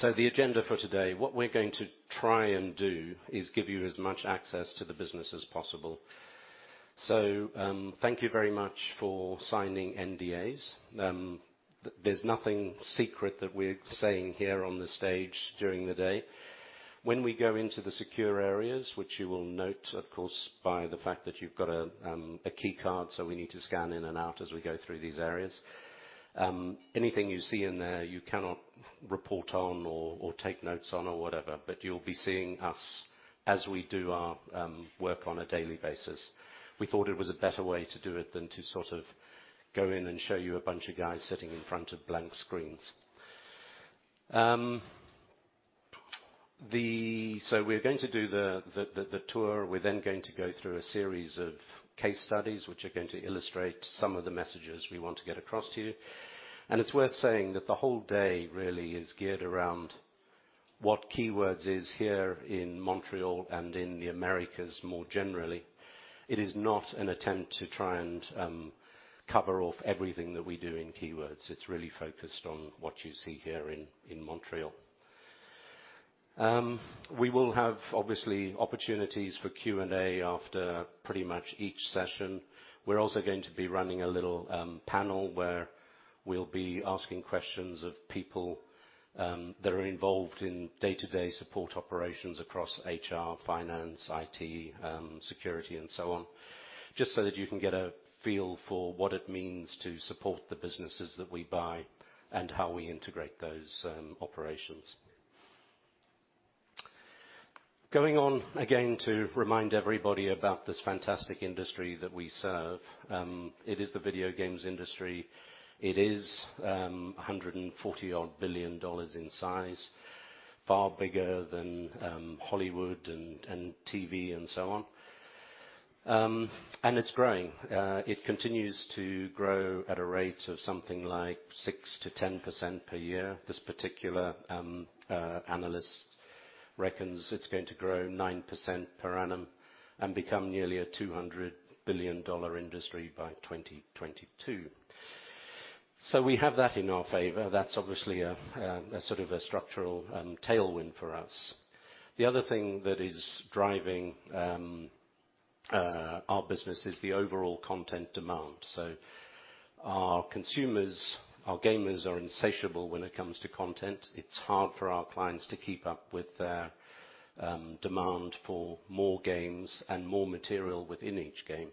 The agenda for today, what we're going to try and do is give you as much access to the business as possible. Thank you very much for signing NDAs. There's nothing secret that we're saying here on the stage during the day. When we go into the secure areas, which you will note, of course, by the fact that you've got a key card, so we need to scan in and out as we go through these areas. Anything you see in there, you cannot report on or take notes on or whatever, but you'll be seeing us as we do our work on a daily basis. We thought it was a better way to do it than to sort of go in and show you a bunch of guys sitting in front of blank screens. We're going to do the tour. We're then going to go through a series of case studies, which are going to illustrate some of the messages we want to get across to you. It's worth saying that the whole day really is geared around what Keywords is here in Montreal and in the Americas more generally. It is not an attempt to try and cover off everything that we do in Keywords. It's really focused on what you see here in Montreal. We will have, obviously, opportunities for Q&A after pretty much each session. We're also going to be running a little panel where we'll be asking questions of people that are involved in day-to-day support operations across HR, finance, IT, security, and so on, just so that you can get a feel for what it means to support the businesses that we buy and how we integrate those operations. Going on, again, to remind everybody about this fantastic industry that we serve. It is the video games industry. It is 140 odd billion in size, far bigger than Hollywood and TV and so on. It's growing. It continues to grow at a rate of something like 6%-10% per year. This particular analyst reckons it's going to grow 9% per annum and become nearly a EUR 200 billion industry by 2022. We have that in our favor. That's obviously a sort of a structural tailwind for us. The other thing that is driving our business is the overall content demand. Our consumers, our gamers are insatiable when it comes to content. It's hard for our clients to keep up with their demand for more games and more material within each game.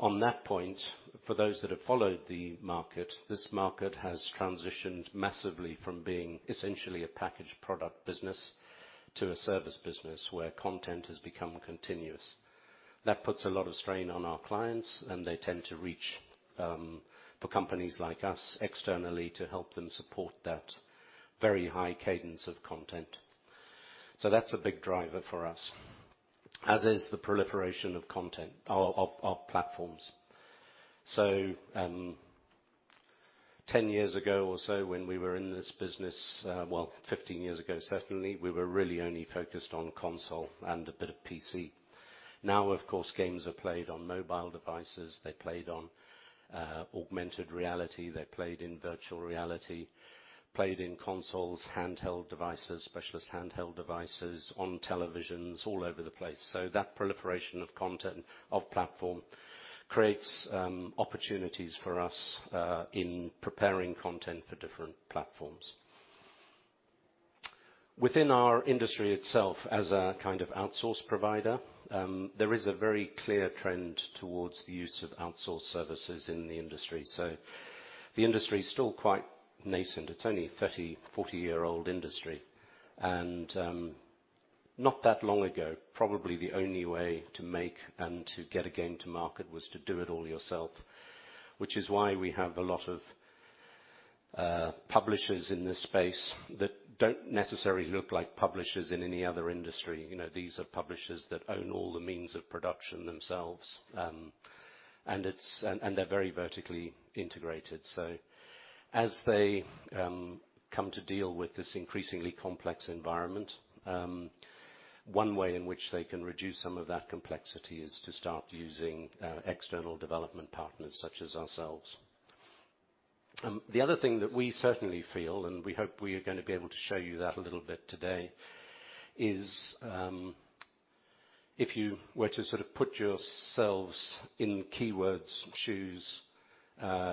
On that point, for those that have followed the market, this market has transitioned massively from being essentially a packaged product business to a service business where content has become continuous. That puts a lot of strain on our clients, and they tend to reach for companies like us externally to help them support that very high cadence of content. That's a big driver for us, as is the proliferation of platforms. 10 years ago or so when we were in this business, well, 15 years ago, certainly, we were really only focused on console and a bit of PC. Now, of course, games are played on mobile devices. They're played on augmented reality. They're played in virtual reality, played in consoles, handheld devices, specialist handheld devices, on televisions, all over the place. That proliferation of content, of platform, creates opportunities for us in preparing content for different platforms. Within our industry itself as a kind of outsource provider, there is a very clear trend towards the use of outsourced services in the industry. The industry is still quite nascent. It's only a 30, 40-year-old industry. Not that long ago, probably the only way to make and to get a game to market was to do it all yourself, which is why we have a lot of publishers in this space that don't necessarily look like publishers in any other industry. These are publishers that own all the means of production themselves. They're very vertically integrated. As they come to deal with this increasingly complex environment, one way in which they can reduce some of that complexity is to start using external development partners such as ourselves. The other thing that we certainly feel, and we hope we are going to be able to show you that a little bit today, is if you were to sort of put yourselves in Keywords' shoes,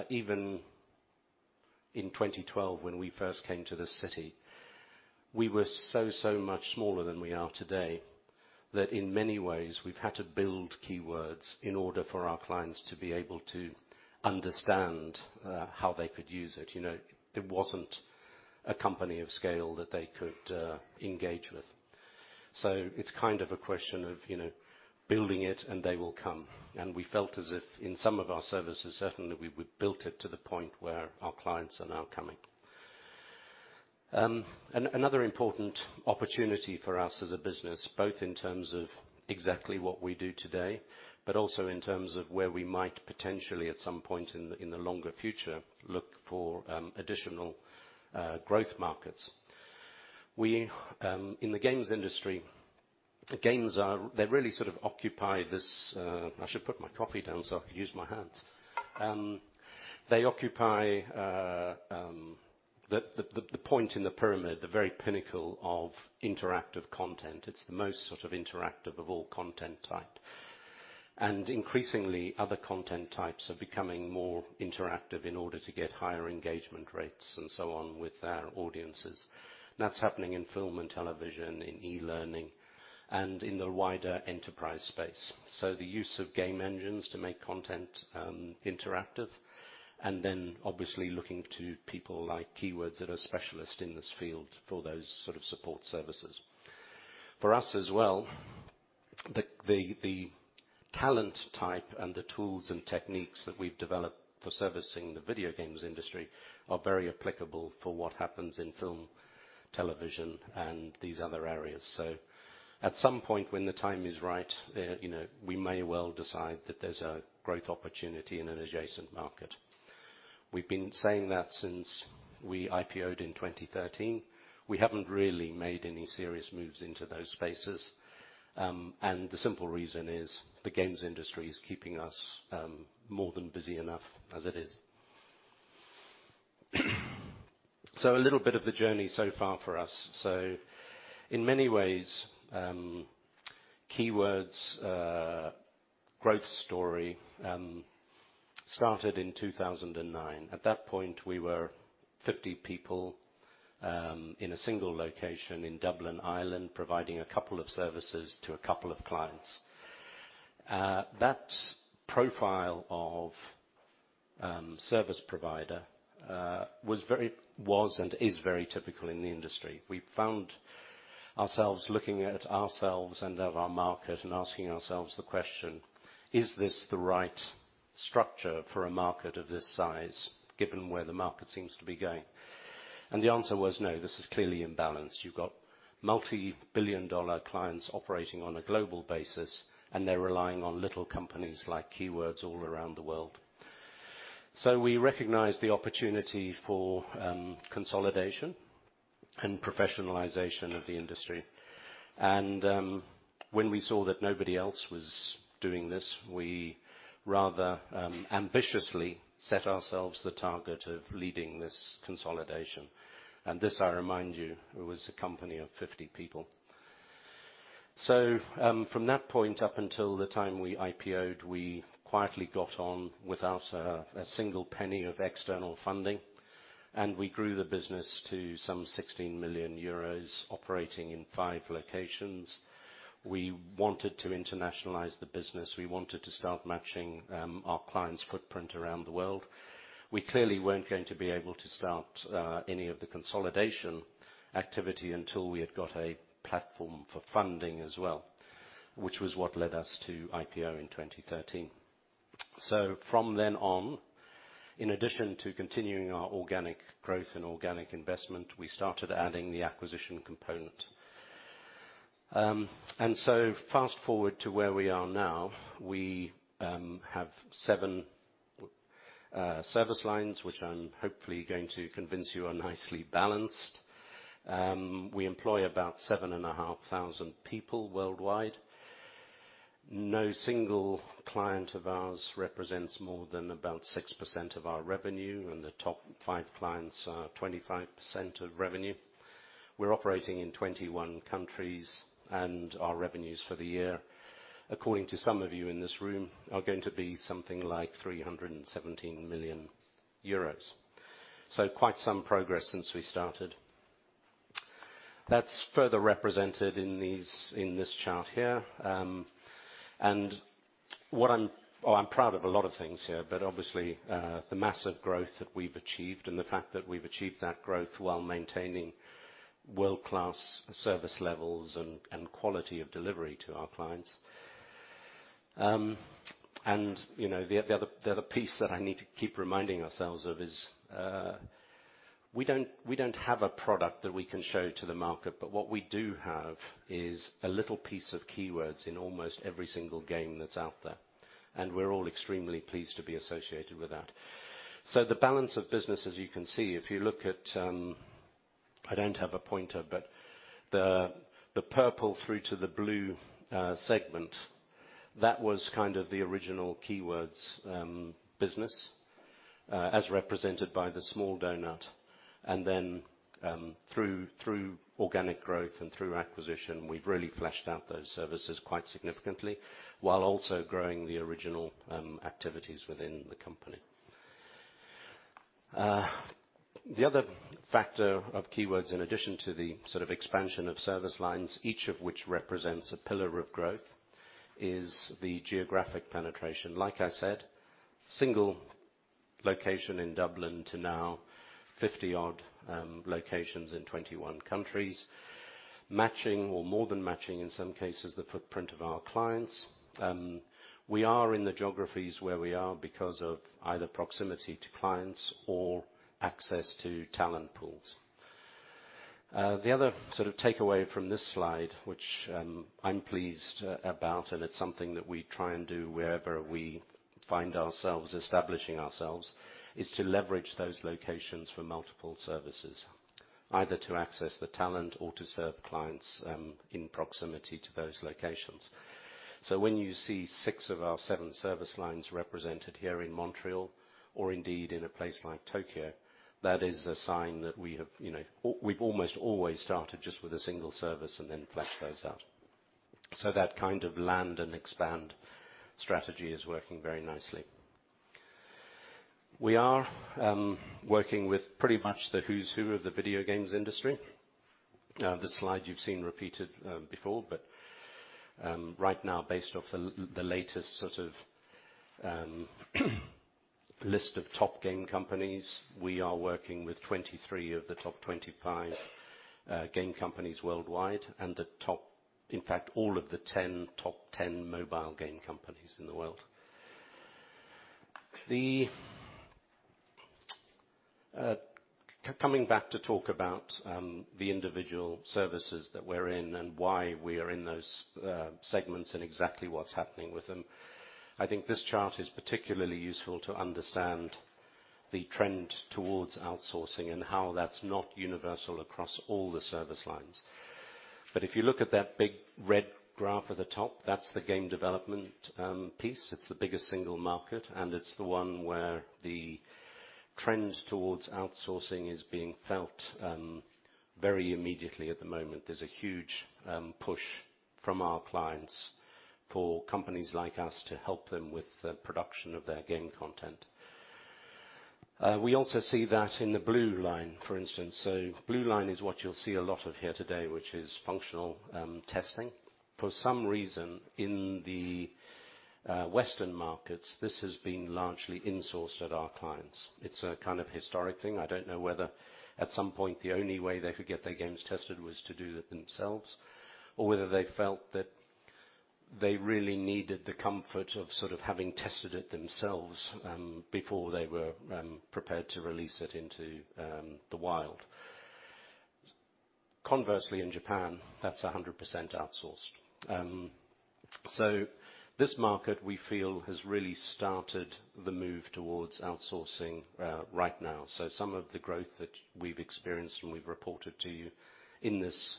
even in 2012, when we first came to this city, we were so much smaller than we are today, that in many ways we've had to build Keywords in order for our clients to be able to understand how they could use it. It wasn't a company of scale that they could engage with. It's kind of a question of building it and they will come. We felt as if in some of our services, certainly we built it to the point where our clients are now coming. Another important opportunity for us as a business, both in terms of exactly what we do today, but also in terms of where we might potentially at some point in the longer future look for additional growth markets. In the games industry, the games really sort of occupy this I should put my coffee down so I can use my hands. They occupy the point in the pyramid, the very pinnacle of interactive content. It's the most interactive of all content type. Increasingly, other content types are becoming more interactive in order to get higher engagement rates and so on with their audiences. That's happening in film and television, in e-learning, and in the wider enterprise space. The use of game engines to make content interactive, and then obviously looking to people like Keywords that are specialist in this field for those sort of support services. For us as well, the talent type and the tools and techniques that we've developed for servicing the video games industry are very applicable for what happens in film, television, and these other areas. At some point, when the time is right we may well decide that there's a growth opportunity in an adjacent market. We've been saying that since we IPO'd in 2013. We haven't really made any serious moves into those spaces. The simple reason is the games industry is keeping us more than busy enough as it is. A little bit of the journey so far for us. In many ways, Keywords growth story started in 2009. At that point, we were 50 people in a single location in Dublin, Ireland, providing a couple of services to a couple of clients. That profile of service provider was and is very typical in the industry. We found ourselves looking at ourselves and at our market and asking ourselves the question, "Is this the right structure for a market of this size given where the market seems to be going?" The answer was no, this is clearly imbalanced. You've got multi-billion-dollar clients operating on a global basis, and they're relying on little companies like Keywords all around the world. We recognized the opportunity for consolidation and professionalization of the industry. When we saw that nobody else was doing this, we rather ambitiously set ourselves the target of leading this consolidation. This, I remind you, was a company of 50 people. From that point up until the time we IPO'd, we quietly got on without a single penny of external funding. We grew the business to some 16 million euros operating in five locations. We wanted to internationalize the business. We wanted to start matching our clients' footprint around the world. We clearly weren't going to be able to start any of the consolidation activity until we had got a platform for funding as well, which was what led us to IPO in 2013. From then on, in addition to continuing our organic growth and organic investment, we started adding the acquisition component. Fast-forward to where we are now, we have seven service lines, which I'm hopefully going to convince you are nicely balanced. We employ about 7,500 people worldwide. No single client of ours represents more than about 6% of our revenue, and the top five clients are 25% of revenue. We're operating in 21 countries. Our revenues for the year, according to some of you in this room, are going to be something like 317 million euros. Quite some progress since we started. That's further represented in this chart here. I'm proud of a lot of things here, obviously, the massive growth that we've achieved and the fact that we've achieved that growth while maintaining world-class service levels and quality of delivery to our clients. The other piece that I need to keep reminding ourselves of is we don't have a product that we can show to the market, what we do have is a little piece of Keywords in almost every single game that's out there. We're all extremely pleased to be associated with that. The balance of business, as you can see, if you look at I don't have a pointer, but the purple through to the blue segment, that was kind of the original Keywords business as represented by the small donut, and then through organic growth and through acquisition, we've really fleshed out those services quite significantly while also growing the original activities within the company. The other factor of Keywords in addition to the sort of expansion of service lines, each of which represents a pillar of growth, is the geographic penetration. Like I said, single location in Dublin to now 50 odd locations in 21 countries, matching or more than matching, in some cases, the footprint of our clients. We are in the geographies where we are because of either proximity to clients or access to talent pools. The other sort of takeaway from this slide, which I'm pleased about, and it's something that we try and do wherever we find ourselves establishing ourselves, is to leverage those locations for multiple services, either to access the talent or to serve clients in proximity to those locations. When you see 6 of our 7 service lines represented here in Montreal, or indeed in a place like Tokyo, that is a sign that we've almost always started just with a single service and then fleshed those out. That kind of land and expand strategy is working very nicely. We are working with pretty much the who's who of the video games industry. This slide you've seen repeated before, but right now, based off the latest sort of list of top game companies, we are working with 23 of the top 25 game companies worldwide, and in fact, all of the 10 top 10 mobile game companies in the world. Coming back to talk about the individual services that we're in and why we are in those segments and exactly what's happening with them. I think this chart is particularly useful to understand the trend towards outsourcing and how that's not universal across all the service lines. If you look at that big red graph at the top, that's the game development piece. It's the biggest single market, and it's the one where the trends towards outsourcing is being felt very immediately at the moment. There's a huge push from our clients for companies like us to help them with the production of their game content. We also see that in the blue line, for instance. Blue line is what you'll see a lot of here today, which is functional testing. For some reason, in the Western markets, this has been largely insourced at our clients. It's a kind of historic thing. I don't know whether at some point the only way they could get their games tested was to do it themselves, or whether they felt that they really needed the comfort of sort of having tested it themselves before they were prepared to release it into the wild. Conversely, in Japan, that's 100% outsourced. This market, we feel, has really started the move towards outsourcing right now. Some of the growth that we've experienced and we've reported to you in this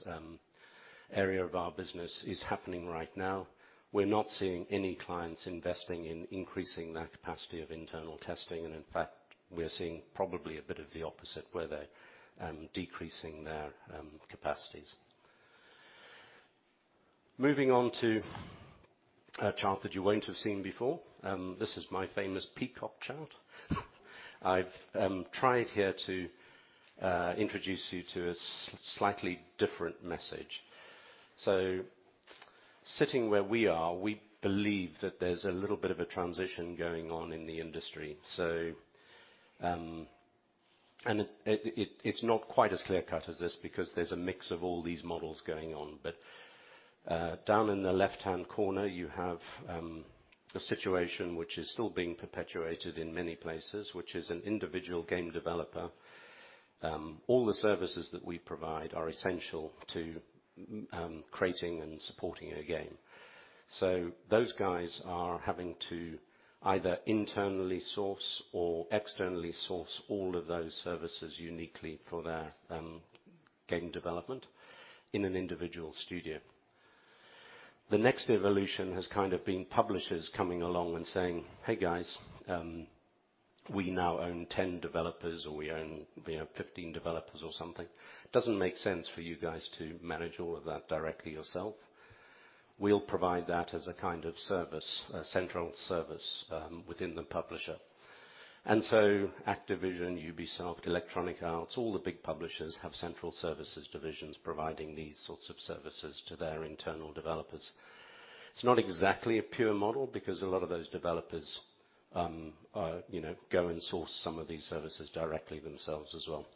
area of our business is happening right now. We're not seeing any clients investing in increasing their capacity of internal testing, and in fact, we're seeing probably a bit of the opposite, where they're decreasing their capacities. Moving on to a chart that you won't have seen before. This is my famous peacock chart. I've tried here to introduce you to a slightly different message. Sitting where we are, we believe that there's a little bit of a transition going on in the industry. It's not quite as clear-cut as this because there's a mix of all these models going on. Down in the left-hand corner, you have a situation which is still being perpetuated in many places, which is an individual game developer. All the services that we provide are essential to creating and supporting a game. Those guys are having to either internally source or externally source all of those services uniquely for their game development in an individual studio. The next evolution has kind of been publishers coming along and saying, "Hey guys, we now own 10 developers," or, "We own 15 developers," or something. It doesn't make sense for you guys to manage all of that directly yourself. We'll provide that as a kind of service, a central service within the publisher. Activision, Ubisoft, Electronic Arts, all the big publishers have central services divisions providing these sorts of services to their internal developers. It's not exactly a pure model because a lot of those developers go and source some of these services directly themselves as well.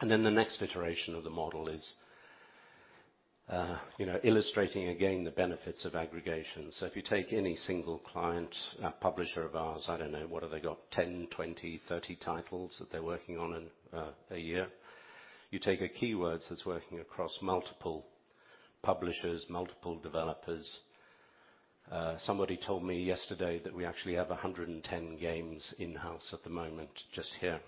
The next iteration of the model is illustrating again the benefits of aggregation. If you take any single client, a publisher of ours, I don't know, what have they got? 10, 20, 30 titles that they're working on in a year. You take a Keywords that's working across multiple publishers, multiple developers. Somebody told me yesterday that we actually have 110 games in-house at the moment, just here.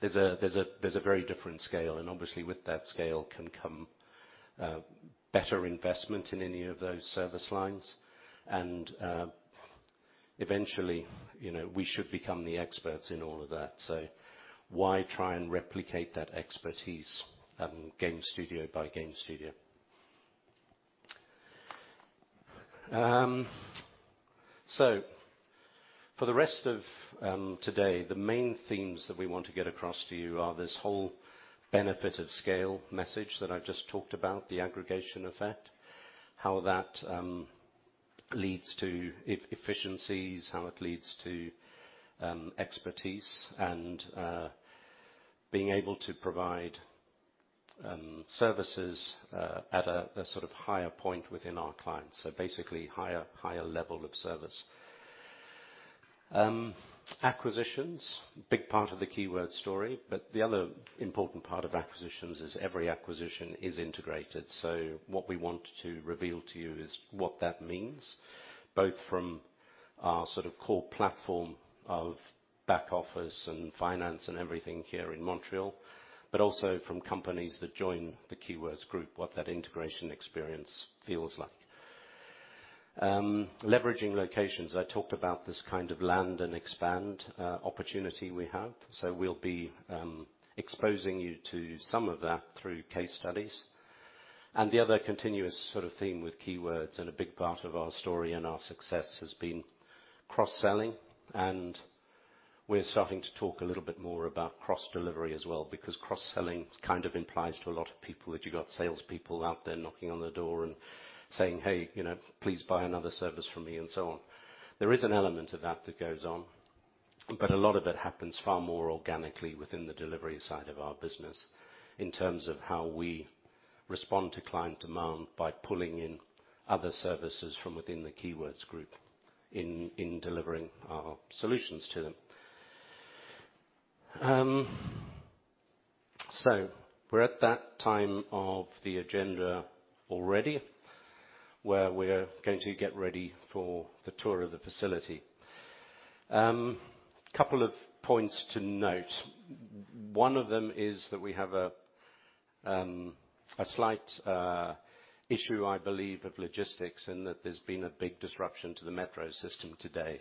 There's a very different scale, and obviously with that scale can come better investment in any of those service lines. Eventually, we should become the experts in all of that. Why try and replicate that expertise game studio by game studio? For the rest of today, the main themes that we want to get across to you are this whole benefit of scale message that I've just talked about, the aggregation effect, how that leads to efficiencies, how it leads to expertise, and being able to provide services at a sort of higher point within our clients, basically higher level of service. Acquisitions, big part of the Keywords story, but the other important part of acquisitions is every acquisition is integrated. What we want to reveal to you is what that means, both from our sort of core platform of back office and finance and everything here in Montreal, but also from companies that join the Keywords Group, what that integration experience feels like. Leveraging locations. I talked about this kind of land and expand opportunity we have. We'll be exposing you to some of that through case studies. The other continuous sort of theme with Keywords and a big part of our story and our success has been cross-selling, and we're starting to talk a little bit more about cross-delivery as well, because cross-selling kind of implies to a lot of people that you got salespeople out there knocking on the door and saying, "Hey, please buy another service from me," and so on. There is an element of that that goes on, but a lot of it happens far more organically within the delivery side of our business in terms of how we respond to client demand by pulling in other services from within the Keywords Group in delivering our solutions to them. We're at that time of the agenda already where we're going to get ready for the tour of the facility. Couple of points to note. One of them is that we have a slight issue, I believe, of logistics in that there's been a big disruption to the Metro system today.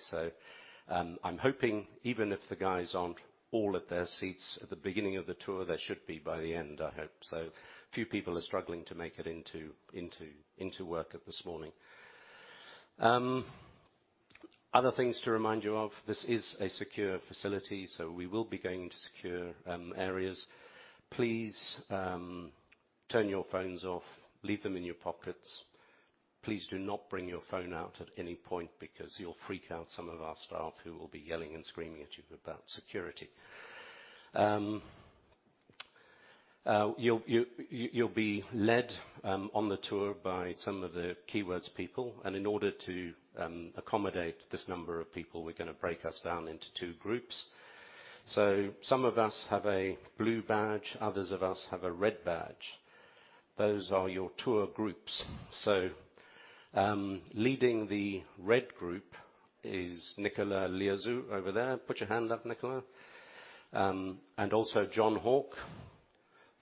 I'm hoping even if the guys aren't all at their seats at the beginning of the tour, they should be by the end, I hope so. Few people are struggling to make it into work this morning. Other things to remind you of. This is a secure facility, we will be going into secure areas. Please turn your phones off, leave them in your pockets. Please do not bring your phone out at any point because you'll freak out some of our staff who will be yelling and screaming at you about security. You'll be led on the tour by some of the Keywords people. In order to accommodate this number of people, we're going to break us down into two groups. Some of us have a blue badge, others of us have a red badge. Those are your tour groups. Leading the red group is Nicolas Liorzou over there. Put your hand up Nicolas. Also Jon Hauck.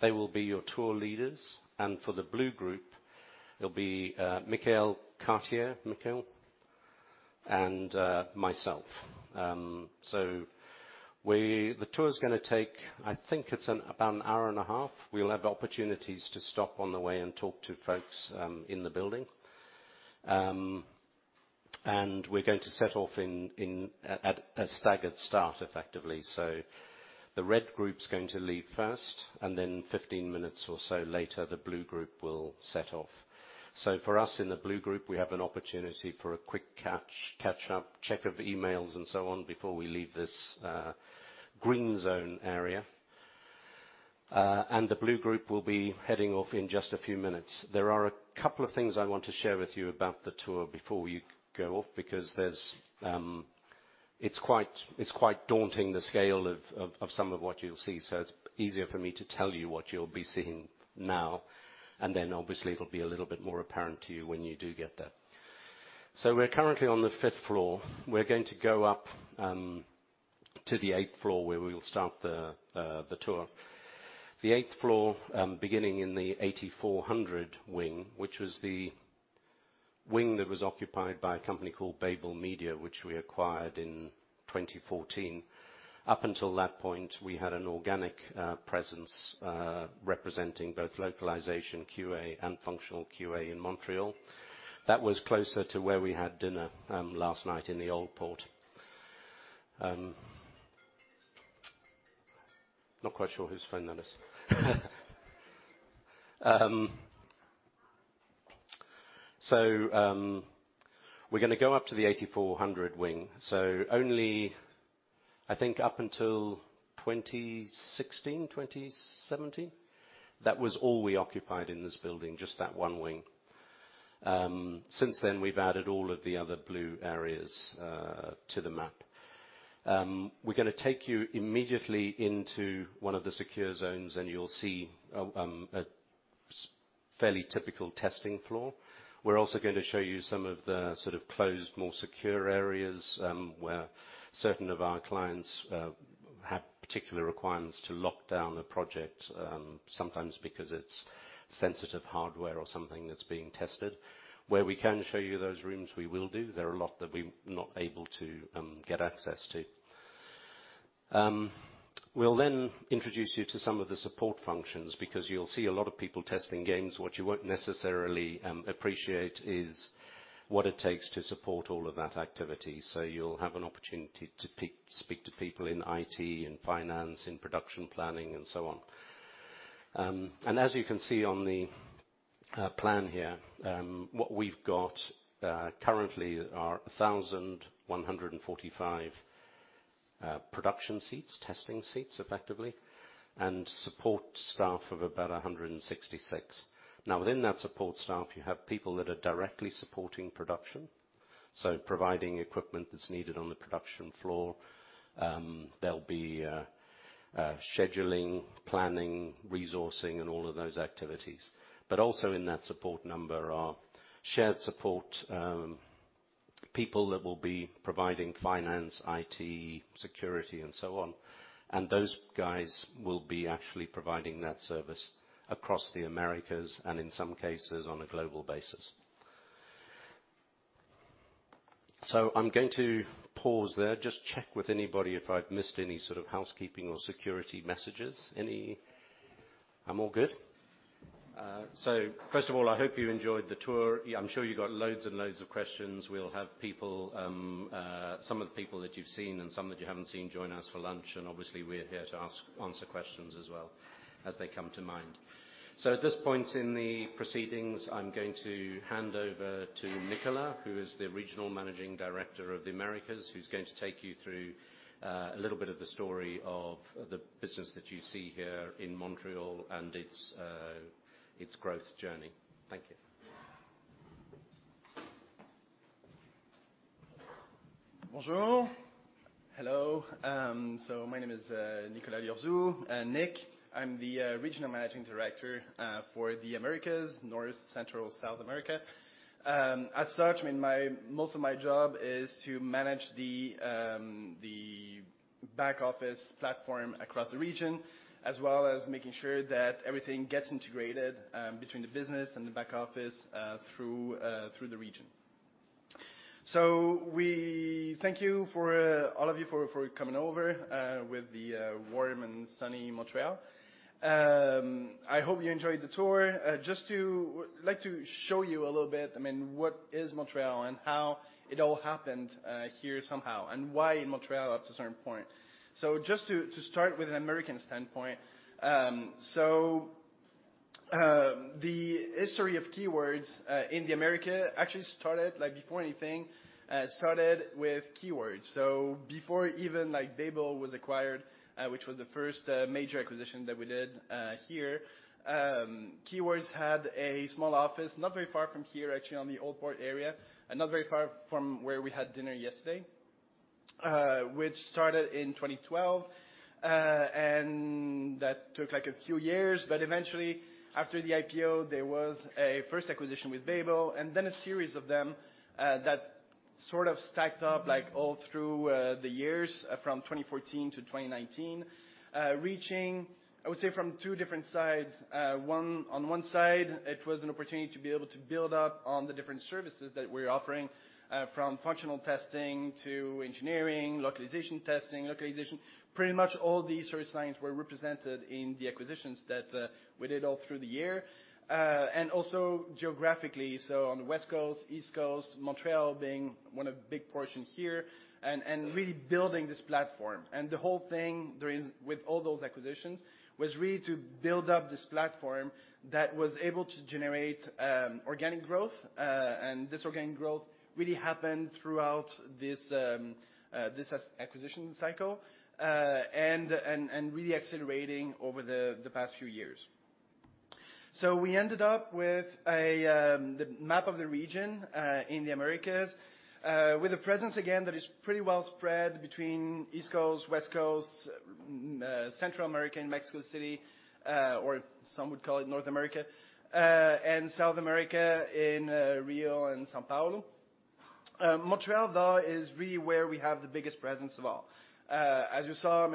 They will be your tour leaders. For the blue group it'll be Michaël Cartier. Michaël? Myself. The tour is going to take, I think it's about an hour and a half. We'll have opportunities to stop on the way and talk to folks in the building. We're going to set off in at a staggered start effectively. The red group's going to leave first. Then 15 minutes or so later, the blue group will set off. For us in the blue group, we have an opportunity for a quick catch up, check of emails and so on before we leave this green zone area. The blue group will be heading off in just a few minutes. There are a couple of things I want to share with you about the tour before you go off because it's quite daunting, the scale of some of what you'll see. It's easier for me to tell you what you'll be seeing now and then obviously it'll be a little bit more apparent to you when you do get there. We're currently on the fifth floor. We're going to go up to the eighth floor where we will start the tour. The eighth floor beginning in the 8400 wing, which was the wing that was occupied by a company called Babel Media, which we acquired in 2014. Up until that point, we had an organic presence representing both localization QA and functional QA in Montreal. That was closer to where we had dinner last night in the Old Port. Not quite sure whose phone that is. We're going to go up to the 8400 wing. Only I think up until 2016, 2017, that was all we occupied in this building, just that one wing. Since then, we've added all of the other blue areas to the map. We're going to take you immediately into one of the secure zones, and you'll see a fairly typical testing floor. We're also going to show you some of the sort of closed, more secure areas where certain of our clients have particular requirements to lock down a project sometimes because it's sensitive hardware or something that's being tested. Where we can show you those rooms, we will do. There are a lot that we're not able to get access to. We'll introduce you to some of the support functions because you'll see a lot of people testing games. What you won't necessarily appreciate is what it takes to support all of that activity. You'll have an opportunity to speak to people in IT, in finance, in production planning, and so on. As you can see on the plan here, what we've got currently are 1,145 production seats, testing seats effectively, and support staff of about 166. Within that support staff, you have people that are directly supporting production, so providing equipment that's needed on the production floor. There'll be scheduling, planning, resourcing, and all of those activities. Also in that support number are shared support people that will be providing finance, IT, security, and so on. Those guys will be actually providing that service across the Americas, and in some cases, on a global basis. I'm going to pause there. Just check with anybody if I've missed any sort of housekeeping or security messages. Any? I'm all good. First of all, I hope you enjoyed the tour. I'm sure you've got loads and loads of questions. We'll have some of the people that you've seen and some that you haven't seen join us for lunch, and obviously, we're here to answer questions as well as they come to mind. At this point in the proceedings, I'm going to hand over to Nicolas, who is the Regional Managing Director, Americas, who's going to take you through a little bit of the story of the business that you see here in Montreal and its growth journey. Thank you. Bonjour. Hello. My name is Nicolas Liorzou, Nick. I'm the Regional Managing Director for the Americas: North, Central, South America. As such, most of my job is to manage the back office platform across the region, as well as making sure that everything gets integrated between the business and the back office through the region. We thank all of you for coming over with the warm and sunny Montreal. I hope you enjoyed the tour. Just like to show you a little bit, what is Montreal and how it all happened here somehow, and why in Montreal up to a certain point. Just to start with an American standpoint. The history of Keywords in the America actually started, before anything, started with Keywords. Before even Babel was acquired, which was the first major acquisition that we did here. Keywords had a small office, not very far from here, actually, on the Old Port area, and not very far from where we had dinner yesterday, which started in 2012. That took a few years, but eventually, after the IPO, there was a first acquisition with Babel, and then a series of them that sort of stacked up all through the years from 2014 to 2019. Reaching, I would say, from two different sides. On one side, it was an opportunity to be able to build up on the different services that we're offering, from functional testing to engineering, localization testing, localization. Pretty much all these service lines were represented in the acquisitions that we did all through the year, and also geographically. On the West Coast, East Coast, Montreal being one of big portions here, and really building this platform. The whole thing with all those acquisitions was really to build up this platform that was able to generate organic growth. This organic growth really happened throughout this acquisition cycle, and really accelerating over the past few years. We ended up with the map of the region in the Americas, with a presence, again, that is pretty well spread between East Coast, West Coast, Central America, and Mexico City, or some would call it North America, and South America in Rio and São Paulo. Montreal, though, is really where we have the biggest presence of all. As you saw,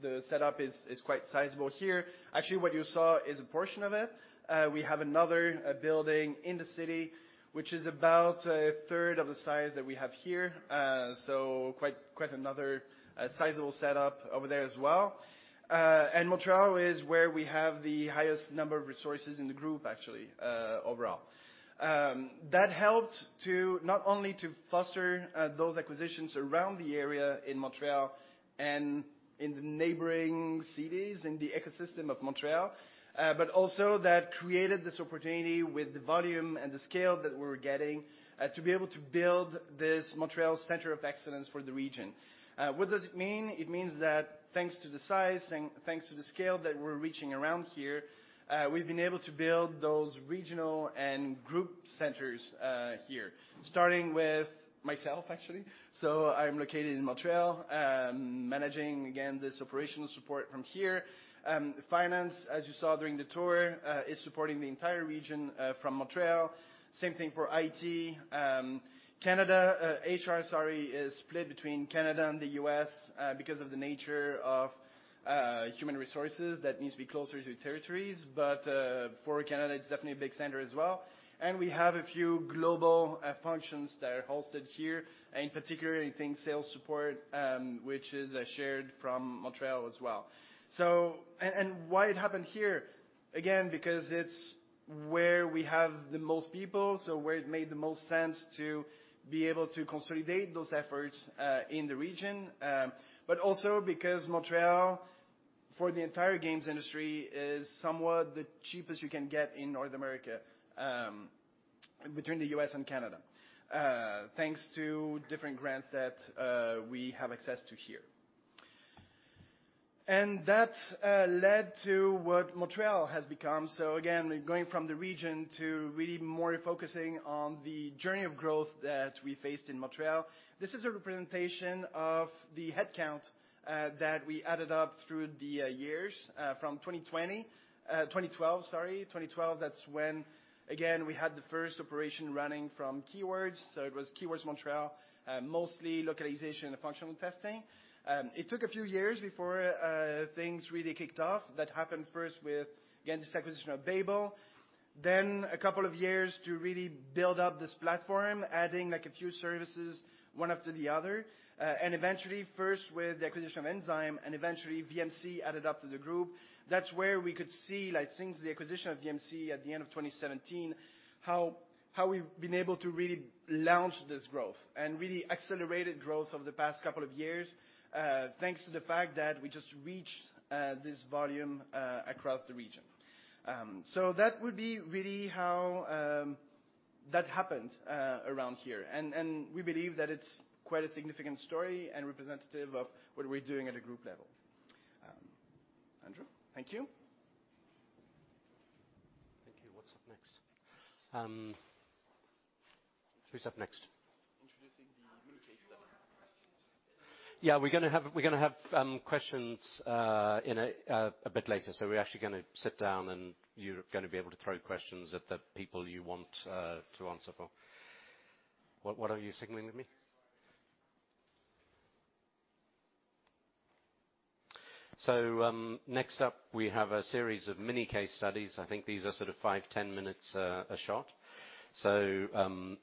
the setup is quite sizable here. Actually, what you saw is a portion of it. We have another building in the city, which is about a third of the size that we have here. Quite another sizable set up over there as well. Montreal is where we have the highest number of resources in the group actually, overall. That helped not only to foster those acquisitions around the area in Montreal and in the neighboring cities in the ecosystem of Montreal, but also that created this opportunity with the volume and the scale that we were getting to be able to build this Montreal center of excellence for the region. What does it mean? It means that thanks to the size and thanks to the scale that we're reaching around here, we've been able to build those regional and group centers here. Starting with myself, actually. I'm located in Montreal, managing, again, this operational support from here. Finance, as you saw during the tour, is supporting the entire region from Montreal. Same thing for IT. HR is split between Canada and the U.S. because of the nature of human resources that needs to be closer to territories. For Canada, it's definitely a big center as well. We have a few global functions that are hosted here, and in particular, I think sales support, which is shared from Montreal as well. Why it happened here, again, because it's where we have the most people, so where it made the most sense to be able to consolidate those efforts in the region. Also because Montreal, for the entire games industry, is somewhat the cheapest you can get in North America, between the U.S. and Canada, thanks to different grants that we have access to here. That led to what Montreal has become. Again, going from the region to really more focusing on the journey of growth that we faced in Montreal. This is a representation of the headcount that we added up through the years from 2012, sorry. 2012, that's when, again, we had the first operation running from Keywords. It was Keywords Montreal, mostly localization and functional testing. It took a few years before things really kicked off. That happened first with, again, this acquisition of Babel. A couple of years to really build up this platform, adding a few services, one after the other. Eventually, first with the acquisition of Enzyme, and eventually VMC added up to the group. That's where we could see since the acquisition of VMC at the end of 2017, how we've been able to really launch this growth and really accelerated growth over the past couple of years, thanks to the fact that we just reached this volume across the region. That would be really how that happened around here, and we believe that it's quite a significant story and representative of what we're doing at a group level. Andrew, thank you. Thank you. What's up next? Who's up next? Introducing the mini case studies. Yeah, we're going to have questions a bit later. We're actually going to sit down, and you're going to be able to throw questions at the people you want to answer for. What are you signaling with me? Next up, we have a series of mini case studies. I think these are sort of five, 10 minutes a shot.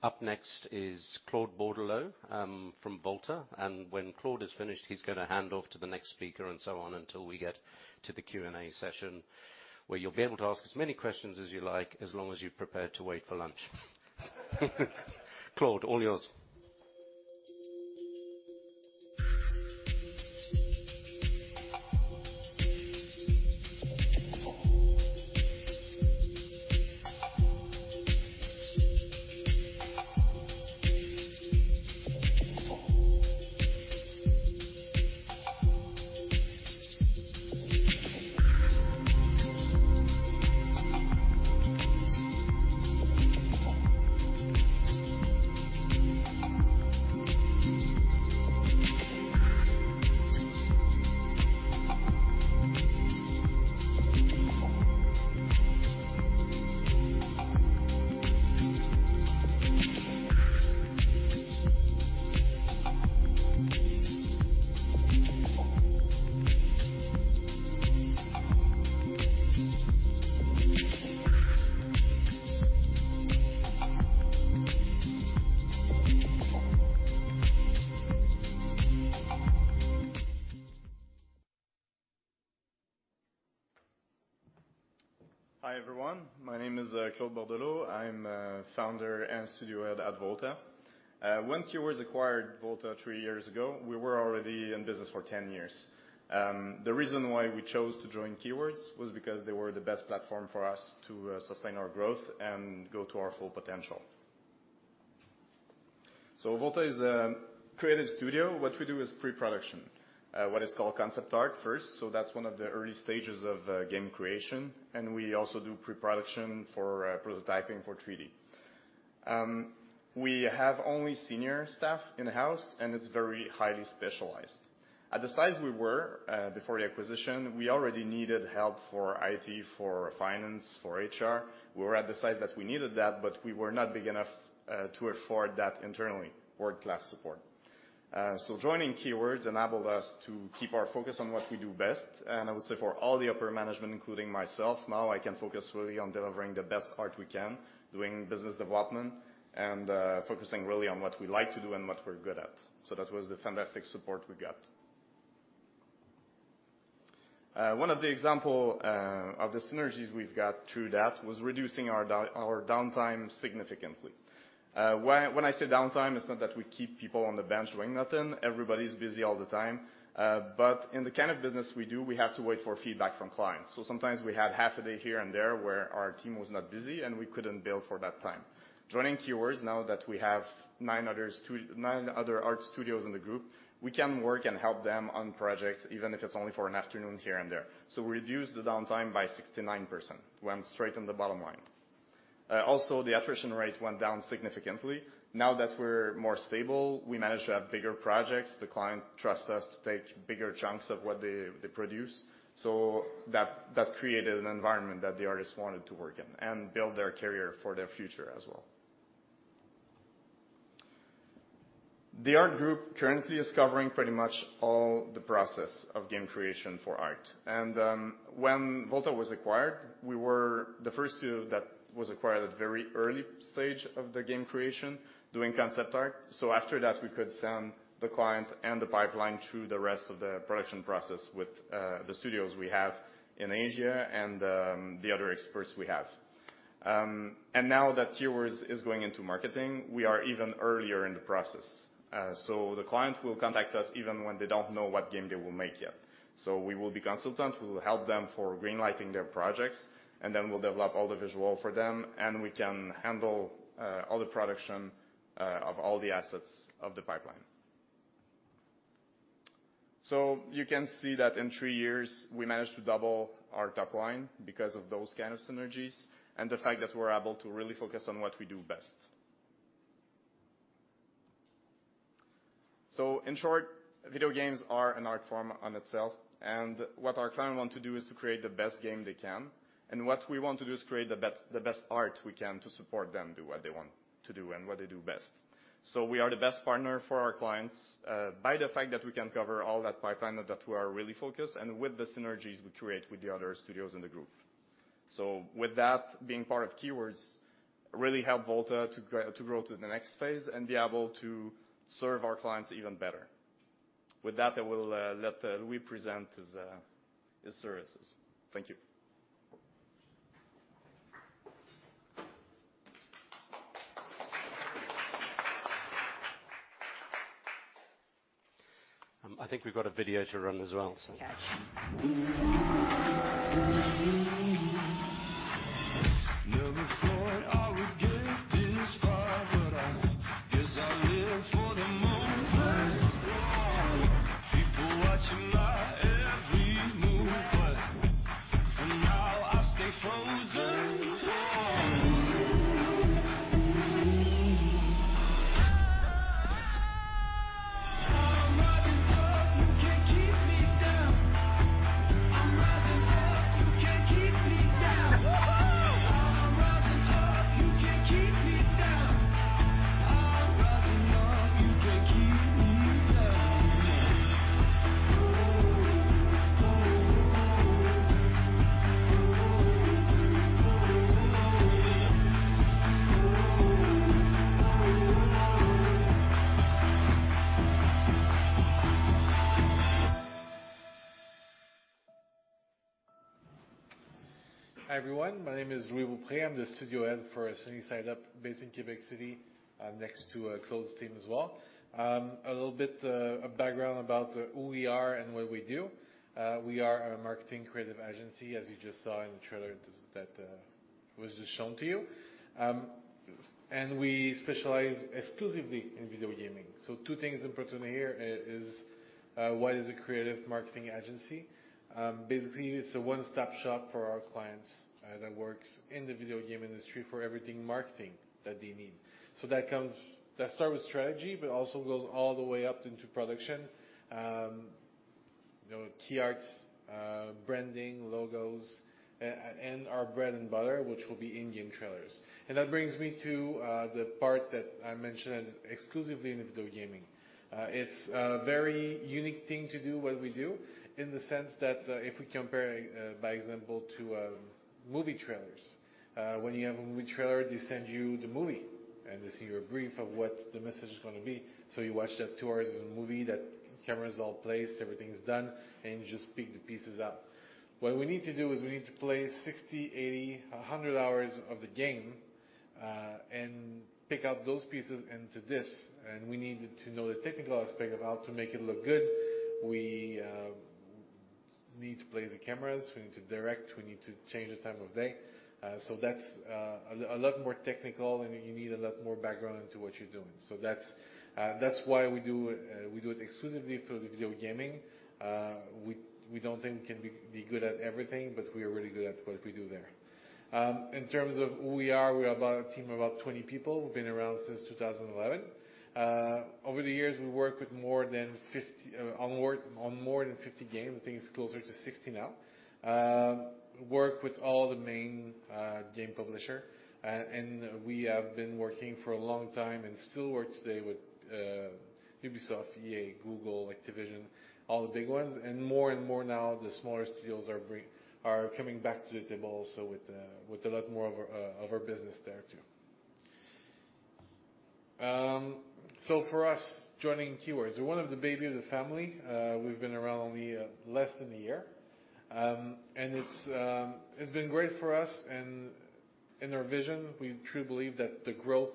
Up next is Claude Bordeleau from VOLTA. When Claude is finished, he's going to hand off to the next speaker, and so on until we get to the Q&A session where you'll be able to ask as many questions as you like as long as you're prepared to wait for lunch. Claude, all yours. Hi, everyone. My name is Claude Bordeleau. I'm founder and studio head at VOLTA. When Keywords acquired VOLTA three years ago, we were already in business for 10 years. The reason why we chose to join Keywords was because they were the best platform for us to sustain our growth and go to our full potential. VOLTA is a creative studio. What we do is pre-production, what is called concept art first. That's one of the early stages of game creation, and we also do pre-production for prototyping for 3D. We have only senior staff in-house, and it's very highly specialized. At the size we were before the acquisition, we already needed help for IT, for finance, for HR. We were at the size that we needed that, but we were not big enough to afford that internally, world-class support. Joining Keywords enabled us to keep our focus on what we do best, and I would say for all the upper management, including myself, now I can focus really on delivering the best art we can, doing business development, and focusing really on what we like to do and what we're good at. That was the fantastic support we got. One of the example of the synergies we've got through that was reducing our downtime significantly. When I say downtime, it's not that we keep people on the bench doing nothing. Everybody's busy all the time. In the kind of business we do, we have to wait for feedback from clients. Sometimes we had half a day here and there where our team was not busy, and we couldn't bill for that time. Joining Keywords, now that we have nine other art studios in the group, we can work and help them on projects, even if it's only for an afternoon here and there. We reduced the downtime by 69%, went straight on the bottom line. Also, the attrition rate went down significantly. Now that we're more stable, we managed to have bigger projects. The client trusts us to take bigger chunks of what they produce. That created an environment that the artists wanted to work in and build their career for their future as well. The art group currently is covering pretty much all the process of game creation for art. When VOLTA was acquired, we were the first studio that was acquired at very early stage of the game creation doing concept art. After that, we could send the client and the pipeline to the rest of the production process with the studios we have in Asia and the other experts we have. Now that Keywords is going into marketing, we are even earlier in the process. The client will contact us even when they don't know what game they will make yet. We will be consultant who help them for green-lighting their projects, and then we'll develop all the visual for them, and we can handle all the production of all the assets of the pipeline. You can see that in three years, we managed to double our top line because of those kind of synergies and the fact that we're able to really focus on what we do best. In short, video games are an art form in itself. What our client want to do is to create the best game they can. What we want to do is create the best art we can to support them do what they want to do and what they do best. We are the best partner for our clients, by the fact that we can cover all that pipeline, that we are really focused, and with the synergies we create with the other studios in the group. With that, being part of Keywords really help VOLTA to grow to the next phase and be able to serve our clients even better. With that, I will let Louis present his services. Thank you. I think we've got a video to run as well. Okay. Never thought I would get this far, but I guess I live for the moment. Oh. People watching my every move, but for now I stay frozen. Oh. I'm rising up. You can't keep me down. I'm rising up. You can't keep me down. Woohoo. I'm rising up. You can't keep me down. I'm rising up. You can't keep me down. Oh-oh-oh. Oh-oh-oh-oh. Oh-oh-oh. Oh-oh-oh-oh. Oh-oh-oh. Oh-oh-oh-oh. Hi, everyone. My name is Louis-Étienne Beaupré. I am the studio head for Sunny Side Up based in Quebec City, next to Claude's team as well. A little bit of background about who we are and what we do. We are a marketing creative agency, as you just saw in the trailer that was just shown to you. We specialize exclusively in video gaming. Two things importantly here, is what is a creative marketing agency? Basically, it's a one-stop shop for our clients that works in the video game industry for everything marketing that they need. That start with strategy, but also goes all the way up into production. Key arts, branding, logos, and our bread and butter, which will be in-game trailers. That brings me to the part that I mentioned exclusively in video gaming. It's a very unique thing to do what we do in the sense that if we compare by example to movie trailers. When you have a movie trailer, they send you the movie and they send you a brief of what the message is going to be. You watch that 2 hours of the movie, that camera's all placed, everything is done, and you just pick the pieces up. What we need to do is we need to play 60, 80, 100 hours of the game and pick out those pieces into this. We need to know the technical aspect of how to make it look good. We need to place the cameras, we need to direct, we need to change the time of day. That's a lot more technical and you need a lot more background into what you're doing. That's why we do it exclusively for the video gaming. We don't think we can be good at everything, but we are really good at what we do there. In terms of who we are, we're about a team of about 20 people. We've been around since 2011. Over the years, we worked on more than 50 games. I think it's closer to 60 now. Work with all the main game publisher. We have been working for a long time and still work today with Ubisoft, EA, Google, Activision, all the big ones, and more and more now the smaller studios are coming back to the table, with a lot more of our business there too. For us, joining Keywords, we're one of the baby of the family. We've been around only less than a year. It's been great for us and in our vision, we truly believe that the growth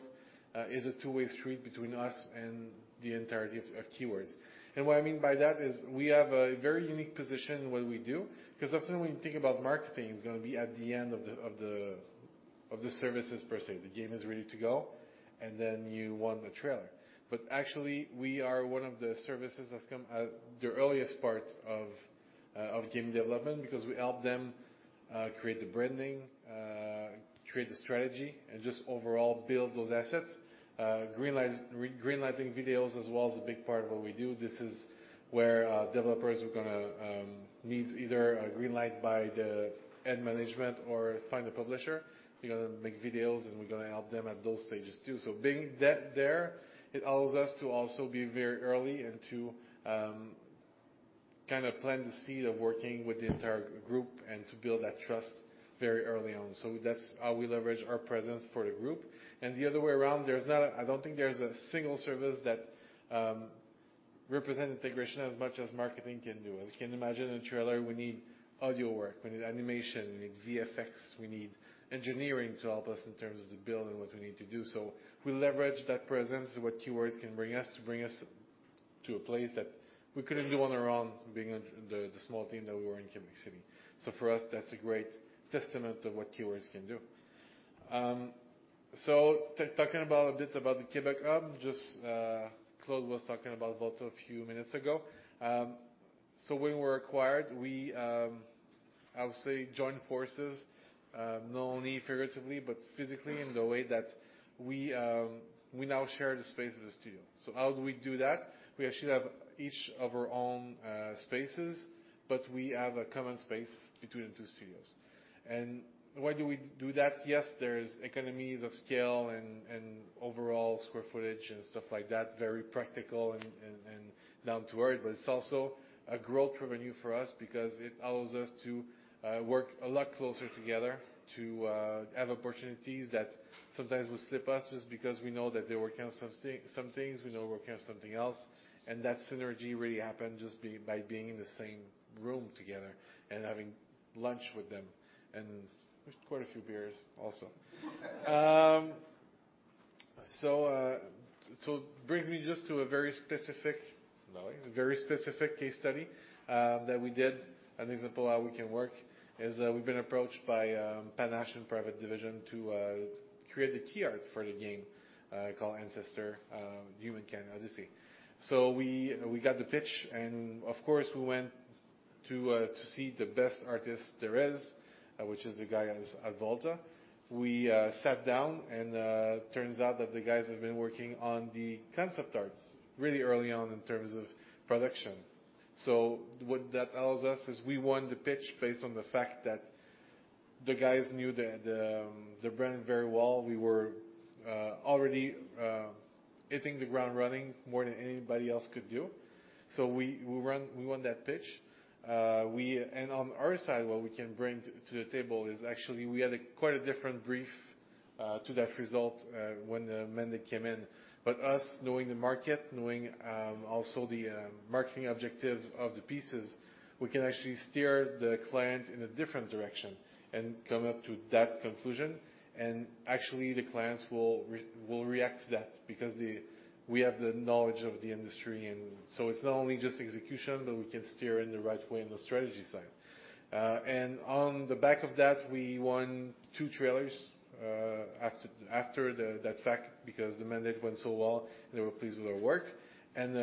is a two-way street between us and the entirety of Keywords. What I mean by that is we have a very unique position in what we do because often when you think about marketing is going to be at the end of the services per se. The game is ready to go, and then you want a trailer. Actually, we are one of the services that's come at the earliest part of game development because we help them create the branding, create the strategy, and just overall build those assets. Green lighting videos as well is a big part of what we do. This is where developers who're gonna need either a green light by the ad management or find a publisher. We're going to make videos and we're going to help them at those stages too. Being that there, it allows us to also be very early and to kind of plant the seed of working with the entire group and to build that trust very early on. That's how we leverage our presence for the group. The other way around, I don't think there's a single service that represent integration as much as marketing can do. As you can imagine in a trailer we need audio work, we need animation, we need VFX, we need engineering to help us in terms of the build and what we need to do. We leverage that presence, what Keywords can bring us to bring us to a place that we couldn't do on our own being the small team that we were in Quebec City. For us, that's a great testament to what Keywords can do. Talking a bit about the Quebec hub, Claude was talking about VOLTA a few minutes ago. When we were acquired, we, I would say joined forces, not only figuratively, but physically in the way that we now share the space of the studio. How do we do that? We actually have each of our own spaces, but we have a common space between the two studios. Why do we do that? Yes, there is economies of scale and overall square footage and stuff like that, very practical and down to earth, but it's also a growth revenue for us because it allows us to work a lot closer together to have opportunities that sometimes would slip us just because we know that they're working on some things, we know we're working on something else. That synergy really happened just by being in the same room together and having lunch with them, and quite a few beers also. It brings me just to a very specific case study that we did. An example how we can work is we've been approached by Panache and Private Division to create the key art for the game, called Ancestors: The Humankind Odyssey. We got the pitch, and of course, we went to see the best artist there is, which is the guys at VOLTA. We sat down, and turns out that the guys have been working on the concept art really early on in terms of production. What that allows us is we won the pitch based on the fact that the guys knew their brand very well. We were already hitting the ground running more than anybody else could do. We won that pitch. On our side, what we can bring to the table is actually, we had quite a different brief to that result when the mandate came in. Us knowing the market, knowing also the marketing objectives of the pieces, we can actually steer the client in a different direction and come up to that conclusion, and actually the clients will react to that because we have the knowledge of the industry, and so it's not only just execution, but we can steer in the right way on the strategy side. On the back of that, we won two trailers after that fact because the mandate went so well and they were pleased with our work, and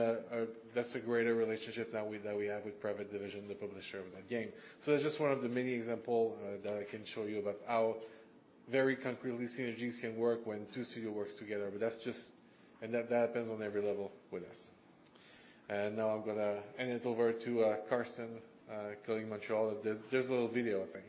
that's a greater relationship that we have with Private Division, the publisher of that game. That's just one of the many examples that I can show you about how very concretely synergies can work when two studios work together. That's just. That happens on every level with us. Now I am going to hand it over to Carsten, Killing Montreal. There is a little video, I think.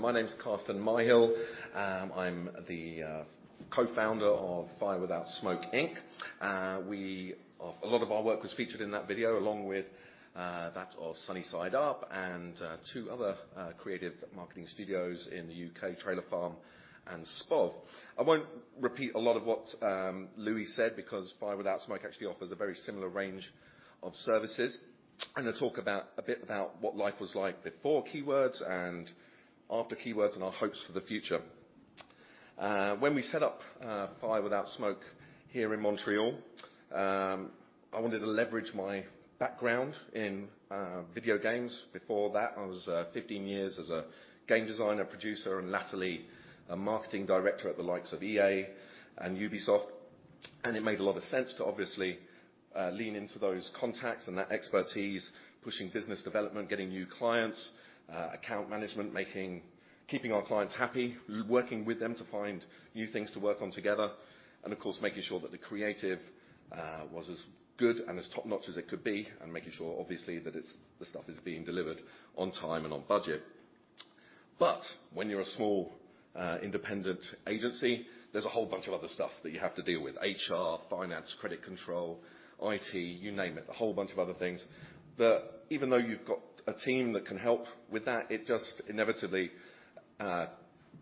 Hello, everyone. My name's Carsten Myhill. I'm the co-founder of Fire Without Smoke Inc. A lot of our work was featured in that video along with that of Sunny Side Up and two other creative marketing studios in the U.K., TrailerFarm and SPOG. I won't repeat a lot of what Louis said because Fire Without Smoke actually offers a very similar range of services. I'm going to talk a bit about what life was like before Keywords and after Keywords and our hopes for the future. When we set up Fire Without Smoke here in Montreal, I wanted to leverage my background in video games. Before that, I was 15 years as a game designer, producer, and latterly, a marketing director at the likes of EA and Ubisoft. It made a lot of sense to obviously lean into those contacts and that expertise, pushing business development, getting new clients, account management, keeping our clients happy, working with them to find new things to work on together. Of course, making sure that the creative was as good and as top-notch as it could be. Making sure, obviously, that the stuff is being delivered on time and on budget. When you're a small independent agency, there's a whole bunch of other stuff that you have to deal with. HR, finance, credit control, IT, you name it, a whole bunch of other things that even though you've got a team that can help with that,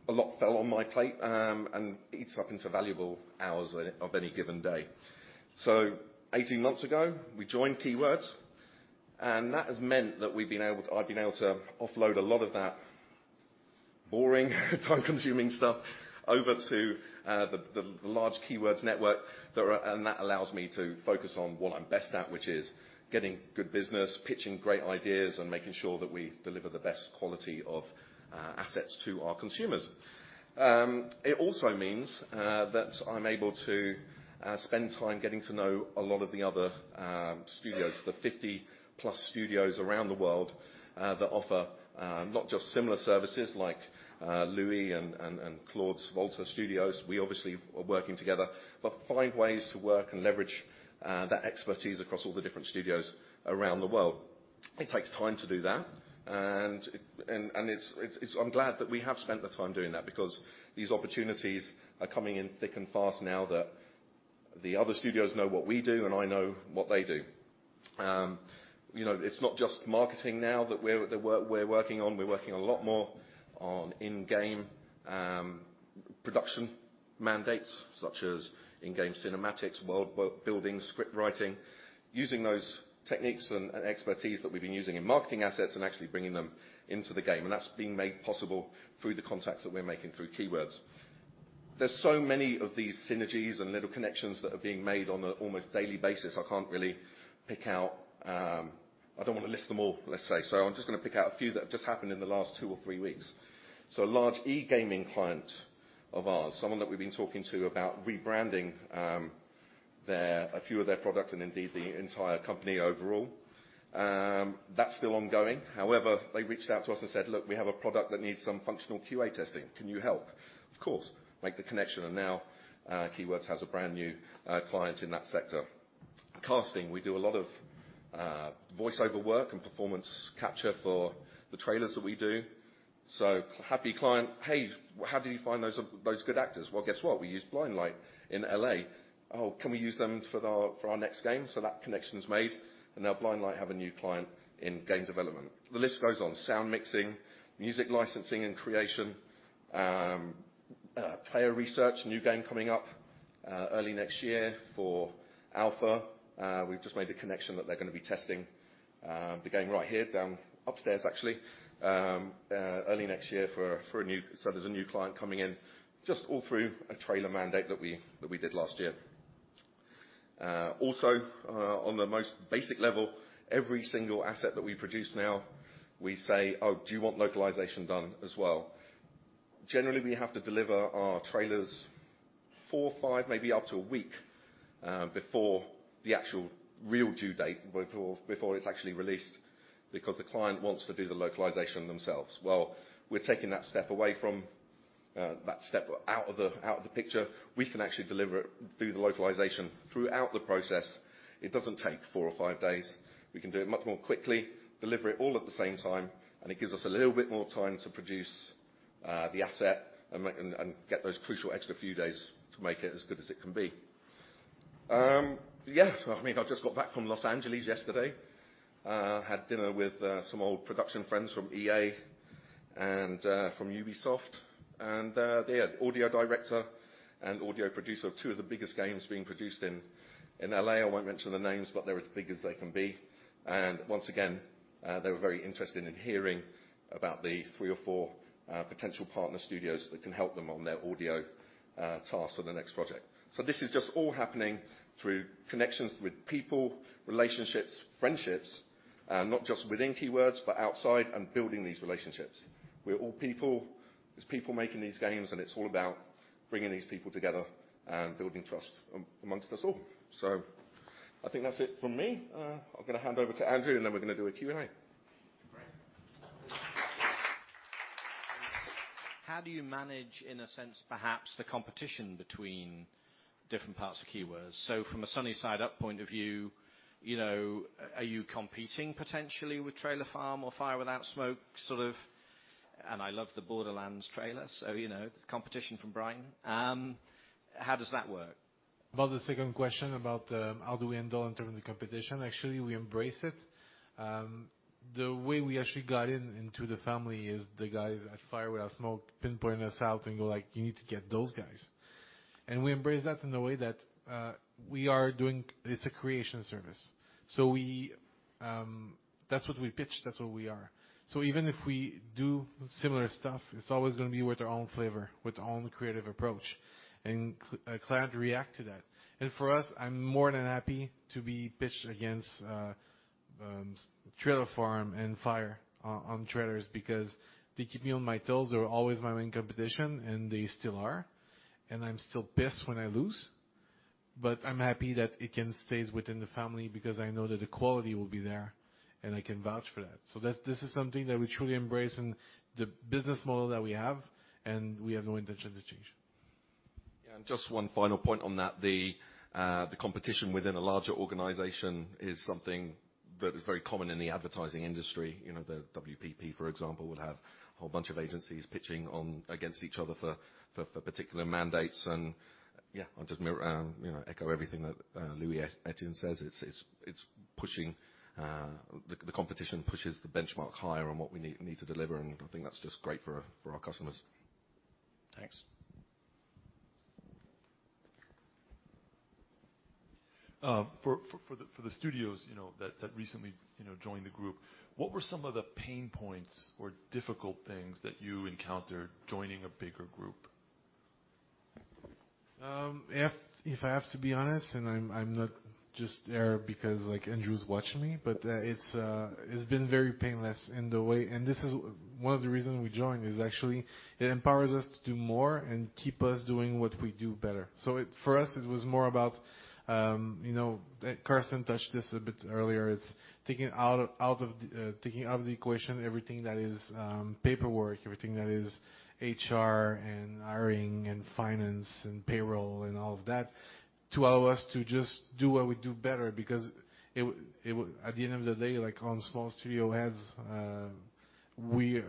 a lot fell on my plate, and it eats up into valuable hours of any given day. 18 months ago, we joined Keywords, and that has meant that I've been able to offload a lot of that boring time-consuming stuff over to the large Keywords network. That allows me to focus on what I'm best at, which is getting good business, pitching great ideas, and making sure that we deliver the best quality of assets to our consumers. It also means that I'm able to spend time getting to know a lot of the other studios, the 50 plus studios around the world, that offer not just similar services like Louis and Claude's VOLTA Studios, we obviously are working together, but find ways to work and leverage that expertise across all the different studios around the world. It takes time to do that. I'm glad that we have spent the time doing that because these opportunities are coming in thick and fast now that the other studios know what we do and I know what they do. It's not just marketing now that we're working on, we're working a lot more on in-game production mandates such as in-game cinematics, world building, script writing, using those techniques and expertise that we've been using in marketing assets and actually bringing them into the game. That's been made possible through the contacts that we're making through Keywords. There is so many of these synergies and little connections that are being made on an almost daily basis. I can't really pick out. I don't want to list them all, let's say. I'm just going to pick out a few that have just happened in the last two or three weeks. A large e-gaming client of ours, someone that we've been talking to about rebranding a few of their products and indeed the entire company overall. That's still ongoing. However, they reached out to us and said, "Look, we have a product that needs some functional QA testing. Can you help?" Of course. Make the connection and now Keywords has a brand new client in that sector. Casting, we do a lot of voiceover work and performance capture for the trailers that we do. Happy client, "Hey, how did you find those good actors?" Guess what? We use Blindlight in L.A. "Oh, can we use them for our next game?" That connection's made, and now Blindlight have a new client in game development. The list goes on. Sound mixing, music licensing and creation, player research. New game coming up, early next year for alpha. We've just made a connection that they're going to be testing the game right here, upstairs actually, early next year. There's a new client coming in, just all through a trailer mandate that we did last year. On the most basic level, every single asset that we produce now, we say, "Oh, do you want localization done as well?" Generally, we have to deliver our trailers four or five, maybe up to a week, before the actual real due date, before it's actually released because the client wants to do the localization themselves. Well, we're taking that step out of the picture. We can actually do the localization throughout the process. It doesn't take four or five days. We can do it much more quickly, deliver it all at the same time, it gives us a little bit more time to produce the asset and get those crucial extra few days to make it as good as it can be. I just got back from Los Angeles yesterday. Had dinner with some old production friends from EA and from Ubisoft. They are the audio director and audio producer of two of the biggest games being produced in L.A. I won't mention the names, but they're as big as they can be. Once again, they were very interested in hearing about the three or four potential partner studios that can help them on their audio tasks for the next project. This is just all happening through connections with people, relationships, friendships, not just within Keywords, but outside and building these relationships. We're all people. There's people making these games, and it's all about bringing these people together and building trust amongst us all. I think that's it from me. I'm going to hand over to Andrew, and then we're going to do a Q&A. Great. How do you manage, in a sense perhaps, the competition between different parts of Keywords? From a Sunny Side Up point of view, are you competing potentially with TrailerFarm or Fire Without Smoke, sort of And I love the Borderlands trailer, so there's competition from Brian. How does that work? About the second question about how do we handle in terms of competition, actually, we embrace it. The way we actually got into the family is the guys at Fire Without Smoke pinpointed us out and go like, "You need to get those guys." We embrace that in the way that we are doing, it's a creation service. That's what we pitch, that's what we are. Even if we do similar stuff, it's always going to be with our own flavor, with our own creative approach, and a client react to that. For us, I'm more than happy to be pitched against TrailerFarm and Fire on trailers because they keep me on my toes. They were always my main competition, they still are. I'm still pissed when I lose, but I'm happy that it can stay within the family because I know that the quality will be there, and I can vouch for that. This is something that we truly embrace in the business model that we have, and we have no intention to change. Just one final point on that. The competition within a larger organization is something that is very common in the advertising industry. WPP, for example, will have a whole bunch of agencies pitching against each other for particular mandates. I'll just echo everything that Louis-Étienne says. The competition pushes the benchmark higher on what we need to deliver. I think that's just great for our customers. Thanks. For the studios that recently joined the group, what were some of the pain points or difficult things that you encountered joining a bigger group? If I have to be honest, and I'm not just here because Andrew's watching me, but it's been very painless. This is one of the reasons we joined, is actually it empowers us to do more and keep us doing what we do better. For us, it was more about, Carsten touched this a bit earlier, it's taking out of the equation everything that is paperwork, everything that is HR and hiring and finance and payroll and all of that, to allow us to just do what we do better. At the end of the day, like all small studio heads, we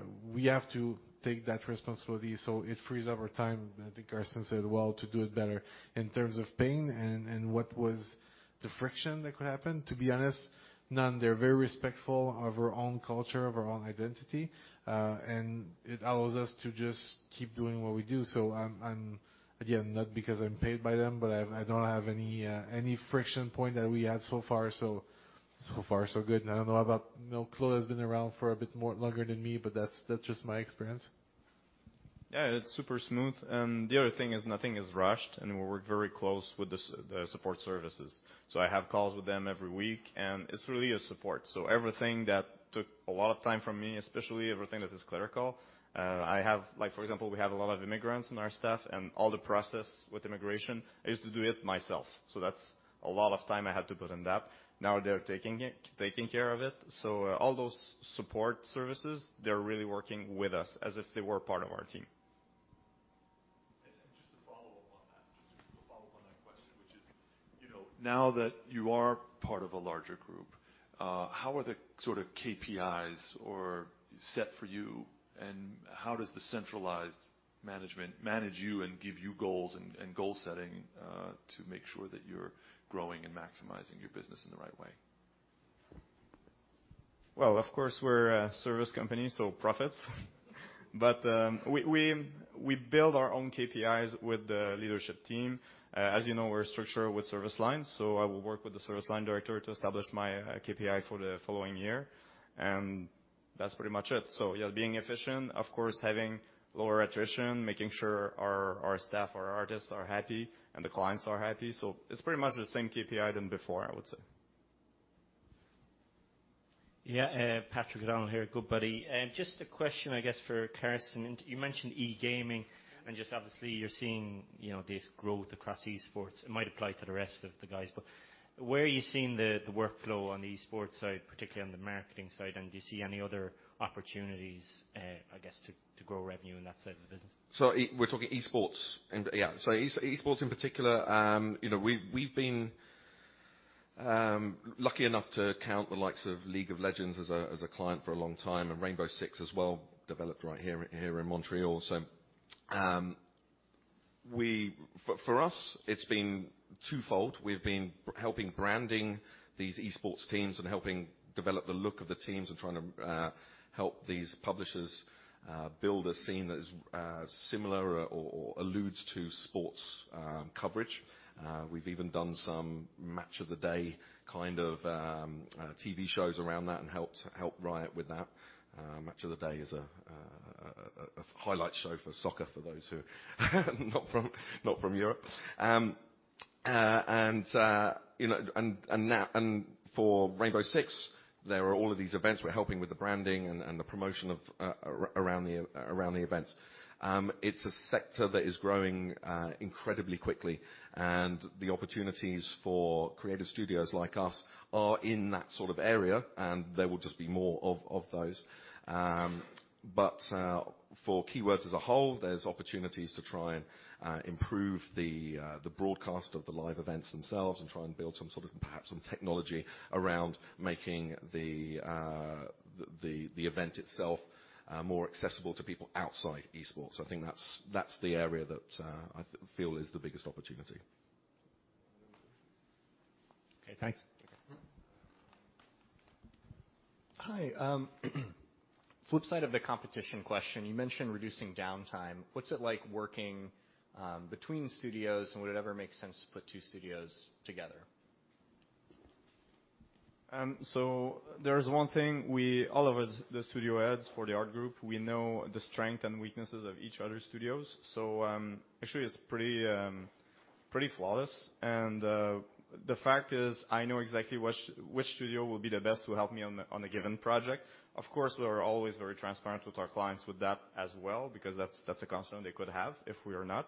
have to take that responsibility, so it frees up our time, I think Carsten said it well, to do it better. In terms of pain and what was the friction that could happen, to be honest, none. They're very respectful of our own culture, of our own identity, and it allows us to just keep doing what we do. Again, not because I'm paid by them, but I don't have any friction point that we had so far. So far so good. I don't know about Claude has been around for a bit more longer than me, but that's just my experience. It's super smooth. The other thing is nothing is rushed, and we work very close with the support services. I have calls with them every week, and it's really a support. Everything that took a lot of time from me, especially everything that is clerical. For example, we have a lot of immigrants in our staff, and all the process with immigration, I used to do it myself. That's a lot of time I had to put in that. Now they're taking care of it. All those support services, they're really working with us as if they were part of our team. Just to follow up on that question, which is, now that you are part of a larger group, how are the sort of KPIs set for you, and how does the centralized management manage you and give you goals and goal setting, to make sure that you're growing and maximizing your business in the right way? Well, of course, we're a service company, so profits. We build our own KPIs with the leadership team. As you know, we're structured with service lines, so I will work with the service line director to establish my KPI for the following year. That's pretty much it. Yeah, being efficient, of course, having lower attrition, making sure our staff, our artists are happy, and the clients are happy. It's pretty much the same KPI than before, I would say. Yeah. Patrick O'Donnell here at Goodbody. Just a question, I guess, for Carsten. You mentioned e-gaming, just obviously you're seeing this growth across esports. It might apply to the rest of the guys, where are you seeing the workflow on the esports side, particularly on the marketing side? Do you see any other opportunities, I guess, to grow revenue in that side of the business? We're talking esports, and yeah. Esports in particular, we've been lucky enough to count the likes of League of Legends as a client for a long time, and Rainbow Six as well, developed right here in Montreal. For us, it's been twofold. We've been helping branding these esports teams and helping develop the look of the teams and trying to help these publishers build a scene that is similar or alludes to sports coverage. We've even done some Match of the Day kind of TV shows around that and helped Riot with that. Match of the Day is a highlight show for soccer for those who not from Europe. For Rainbow Six, there are all of these events we're helping with the branding and the promotion around the events. It's a sector that is growing incredibly quickly, and the opportunities for creative studios like us are in that sort of area, and there will just be more of those. For Keywords as a whole, there's opportunities to try and improve the broadcast of the live events themselves and try and build some sort of perhaps some technology around making the event itself more accessible to people outside esports. I think that's the area that I feel is the biggest opportunity. Okay, thanks. Hi. Flip side of the competition question, you mentioned reducing downtime. What's it like working between studios, and would it ever make sense to put two studios together? There's one thing we, all of us, the studio heads for the art group, we know the strength and weaknesses of each other's studios. Actually it's pretty flawless. The fact is, I know exactly which studio will be the best to help me on a given project. Of course, we are always very transparent with our clients with that as well because that's a concern they could have if we are not.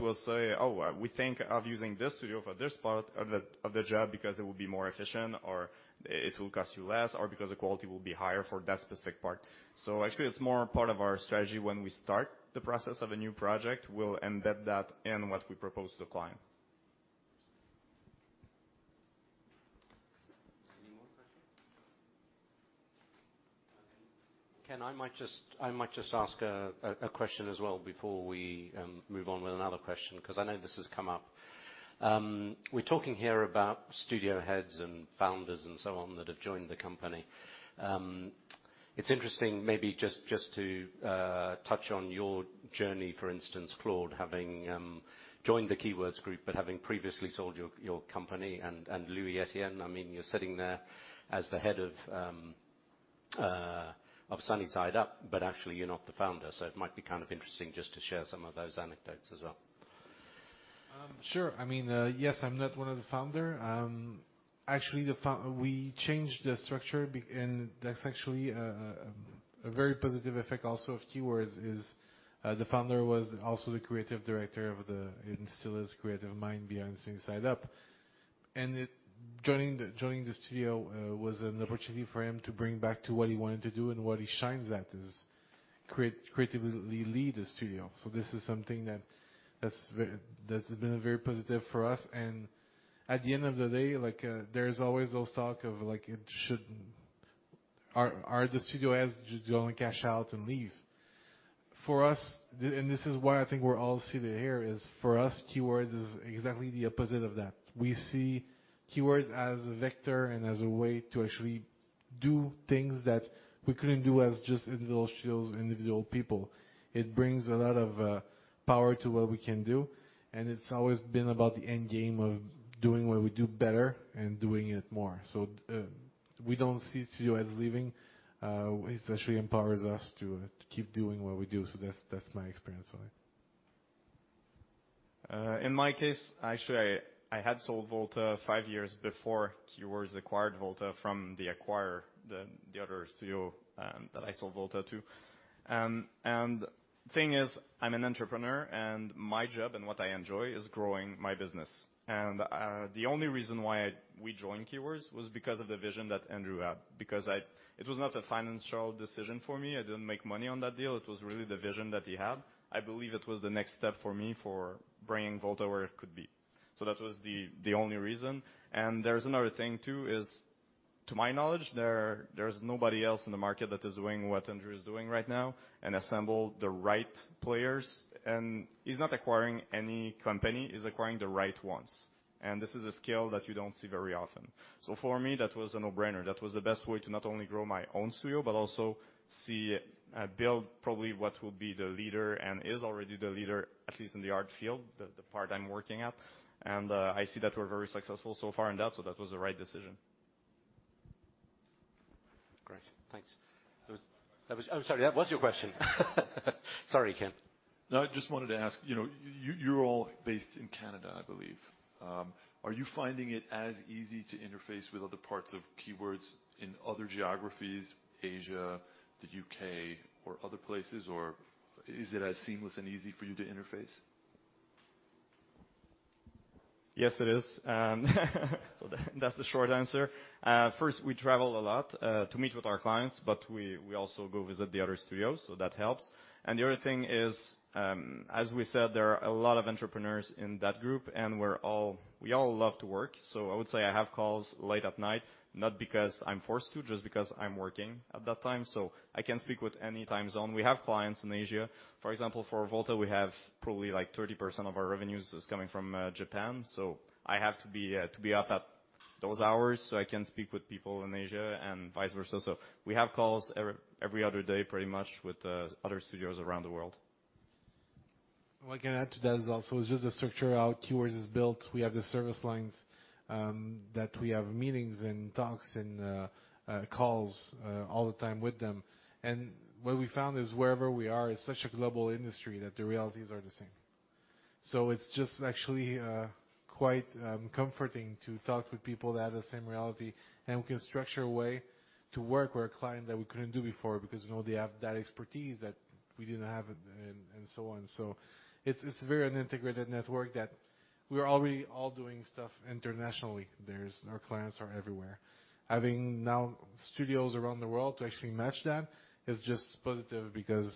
We'll say, "Oh, we think of using this studio for this part of the job because it will be more efficient or it will cost you less, or because the quality will be higher for that specific part." Actually it's more a part of our strategy when we start the process of a new project. We'll embed that in what we propose to the client. Any more questions? Okay. Ken, I might just ask a question as well before we move on with another question, because I know this has come up. We're talking here about studio heads and founders and so on that have joined the company. It's interesting, maybe just to touch on your journey, for instance, Claude, having joined the Keywords Group, but having previously sold your company, and Louis-Étienne, you're sitting there as the head of Sunny Side Up, but actually you're not the founder. It might be kind of interesting just to share some of those anecdotes as well. Sure. Yes, I'm not one of the founder. Actually, we changed the structure, that's actually a very positive effect also of Keywords, is the founder was also the creative director and still is creative mind behind Sunny Side Up. Joining the studio was an opportunity for him to bring back to what he wanted to do and what he shines at, is creatively lead a studio. This is something that has been very positive for us, at the end of the day, there's always those talk of, like, are the studio heads going to cash out and leave? For us, this is why I think we're all seated here, is for us, Keywords is exactly the opposite of that. We see Keywords as a vector and as a way to actually do things that we couldn't do as just individual studios, individual people. It brings a lot of power to what we can do, and it's always been about the end game of doing what we do better and doing it more. We don't see studio heads leaving. It actually empowers us to keep doing what we do. That's my experience of it. In my case, actually, I had sold VOLTA five years before Keywords acquired VOLTA from the acquirer, the other studio that I sold VOLTA to. The thing is, I'm an entrepreneur, and my job, and what I enjoy, is growing my business. The only reason why we joined Keywords was because of the vision that Andrew had, because it was not a financial decision for me. I didn't make money on that deal. It was really the vision that he had. I believe it was the next step for me for bringing VOLTA where it could be. That was the only reason. There's another thing, too, is to my knowledge, there's nobody else in the market that is doing what Andrew is doing right now and assemble the right players. He's not acquiring any company, he's acquiring the right ones. This is a skill that you don't see very often. For me, that was a no-brainer. That was the best way to not only grow my own studio, but also build probably what will be the leader and is already the leader, at least in the art field, the part I'm working at. I see that we're very successful so far in that, so that was the right decision. Great. Thanks. I'm sorry, that was your question. Sorry, Ken. No, I just wanted to ask, you're all based in Canada, I believe. Are you finding it as easy to interface with other parts of Keywords in other geographies, Asia, the U.K., or other places, or is it as seamless and easy for you to interface? Yes, it is. That's the short answer. First, we travel a lot to meet with our clients, but we also go visit the other studios, that helps. The other thing is, as we said, there are a lot of entrepreneurs in that group, and we all love to work. I would say I have calls late at night, not because I'm forced to, just because I'm working at that time. I can speak with any time zone. We have clients in Asia. For example, for VOLTA, we have probably like 30% of our revenues is coming from Japan. I have to be up at those hours so I can speak with people in Asia and vice versa. We have calls every other day pretty much with other studios around the world. What I can add to that is also just the structure of how Keywords is built. We have the service lines that we have meetings, and talks, and calls all the time with them. What we found is wherever we are, it's such a global industry that the realities are the same. It's just actually quite comforting to talk with people that have the same reality, and we can structure a way to work with a client that we couldn't do before because we know they have that expertise that we didn't have and so on. It's a very integrated network that we're already all doing stuff internationally. Our clients are everywhere. Having now studios around the world to actually match that is just positive because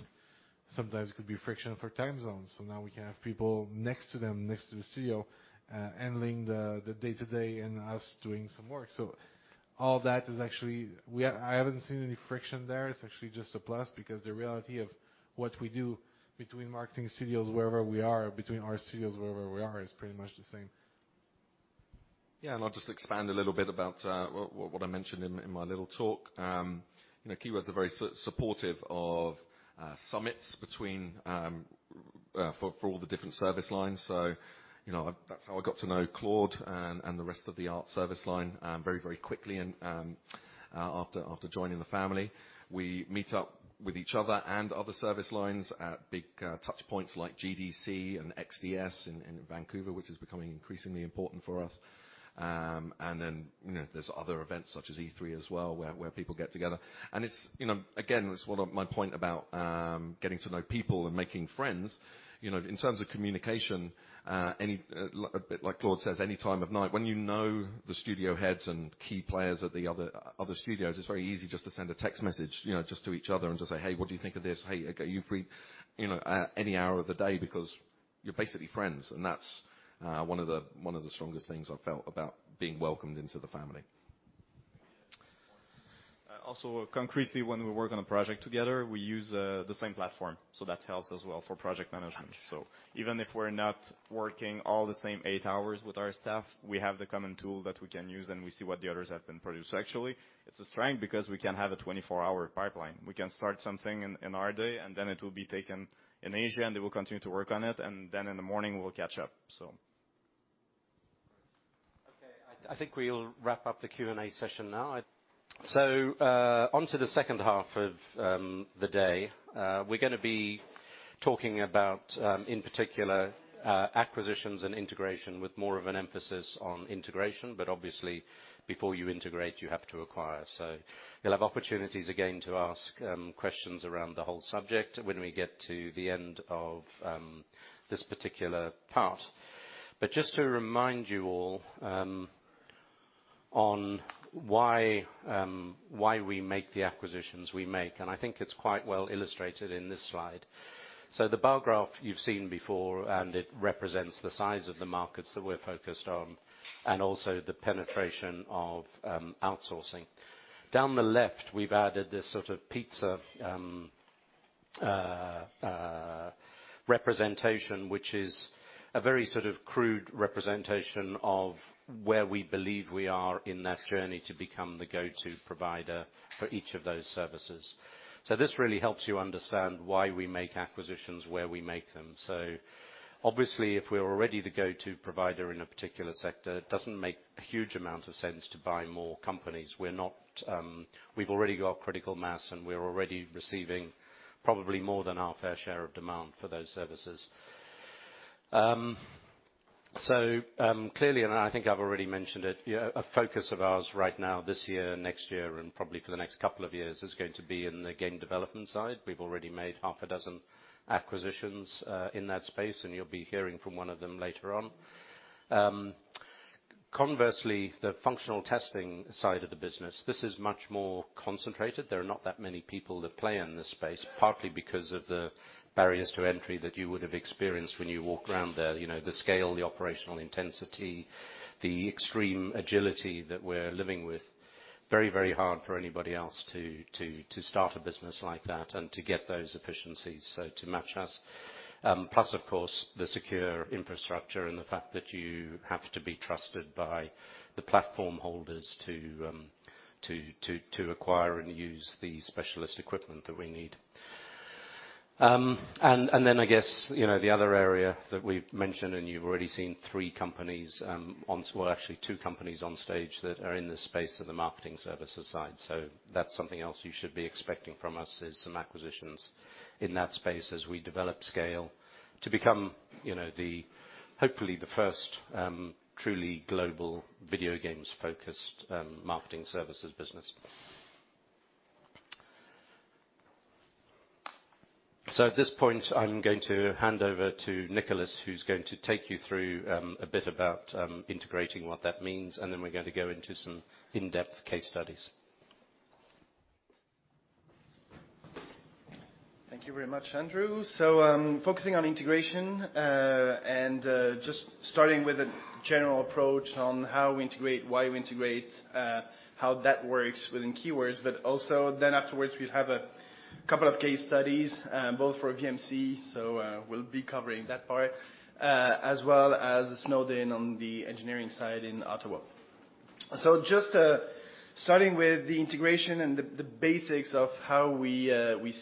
sometimes it could be friction for time zones. Now we can have people next to them, next to the studio, handling the day-to-day and us doing some work. I haven't seen any friction there. It's actually just a plus because the reality of what we do between marketing studios, wherever we are, between our studios, wherever we are, is pretty much the same. Yeah. I'll just expand a little bit about what I mentioned in my little talk. Keywords are very supportive of summits for all the different service lines. That's how I got to know Claude and the rest of the art service line very quickly after joining the family. We meet up with each other and other service lines at big touchpoints like GDC and XDS in Vancouver, which is becoming increasingly important for us. There's other events such as E3 as well, where people get together. Again, it's one of my point about getting to know people and making friends. In terms of communication, a bit like Claude says, any time of night. When you know the studio heads and key players at the other studios, it's very easy just to send a text message just to each other and just say, "Hey, what do you think of this? Hey, are you free?" Any hour of the day because you're basically friends, and that's one of the strongest things I've felt about being welcomed into the family. Concretely, when we work on a project together, we use the same platform. That helps as well for project management. Even if we're not working all the same eight hours with our staff, we have the common tool that we can use, and we see what the others have been produced. Actually, it's a strength because we can have a 24-hour pipeline. We can start something in our day, and then it will be taken in Asia, and they will continue to work on it. In the morning, we'll catch up. I think we'll wrap up the Q&A session now. Onto the second half of the day. We're going to be talking about, in particular, acquisitions and integration with more of an emphasis on integration. Obviously, before you integrate, you have to acquire. You'll have opportunities again to ask questions around the whole subject when we get to the end of this particular part. Just to remind you all on why we make the acquisitions we make, and I think it's quite well illustrated in this slide. The bar graph you've seen before, and it represents the size of the markets that we're focused on and also the penetration of outsourcing. Down the left, we've added this sort of pizza representation, which is a very sort of crude representation of where we believe we are in that journey to become the go-to provider for each of those services. This really helps you understand why we make acquisitions where we make them. Obviously, if we're already the go-to provider in a particular sector, it doesn't make a huge amount of sense to buy more companies. We've already got critical mass, and we're already receiving probably more than our fair share of demand for those services. Clearly, and I think I've already mentioned it, a focus of ours right now, this year, next year, and probably for the next couple of years is going to be in the game development side. We've already made half a dozen acquisitions in that space, and you'll be hearing from one of them later on. Conversely, the functional testing side of the business, this is much more concentrated. There are not that many people that play in this space, partly because of the barriers to entry that you would have experienced when you walk around there. The scale, the operational intensity, the extreme agility that we're living with, very hard for anybody else to start a business like that and to get those efficiencies so to match us. Of course, the secure infrastructure and the fact that you have to be trusted by the platform holders to acquire and use the specialist equipment that we need. I guess the other area that we've mentioned, and you've already seen actually two companies on stage that are in the space of the marketing services side. That's something else you should be expecting from us is some acquisitions in that space as we develop scale to become hopefully the first truly global video games-focused marketing services business. At this point, I'm going to hand over to Nicolas, who's going to take you through a bit about integrating what that means, and then we're going to go into some in-depth case studies. Thank you very much, Andrew. Focusing on integration, just starting with a general approach on how we integrate, why we integrate, how that works within Keywords. Also afterwards, we'll have a couple of case studies, both for VMC, so we'll be covering that part, as well as Snowed In on the engineering side in Ottawa. Just starting with the integration and the basics of how we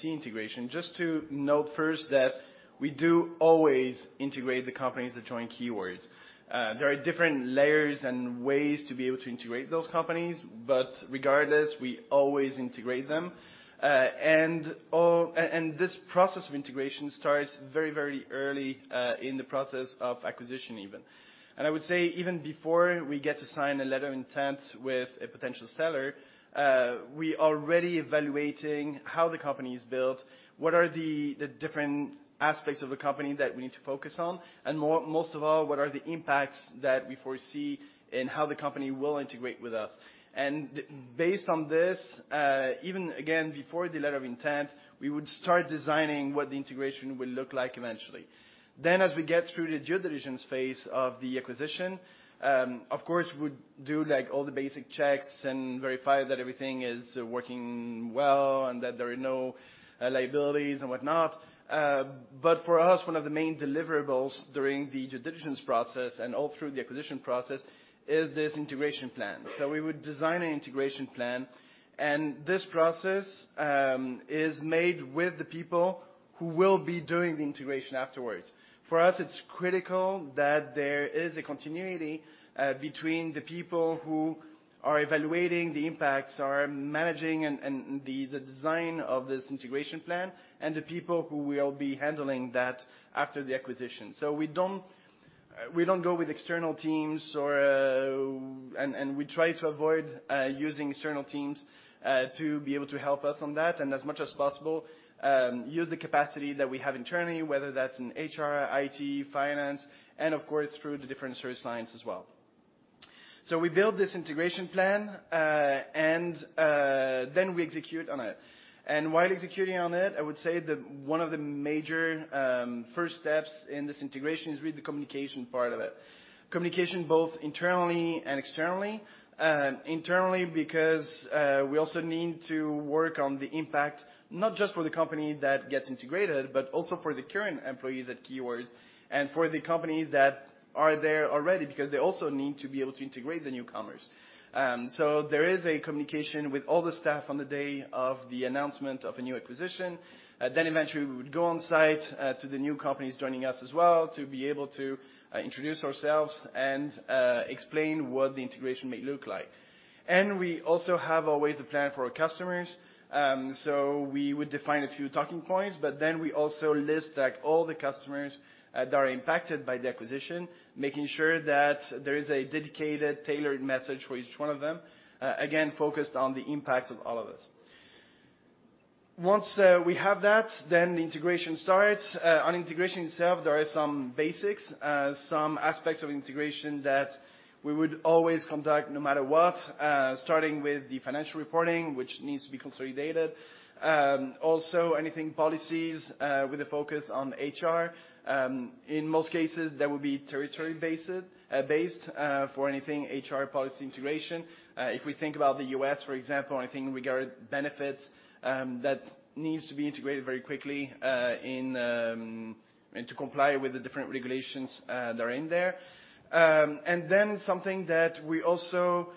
see integration. Just to note first that we do always integrate the companies that join Keywords. There are different layers and ways to be able to integrate those companies. Regardless, we always integrate them. This process of integration starts very early in the process of acquisition even. I would say even before we get to sign a letter of intent with a potential seller, we already evaluating how the company is built, what are the different aspects of the company that we need to focus on, and most of all, what are the impacts that we foresee in how the company will integrate with us. Based on this, even again, before the letter of intent, we would start designing what the integration will look like eventually. As we get through the due diligence phase of the acquisition, of course, we'll do all the basic checks and verify that everything is working well and that there are no liabilities and whatnot. For us, one of the main deliverables during the due diligence process and all through the acquisition process is this integration plan. We would design an integration plan, and this process is made with the people who will be doing the integration afterwards. For us, it's critical that there is a continuity between the people who are evaluating the impacts, are managing and the design of this integration plan and the people who will be handling that after the acquisition. We don't go with external teams, and we try to avoid using external teams to be able to help us on that and as much as possible use the capacity that we have internally, whether that's in HR, IT, finance, and of course through the different service lines as well. We build this integration plan, then we execute on it. While executing on it, I would say that one of the major first steps in this integration is really the communication part of it. Communication both internally and externally. Internally, because we also need to work on the impact, not just for the company that gets integrated, but also for the current employees at Keywords and for the company that are there already, because they also need to be able to integrate the newcomers. There is a communication with all the staff on the day of the announcement of a new acquisition. Eventually, we would go on site to the new companies joining us as well to be able to introduce ourselves and explain what the integration may look like. We also have always a plan for our customers. We would define a few talking points, but then we also list all the customers that are impacted by the acquisition, making sure that there is a dedicated, tailored message for each one of them, again, focused on the impact of all of this. Once we have that, then the integration starts. On integration itself, there are some basics, some aspects of integration that we would always conduct no matter what, starting with the financial reporting, which needs to be consolidated. Also anything policies with a focus on HR. In most cases, that will be territory-based for anything HR policy integration. If we think about the U.S., for example, anything regarding benefits, that needs to be integrated very quickly to comply with the different regulations that are in there. Something that we also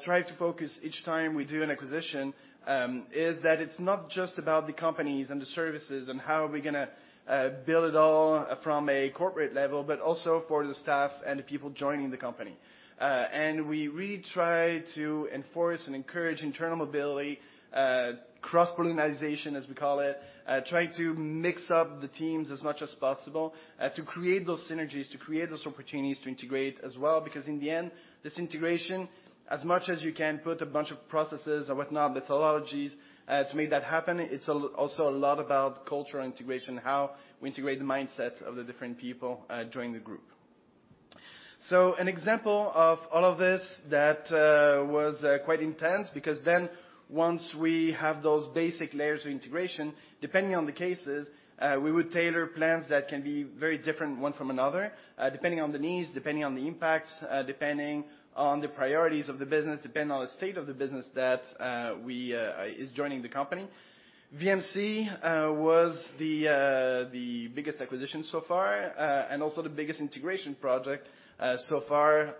strive to focus each time we do an acquisition is that it's not just about the companies and the services and how we're going to build it all from a corporate level, but also for the staff and the people joining the company. We really try to enforce and encourage internal mobility, cross-pollination, as we call it, trying to mix up the teams as much as possible to create those synergies, to create those opportunities to integrate as well. In the end, this integration, as much as you can put a bunch of processes or methodologies to make that happen, it's also a lot about cultural integration, how we integrate the mindsets of the different people joining the group. An example of all of this that was quite intense, because then once we have those basic layers of integration, depending on the cases, we would tailor plans that can be very different one from another, depending on the needs, depending on the impacts, depending on the priorities of the business, depending on the state of the business that is joining the company. VMC was the biggest acquisition so far, and also the biggest integration project so far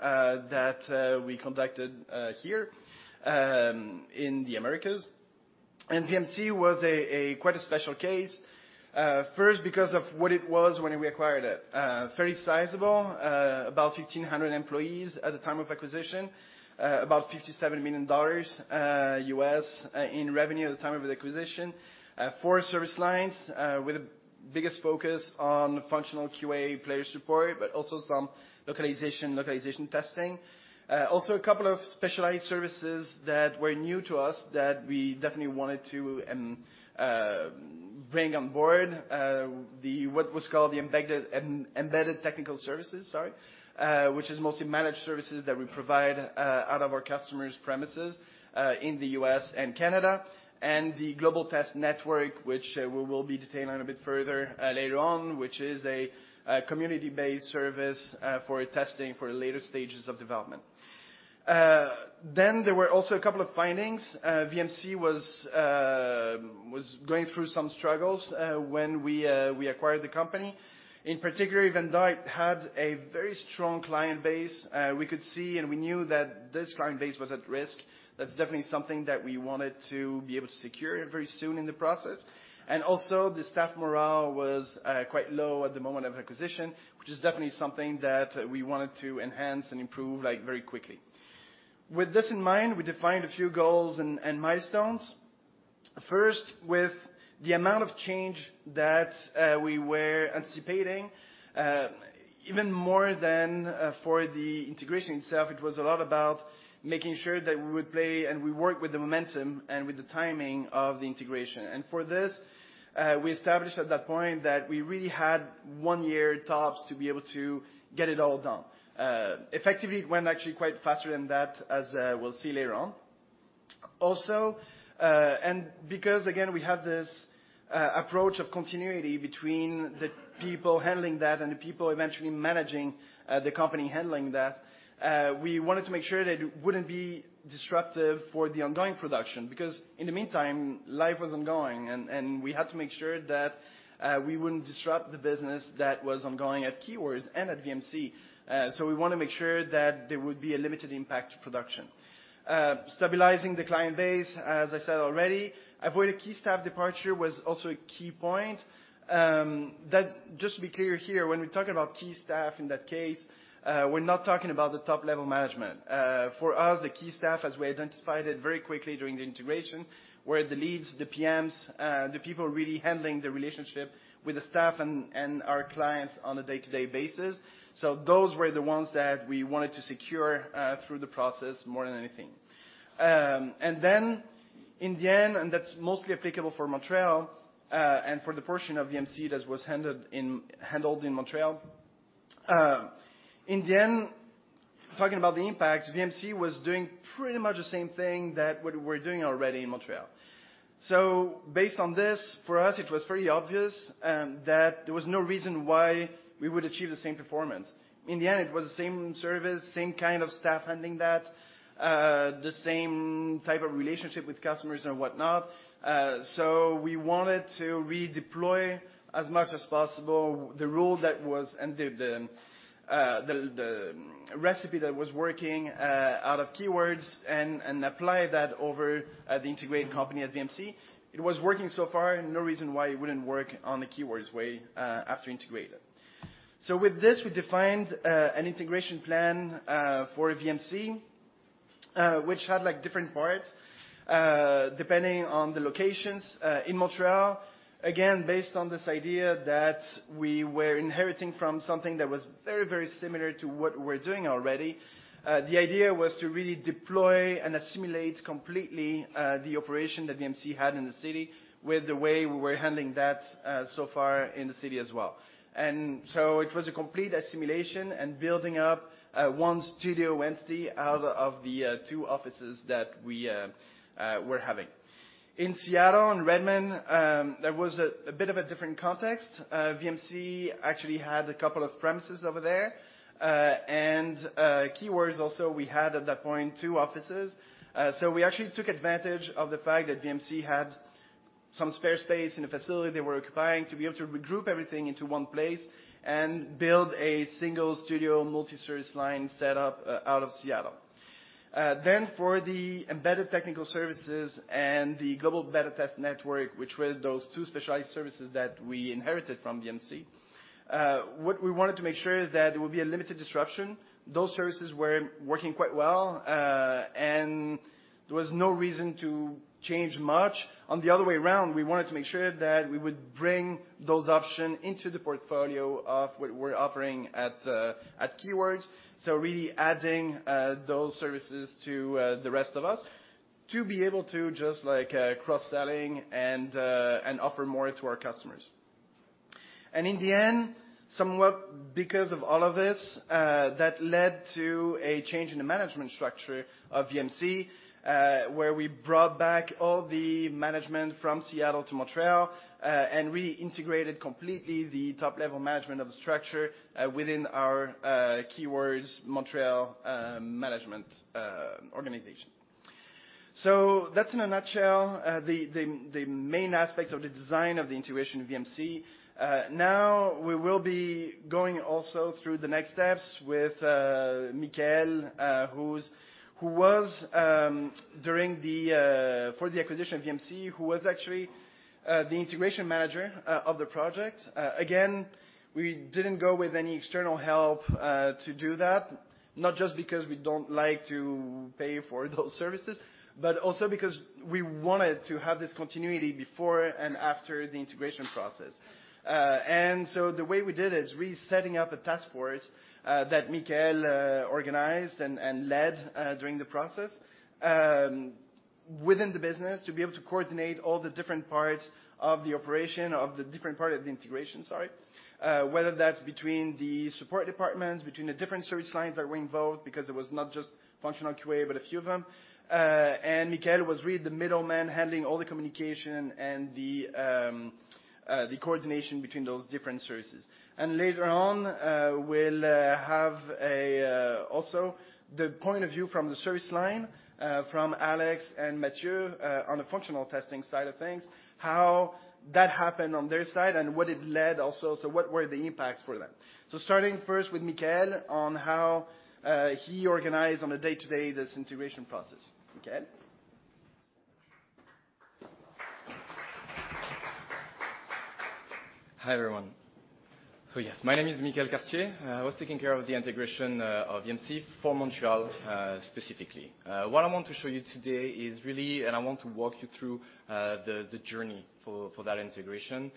that we conducted here in the Americas. VMC was quite a special case. First, because of what it was when we acquired it. Very sizable, about 1,500 employees at the time of acquisition, about $57 million US in revenue at the time of the acquisition. four service lines with the biggest focus on functional QA player support, but also some localization testing. A couple of specialized services that were new to us that we definitely wanted to bring on board, what was called the Embedded Technical Services, which is mostly managed services that we provide out of our customers' premises in the U.S. and Canada. The Global Test Network, which we will be detailing on a bit further later on, which is a community-based service for testing for the later stages of development. There were also a couple of findings. VMC was going through some struggles when we acquired the company. In particular, even though it had a very strong client base, we could see and we knew that this client base was at risk. That's definitely something that we wanted to be able to secure very soon in the process. Also the staff morale was quite low at the moment of acquisition, which is definitely something that we wanted to enhance and improve very quickly. With this in mind, we defined a few goals and milestones. First, with the amount of change that we were anticipating, even more than for the integration itself, it was a lot about making sure that we would play and we work with the momentum and with the timing of the integration. For this, we established at that point that we really had one year tops to be able to get it all done. Effectively, it went actually quite faster than that, as we'll see later on. Because again, we have this approach of continuity between the people handling that and the people eventually managing the company handling that, we wanted to make sure that it wouldn't be disruptive for the ongoing production, because in the meantime, life was ongoing, and we had to make sure that we wouldn't disrupt the business that was ongoing at Keywords and at VMC. We want to make sure that there would be a limited impact to production. Stabilizing the client base, as I said already. Avoid a key staff departure was also a key point. Just to be clear here, when we're talking about key staff in that case, we're not talking about the top-level management. For us, the key staff, as we identified it very quickly during the integration, were the leads, the PMs, the people really handling the relationship with the staff and our clients on a day-to-day basis. Those were the ones that we wanted to secure through the process more than anything. In the end, and that's mostly applicable for Montreal, and for the portion of VMC that was handled in Montreal. In the end, talking about the impact, VMC was doing pretty much the same thing that we're doing already in Montreal. Based on this, for us, it was pretty obvious that there was no reason why we would achieve the same performance. In the end, it was the same service, same kind of staff handling that, the same type of relationship with customers and whatnot. We wanted to redeploy as much as possible the role and the recipe that was working out of Keywords and apply that over the integrated company at VMC. It was working so far, and no reason why it wouldn't work on the Keywords way after integrated. With this, we defined an integration plan for VMC, which had different parts depending on the locations in Montreal. Again, based on this idea that we were inheriting from something that was very similar to what we're doing already. The idea was to really deploy and assimilate completely the operation that VMC had in the city with the way we were handling that so far in the city as well. It was a complete assimilation and building up one studio entity out of the two offices that we were having. In Seattle and Redmond, there was a bit of a different context. VMC actually had a couple of premises over there. Keywords also, we had, at that point, two offices. We actually took advantage of the fact that VMC had some spare space in a facility they were occupying to be able to regroup everything into one place and build a single studio multi-service line set up out of Seattle. For the Embedded Technical Services and the Global Beta Testing Network, which were those two specialized services that we inherited from VMC. What we wanted to make sure is that there would be a limited disruption. Those services were working quite well, and there was no reason to change much. On the other way around, we wanted to make sure that we would bring those options into the portfolio of what we're offering at Keywords. Really adding those services to the rest of us to be able to just cross-selling and offer more to our customers. In the end, somewhat because of all of this, that led to a change in the management structure of VMC, where we brought back all the management from Seattle to Montreal, and reintegrated completely the top-level management of the structure within our Keywords Montreal management organization. That's in a nutshell the main aspects of the design of the integration of VMC. We will be going also through the next steps with Michaël, who for the acquisition of VMC, who was actually the integration manager of the project. Again, we didn't go with any external help to do that, not just because we don't like to pay for those services, but also because we wanted to have this continuity before and after the integration process. The way we did it is really setting up a task force that Michaël organized and led during the process within the business to be able to coordinate all the different parts of the operation of the different part of the integration, sorry. Whether that's between the support departments, between the different service lines that were involved because it was not just functional QA, but a few of them. Michaël was really the middleman handling all the communication and the coordination between those different services. Later on, we'll have also the point of view from the service line from Alex and Mathieu on the functional testing side of things, how that happened on their side, and what it led also, so what were the impacts for them. Starting first with Michaël on how he organized on a day-to-day this integration process. Michaël. Hi, everyone. Yes, my name is Michaël Cartier. I was taking care of the integration of VMC for Montreal specifically. What I want to show you today is really, I want to walk you through the journey for that integration,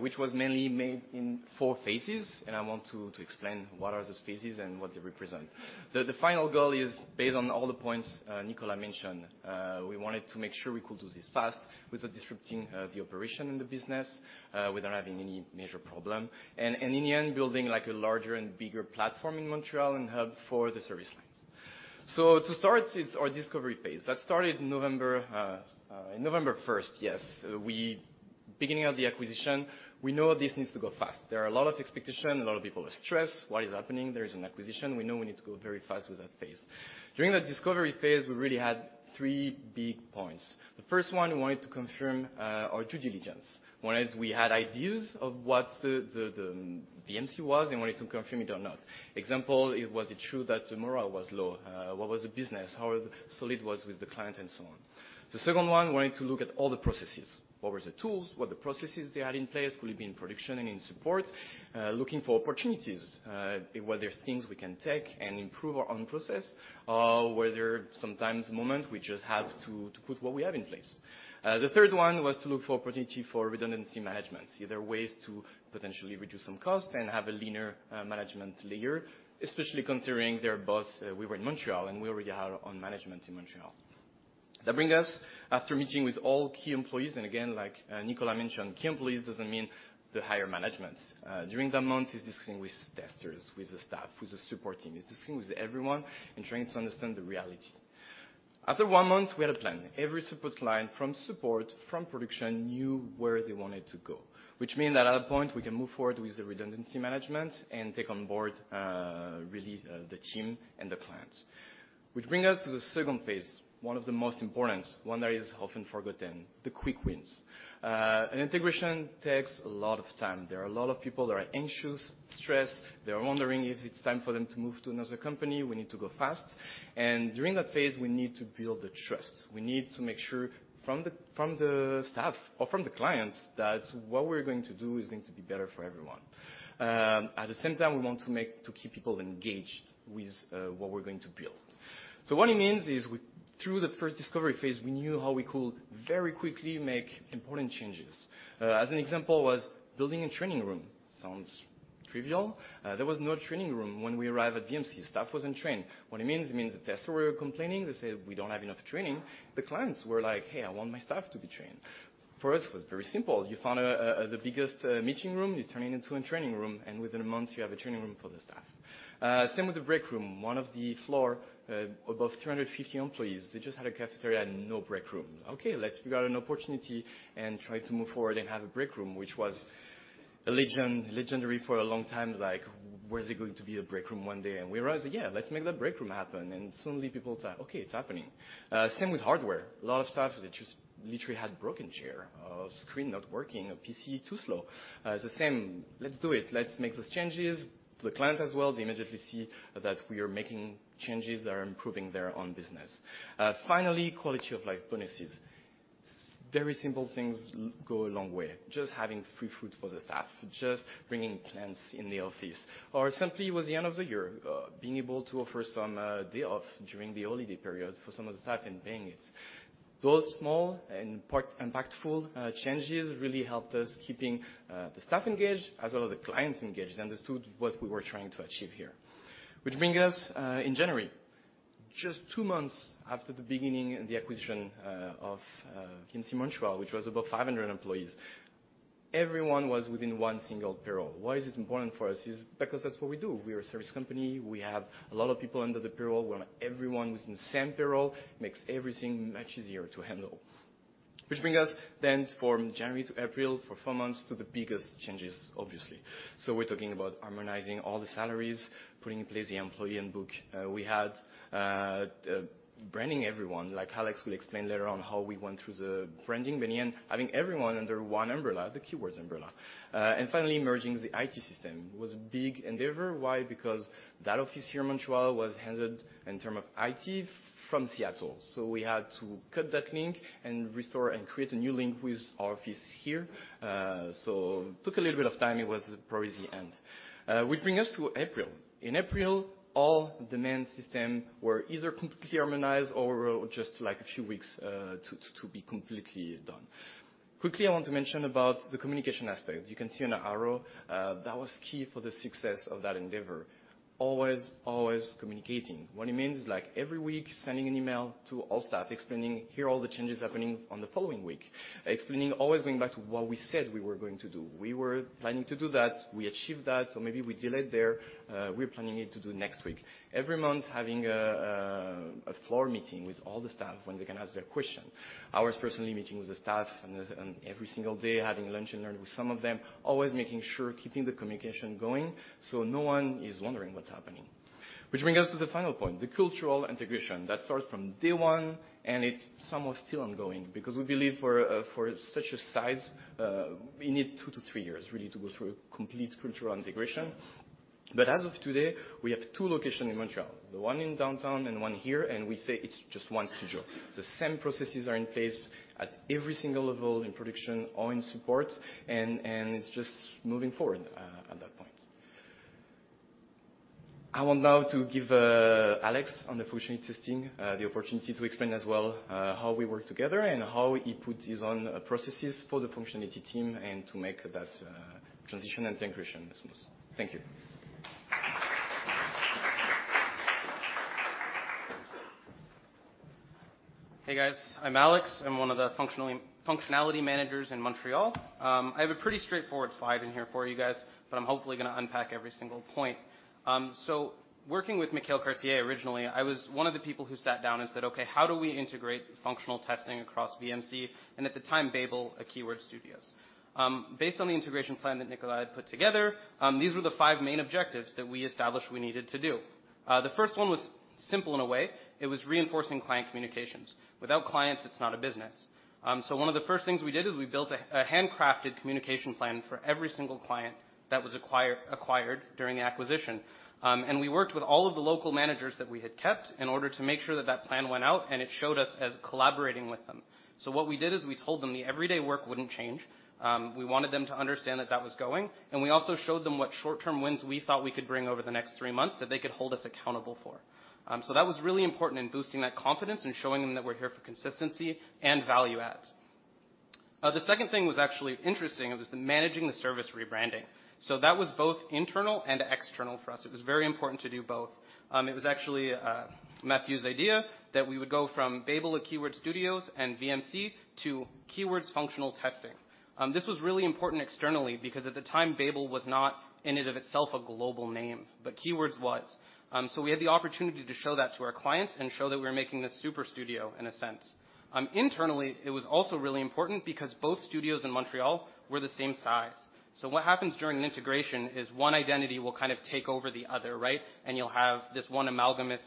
which was mainly made in 4 phases, I want to explain what are those phases and what they represent. The final goal is based on all the points Nicolas mentioned. We wanted to make sure we could do this fast without disrupting the operation in the business, without having any major problem. In the end, building a larger and bigger platform in Montreal and hub for the service lines. To start is our discovery phase. That started November 1st, yes. Beginning of the acquisition, we know this needs to go fast. There are a lot of expectations, a lot of people are stressed. What is happening? There is an acquisition. We know we need to go very fast with that phase. During that discovery phase, we really had three big points. The first one, we wanted to confirm our due diligence. One is we had ideas of what the VMC was and wanted to confirm it or not. Example, was it true that the morale was low? What was the business? How solid was with the client and so on. The second one, we wanted to look at all the processes. What were the tools? What the processes they had in place, could it be in production and in support? Looking for opportunities, were there things we can take and improve our own process? Were there sometimes moments we just have to put what we have in place? The third one was to look for opportunity for redundancy management. See if there are ways to potentially reduce some cost and have a leaner management layer, especially considering we were in Montreal, and we already had our own management in Montreal. Brings us after meeting with all key employees, and again, like Nicolas mentioned, key employees doesn't mean the higher management. During that month, he's discussing with testers, with the staff, with the support team. He's discussing with everyone and trying to understand the reality. After one month, we had a plan. Every support line from support, from production, knew where they wanted to go, which mean that at that point, we can move forward with the redundancy management and take on board really the team and the clients. Brings us to the second phase, one of the most important, one that is often forgotten, the quick wins. An integration takes a lot of time. There are a lot of people that are anxious, stressed. They're wondering if it's time for them to move to another company. We need to go fast. During that phase, we need to build the trust. We need to make sure from the staff or from the clients, that what we're going to do is going to be better for everyone. The same time, we want to keep people engaged with what we're going to build. What it means is through the first discovery phase, we knew how we could very quickly make important changes. As an example was building a training room. Sounds trivial. There was no training room when we arrived at VMC. Staff wasn't trained. What it means, it means the tester were complaining. They said, "We don't have enough training." The clients were like, "Hey, I want my staff to be trained." For us, it was very simple. You found the biggest meeting room, you turn it into a training room, and within a month, you have a training room for the staff. Same with the break room. One of the floor above 350 employees, they just had a cafeteria and no break room. Okay, let's grab an opportunity and try to move forward and have a break room, which was legendary for a long time, like, where is it going to be a break room one day? We rise, yeah, let's make that break room happen. Suddenly people thought, "Okay, it's happening." Same with hardware. A lot of staff, they just literally had broken chair, screen not working, a PC too slow. The same, let's do it. Let's make those changes. The client as well, they immediately see that we are making changes that are improving their own business. Finally, quality of life bonuses. Very simple things go a long way. Just having free food for the staff, just bringing plants in the office, or simply it was the end of the year, being able to offer some day off during the holiday period for some of the staff and paying it. Those small and impactful changes really helped us keeping the staff engaged as well as the clients engaged. They understood what we were trying to achieve here. Which bring us in January, just two months after the beginning and the acquisition of VMC Montreal, which was above 500 employees. Everyone was within one single payroll. Why is it important for us? Is because that's what we do. We are a service company. We have a lot of people under the payroll, where everyone was in the same payroll, makes everything much easier to handle. Bring us then from January to April, for four months, to the biggest changes, obviously. We're talking about harmonizing all the salaries, putting in place the employee handbook. We had branding everyone. Alex will explain later on how we went through the branding, in the end, having everyone under one umbrella, the Keywords umbrella. Finally, merging the IT system was a big endeavor. Why? Because that office here in Montreal was handled in term of IT from Seattle. We had to cut that link and restore and create a new link with our office here. Took a little bit of time. It was probably the end. Bring us to April. In April, all the main systems were either completely harmonized or just like a few weeks to be completely done. Quickly, I want to mention about the communication aspect. You can see on the arrow, that was key for the success of that endeavor. Always, always communicating. What it means is like every week, sending an email to all staff, explaining, "Here are all the changes happening on the following week." Explaining, always going back to what we said we were going to do. We were planning to do that. We achieved that. Maybe we delayed there. We're planning it to do next week. Every month, having a floor meeting with all the staff when they can ask their questions. I was personally meeting with the staff and every single day having lunch and learn with some of them, always making sure keeping the communication going so no one is wondering what's happening. Which bring us to the final point, the cultural integration. That starts from day one, and it's somewhat still ongoing because we believe for such a size, we need two to three years really to go through a complete cultural integration. As of today, we have two location in Montreal, the one in downtown and one here, and we say it's just one studio. The same processes are in place at every single level in production or in support, and it's just moving forward at that point. I want now to give Alex on the functionality testing the opportunity to explain as well how we work together and how he put his own processes for the functionality team and to make that transition and integration as smooth. Thank you. Hey, guys. I'm Alex. I'm one of the functionality managers in Montreal. I have a pretty straightforward slide in here for you guys, but I'm hopefully going to unpack every single point. Working with Michaël Cartier originally, I was one of the people who sat down and said, "Okay, how do we integrate functional testing across VMC?" At the time, Babel, Keywords Studios. Based on the integration plan that Nicolas had put together, these were the five main objectives that we established we needed to do. The first one was simple in a way. It was reinforcing client communications. Without clients, it's not a business. One of the first things we did is we built a handcrafted communication plan for every single client that was acquired during the acquisition. We worked with all of the local managers that we had kept in order to make sure that that plan went out, and it showed us as collaborating with them. What we did is we told them the everyday work wouldn’t change. We wanted them to understand that that was going, and we also showed them what short-term wins we thought we could bring over the next three months that they could hold us accountable for. That was really important in boosting that confidence and showing them that we’re here for consistency and value adds. The second thing was actually interesting. It was the managing the service rebranding. That was both internal and external for us. It was very important to do both. It was actually Mathieu idea that we would go from Babel at Keywords Studios and VMC to Keywords Functional Testing. This was really important externally because, at the time, Babel was not in and of itself a global name, but Keywords was. We had the opportunity to show that to our clients and show that we were making this super studio in a sense. Internally, it was also really important because both studios in Montreal were the same size. What happens during an integration is one identity will kind of take over the other, right? You'll have this one amalgamous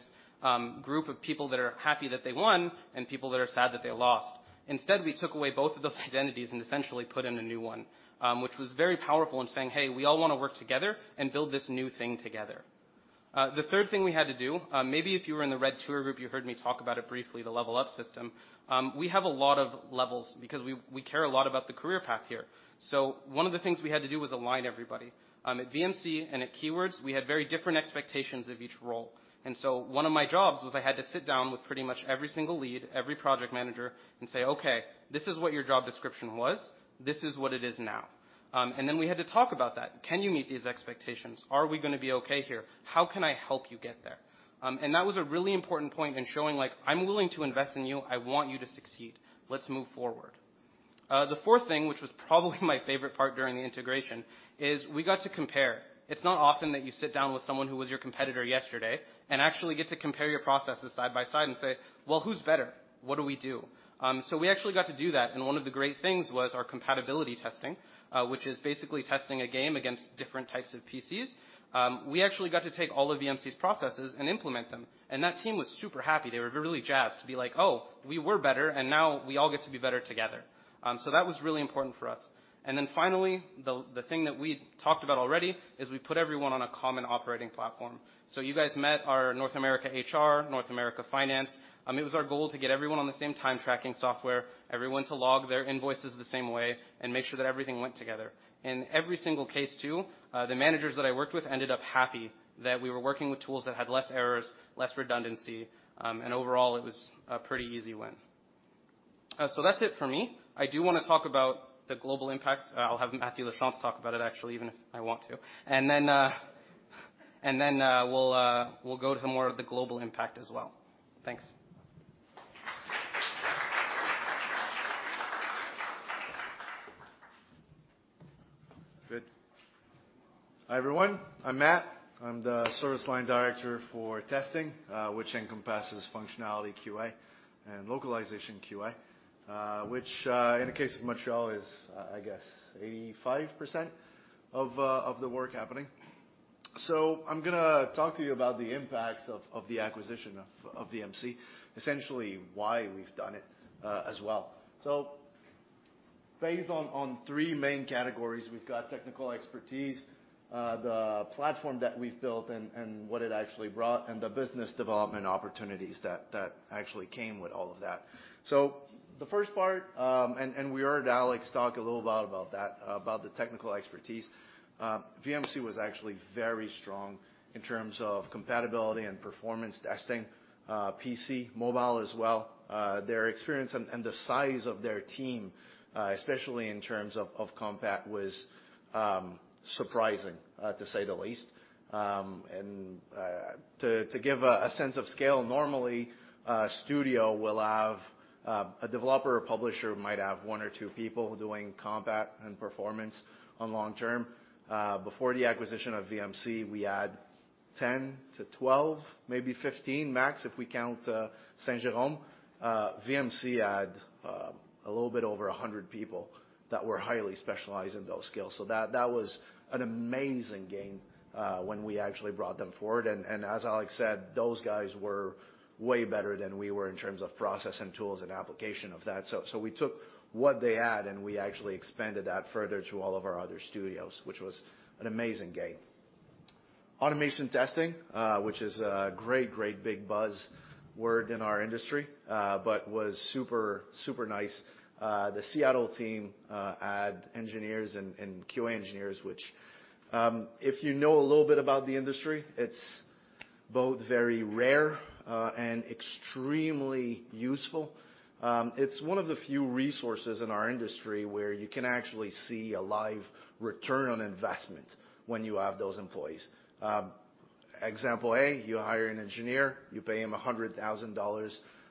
group of people that are happy that they won and people that are sad that they lost. Instead, we took away both of those identities and essentially put in a new one, which was very powerful in saying, "Hey, we all want to work together and build this new thing together." The third thing we had to do, maybe if you were in the red tour group you heard me talk about it briefly, the level up system. We have a lot of levels because we care a lot about the career path here. One of the things we had to do was align everybody. At VMC and at Keywords, we had very different expectations of each role. One of my jobs was I had to sit down with pretty much every single lead, every project manager, and say, "Okay, this is what your job description was. This is what it is now." We had to talk about that. Can you meet these expectations? Are we going to be okay here? How can I help you get there? That was a really important point in showing I'm willing to invest in you. I want you to succeed. Let's move forward. The fourth thing, which was probably my favorite part during the integration, is we got to compare. It's not often that you sit down with someone who was your competitor yesterday and actually get to compare your processes side by side and say, "Well, who's better? What do we do?" We actually got to do that, and one of the great things was our compatibility testing, which is basically testing a game against different types of PCs. We actually got to take all of VMC's processes and implement them, and that team was super happy. They were really jazzed to be like, "Oh, we were better, and now we all get to be better together." That was really important for us. Finally, the thing that we talked about already is we put everyone on a common operating platform. You guys met our North America HR, North America Finance. It was our goal to get everyone on the same time tracking software, everyone to log their invoices the same way, and make sure that everything went together. In every single case too, the managers that I worked with ended up happy that we were working with tools that had less errors, less redundancy, and overall it was a pretty easy win. That's it for me. I do want to talk about the global impacts. I'll have Mathieu Lachance talk about it actually, even if I want to. We'll go to more of the global impact as well. Thanks. Good. Hi, everyone. I'm Matt. I'm the service line director for testing, which encompasses functionality QA and localization QA, which, in the case of Montreal, is, I guess, 85% of the work happening. I'm going to talk to you about the impacts of the acquisition of VMC, essentially why we've done it as well. Based on 3 main categories, we've got technical expertise, the platform that we've built and what it actually brought, and the business development opportunities that actually came with all of that. The first part, we heard Alex talk a little about that, about the technical expertise. VMC was actually very strong in terms of compatibility and performance testing, PC, mobile as well. Their experience and the size of their team, especially in terms of compat, was surprising to say the least. To give a sense of scale, normally a studio will have a developer or publisher might have one or two people doing compat and performance on long term. Before the acquisition of VMC, we had 10 to 12, maybe 15 max if we count Saint-Jérôme. VMC had a little bit over 100 people that were highly specialized in those skills. That was an amazing gain when we actually brought them forward, and as Alex said, those guys were way better than we were in terms of process and tools and application of that. We took what they had, and we actually expanded that further to all of our other studios, which was an amazing gain. Automation testing, which is a great big buzzword in our industry, but was super nice. The Seattle team had engineers and QA engineers, which if you know a little bit about the industry, it's both very rare and extremely useful. It's one of the few resources in our industry where you can actually see a live return on investment when you have those employees. Example A, you hire an engineer, you pay him EUR 100,000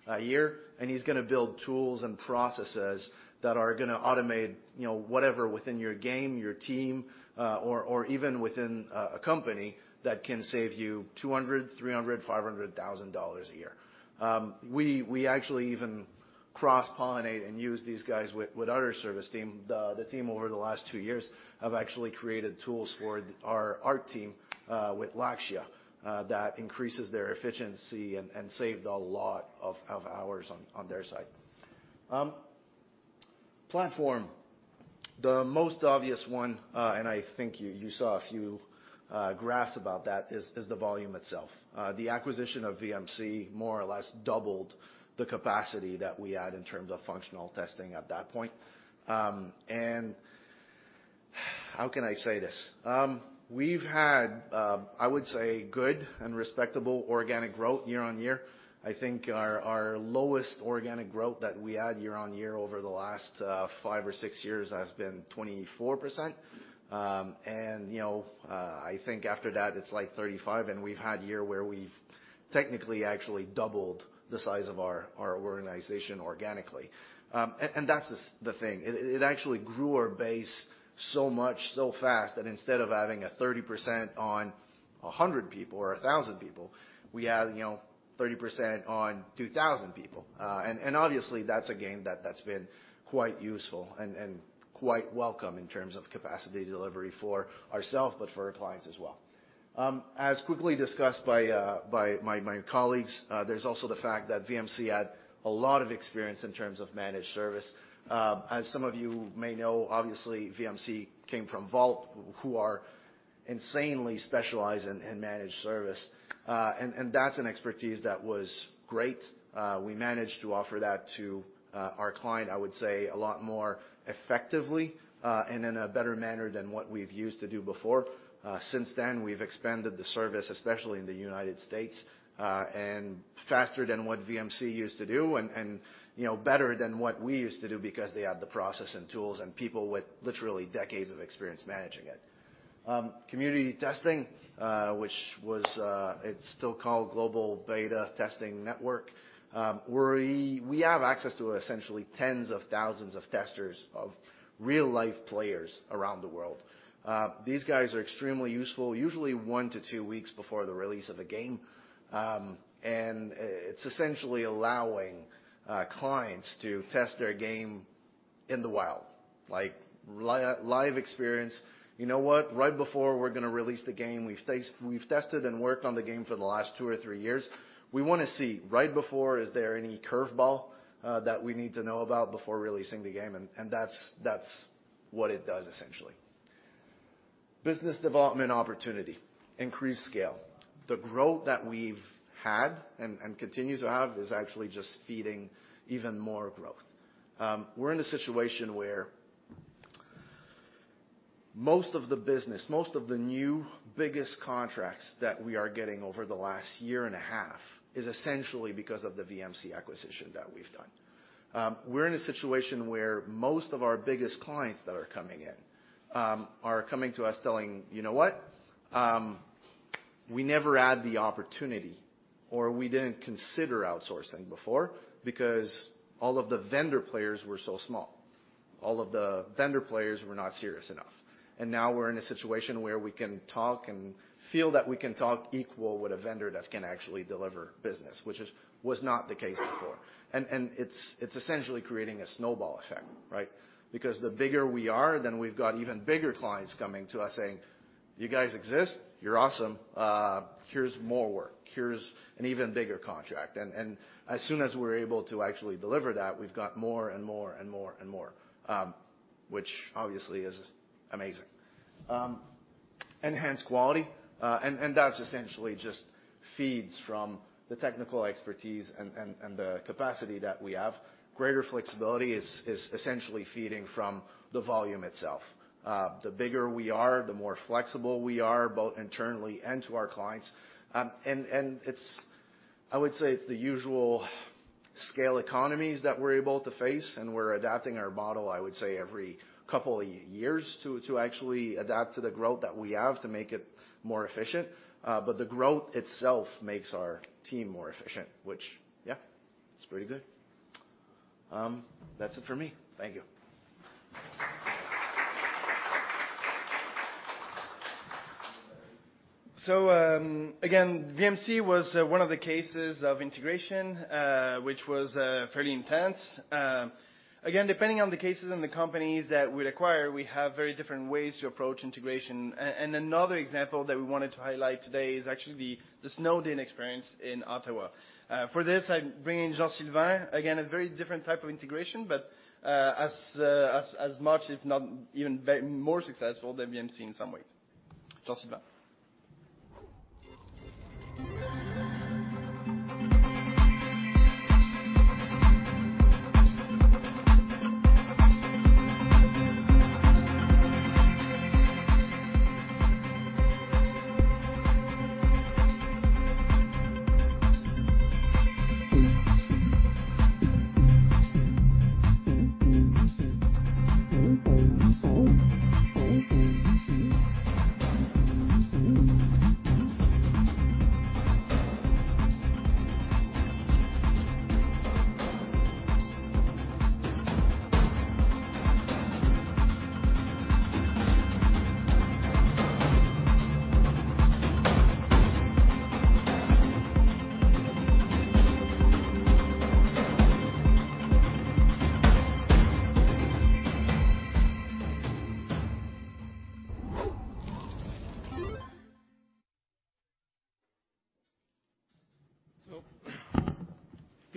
a year. He's going to build tools and processes that are going to automate whatever within your game, your team, or even within a company that can save you 200,000, 300,000, EUR 500,000 a year. We actually even cross-pollinate and use these guys with our service team. The team over the last two years have actually created tools for our art team with Lakshya that increases their efficiency and saved a lot of hours on their side. Platform. The most obvious one, and I think you saw a few graphs about that, is the volume itself. The acquisition of VMC more or less doubled the capacity that we had in terms of functional testing at that point. How can I say this? We've had, I would say, good and respectable organic growth year-over-year. I think our lowest organic growth that we had year-over-year over the last five or six years has been 24%. I think after that it's like 35%, and we've had year where we've technically actually doubled the size of our organization organically. That's the thing. It actually grew our base so much so fast that instead of having a 30% on 100 people or 1,000 people, we had 30% on 2,000 people. Obviously, that's a game that's been quite useful and quite welcome in terms of capacity delivery for ourself, but for our clients as well. As quickly discussed by my colleagues, there's also the fact that VMC had a lot of experience in terms of managed service. As some of you may know, obviously, VMC came from Volt, who are insanely specialized in managed service. That's an expertise that was great. We managed to offer that to our client, I would say, a lot more effectively, and in a better manner than what we've used to do before. Since then, we've expanded the service, especially in the U.S., and faster than what VMC used to do and better than what we used to do because they had the process and tools and people with literally decades of experience managing it. Community testing, which it's still called Global Beta Testing Network, where we have access to essentially tens of thousands of testers of real-life players around the world. These guys are extremely useful, usually one to two weeks before the release of a game. It's essentially allowing clients to test their game in the wild. Like live experience. You know what? Right before we're going to release the game, we've tested and worked on the game for the last two or three years. We want to see right before, is there any curve ball that we need to know about before releasing the game? That's what it does, essentially. Business development opportunity. Increased scale. The growth that we've had and continue to have is actually just feeding even more growth. We're in a situation where most of the business, most of the new biggest contracts that we are getting over the last year and a half is essentially because of the VMC acquisition that we've done. We're in a situation where most of our biggest clients that are coming in are coming to us telling, "You know what? We never had the opportunity, or we didn't consider outsourcing before because all of the vendor players were so small. All of the vendor players were not serious enough." Now we're in a situation where we can talk and feel that we can talk equal with a vendor that can actually deliver business, which was not the case before. It's essentially creating a snowball effect, right? The bigger we are, then we've got even bigger clients coming to us saying, "You guys exist. You're awesome. Here's more work. Here's an even bigger contract. As soon as we're able to actually deliver that, we've got more and more, which obviously is amazing. Enhanced quality. That's essentially just feeds from the technical expertise and the capacity that we have. Greater flexibility is essentially feeding from the volume itself. The bigger we are, the more flexible we are, both internally and to our clients. I would say it's the usual scale economies that we're able to face. We're adapting our model, I would say, every couple of years to actually adapt to the growth that we have to make it more efficient. The growth itself makes our team more efficient, which, yeah, it's pretty good. That's it for me. Thank you. Again, VMC was one of the cases of integration, which was fairly intense. Again, depending on the cases and the companies that we acquire, we have very different ways to approach integration. Another example that we wanted to highlight today is actually the Snowed In experience in Ottawa. For this, I'm bringing Jean-Sylvain. Again, a very different type of integration, but as much, if not even more successful than VMC in some ways. Jean-Sylvain.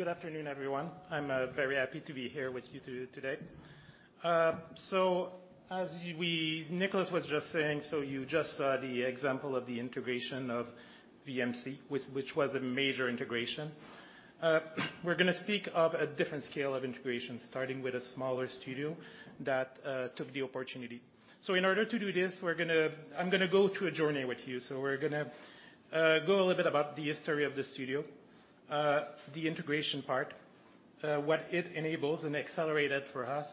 Good afternoon, everyone. I'm very happy to be here with you today. As Nicolas was just saying, you just saw the example of the integration of VMC, which was a major integration. We're going to speak of a different scale of integration, starting with a smaller studio that took the opportunity. In order to do this, I'm going to go through a journey with you. We're going to go a little bit about the history of the studio, the integration part, what it enables and accelerated for us,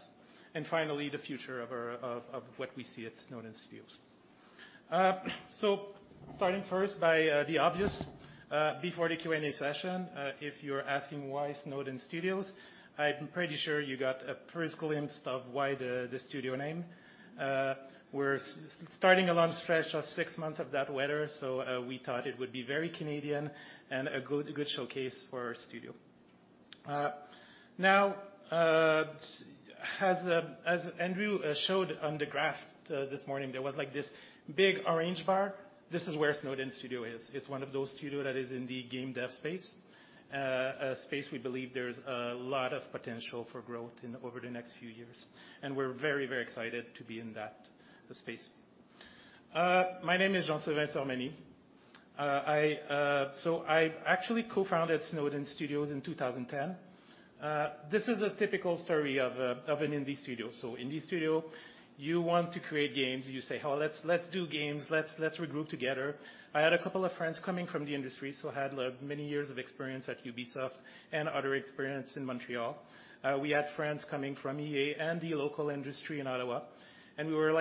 and finally the future of what we see at Snowed In Studios. Starting first by the obvious, before the Q&A session, if you're asking why Snowed In Studios, I'm pretty sure you got a first glimpse of why the studio name. We're starting a long stretch of 6 months of that weather, so we thought it would be very Canadian and a good showcase for our studio. As Andrew showed on the graph this morning, there was this big orange bar. This is where Snowed In Studios is. It's one of those studio that is in the game dev space. A space we believe there's a lot of potential for growth over the next few years, and we're very excited to be in that space. My name is Jean-Sylvain Sormany. I actually co-founded Snowed In Studios in 2010. This is a typical story of an indie studio. Indie studio, you want to create games. You say, Oh, let's do games. Let's regroup together. I had a couple of friends coming from the industry, so I had many years of experience at Ubisoft and other experience in Montreal. We had friends coming from EA and the local industry in Ottawa, and we were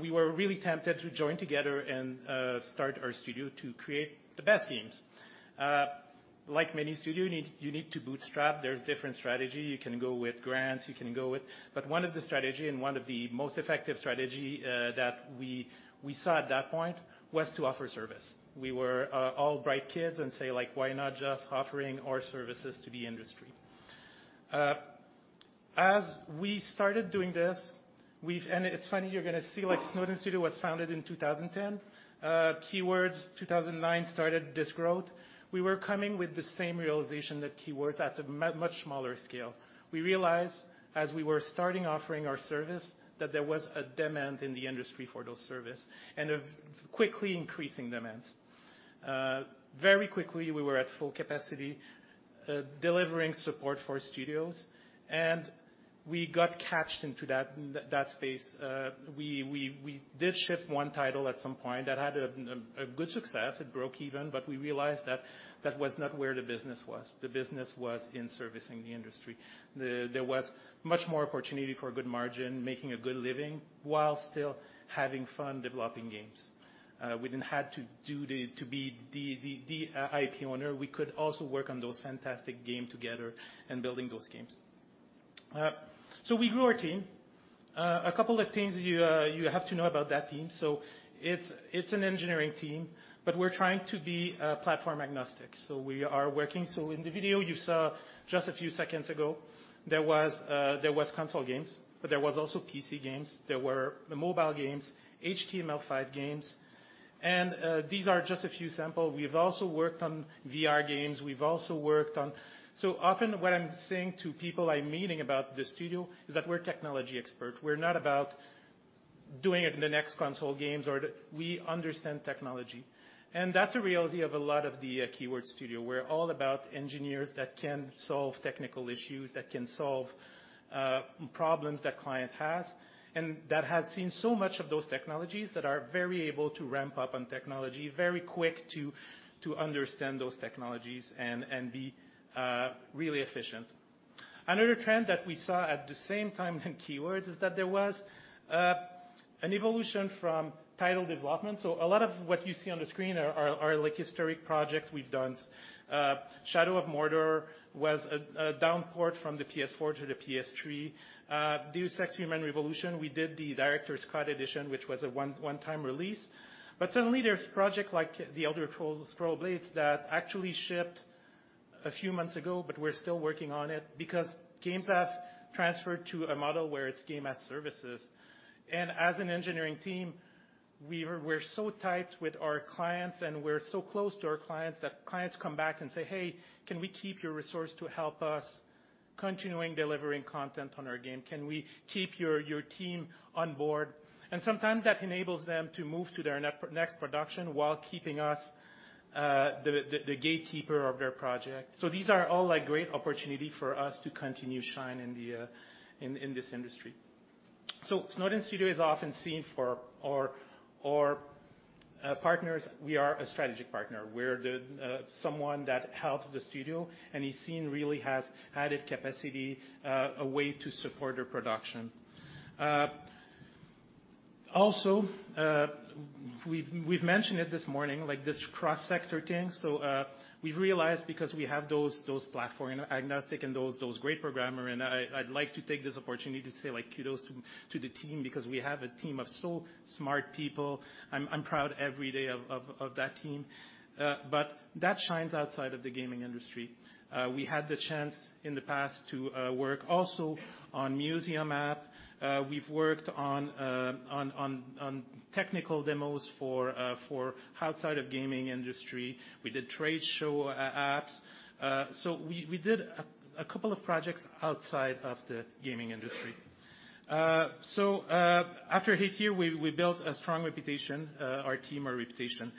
really tempted to join together and start our studio to create the best games. Like many studio, you need to bootstrap. There's different strategy. You can go with grants, you can go with One of the strategy and one of the most effective strategy that we saw at that point was to offer service. We were all bright kids and say, "Why not just offering our services to the industry?" As we started doing this, and it's funny, you're going to see Snowed In Studios was founded in 2010. Keywords, 2009, started this growth. We were coming with the same realization that Keywords at a much smaller scale. We realized, as we were starting offering our service, that there was a demand in the industry for those service, and a quickly increasing demands. Very quickly, we were at full capacity delivering support for studios, and we got caught into that space. We did ship one title at some point that had a good success. It broke even, but we realized that that was not where the business was. The business was in servicing the industry. There was much more opportunity for a good margin, making a good living while still having fun developing games. We didn't have to be the IP owner. We could also work on those fantastic game together and building those games. We grew our team. A couple of things you have to know about that team. It's an engineering team, but we're trying to be platform agnostic. We are working. In the video you saw just a few seconds ago, there was console games, but there was also PC games. There were the mobile games, HTML5 games, and these are just a few sample. We've also worked on VR games. Often what I'm saying to people I'm meeting about the studio is that we're technology expert. We're not about doing it in the next console games. We understand technology, and that's a reality of a lot of the Keywords Studios, we're all about engineers that can solve technical issues, that can solve problems that client has, and that has seen so much of those technologies that are very able to ramp up on technology, very quick to understand those technologies and be really efficient. Another trend that we saw at the same time in Keywords is that there was an evolution from title development. A lot of what you see on the screen are historic projects we've done. Shadow of Mordor was a down port from the PS4 to the PS3. Deus Ex: Human Revolution, we did the Director's Cut edition, which was a one-time release. Suddenly there's project like The Elder Scrolls: Blades that actually shipped a few months ago, we're still working on it because games have transferred to a model where it's games as a service. As an engineering team, we're so tight with our clients, and we're so close to our clients that clients come back and say, "Hey, can we keep your resource to help us continue delivering content on our game? Can we keep your team on board?" Sometimes that enables them to move to their next production while keeping us the gatekeeper of their project. These are all great opportunities for us to continue to shine in this industry. Snowed In Studios is often seen for our partners. We are a strategic partner. We're the someone that helps the studio, and is seen really as added capacity, a way to support their production. We've mentioned it this morning, like this cross-sector thing. We've realized because we have those platform agnostic and those great programmers, and I'd like to take this opportunity to say kudos to the team because we have a team of so smart people. I'm proud every day of that team. That shines outside of the gaming industry. We had the chance in the past to work also on museum apps. We've worked on technical demos for outside of gaming industry. We did trade show apps. We did a couple of projects outside of the gaming industry. After Hit Here, we built a strong reputation, our team, our reputation,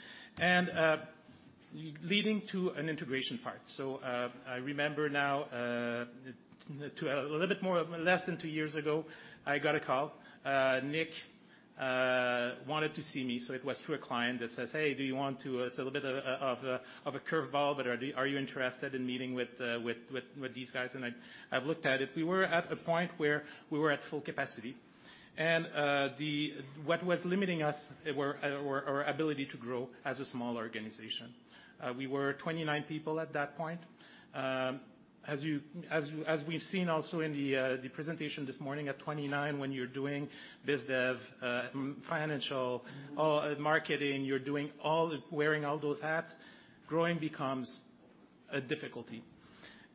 leading to an integration part. I remember now, a little bit more, less than 2 years ago, I got a call. Nick wanted to see me. It was through a client that says, "Hey, it's a little bit of a curve ball, but are you interested in meeting with these guys?" I've looked at it. We were at a point where we were at full capacity, and what was limiting us were our ability to grow as a small organization. We were 29 people at that point. As we've seen also in the presentation this morning, at 29, when you're doing biz dev, financial, marketing, you're wearing all those hats, growing becomes a difficulty.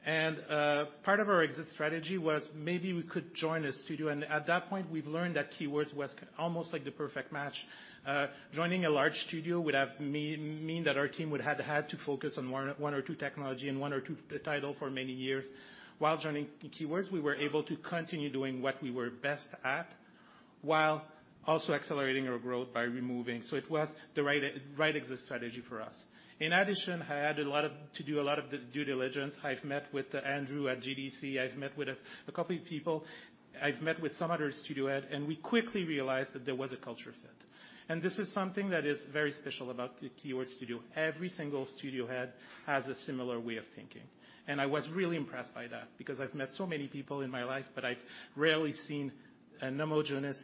Part of our exit strategy was maybe we could join a studio, and at that point, we've learned that Keywords was almost like the perfect match. Joining a large studio would have meant that our team would have had to focus on one or two technology and one or two title for many years. While joining Keywords Studios, we were able to continue doing what we were best at while also accelerating our growth by removing. It was the right exit strategy for us. In addition, I had to do a lot of due diligence. I've met with Andrew at GDC. I've met with a couple of people. I've met with some other studio head, and we quickly realized that there was a culture fit. This is something that is very special about the Keywords Studios. Every single studio head has a similar way of thinking. I was really impressed by that because I've met so many people in my life, but I've rarely seen a homogenous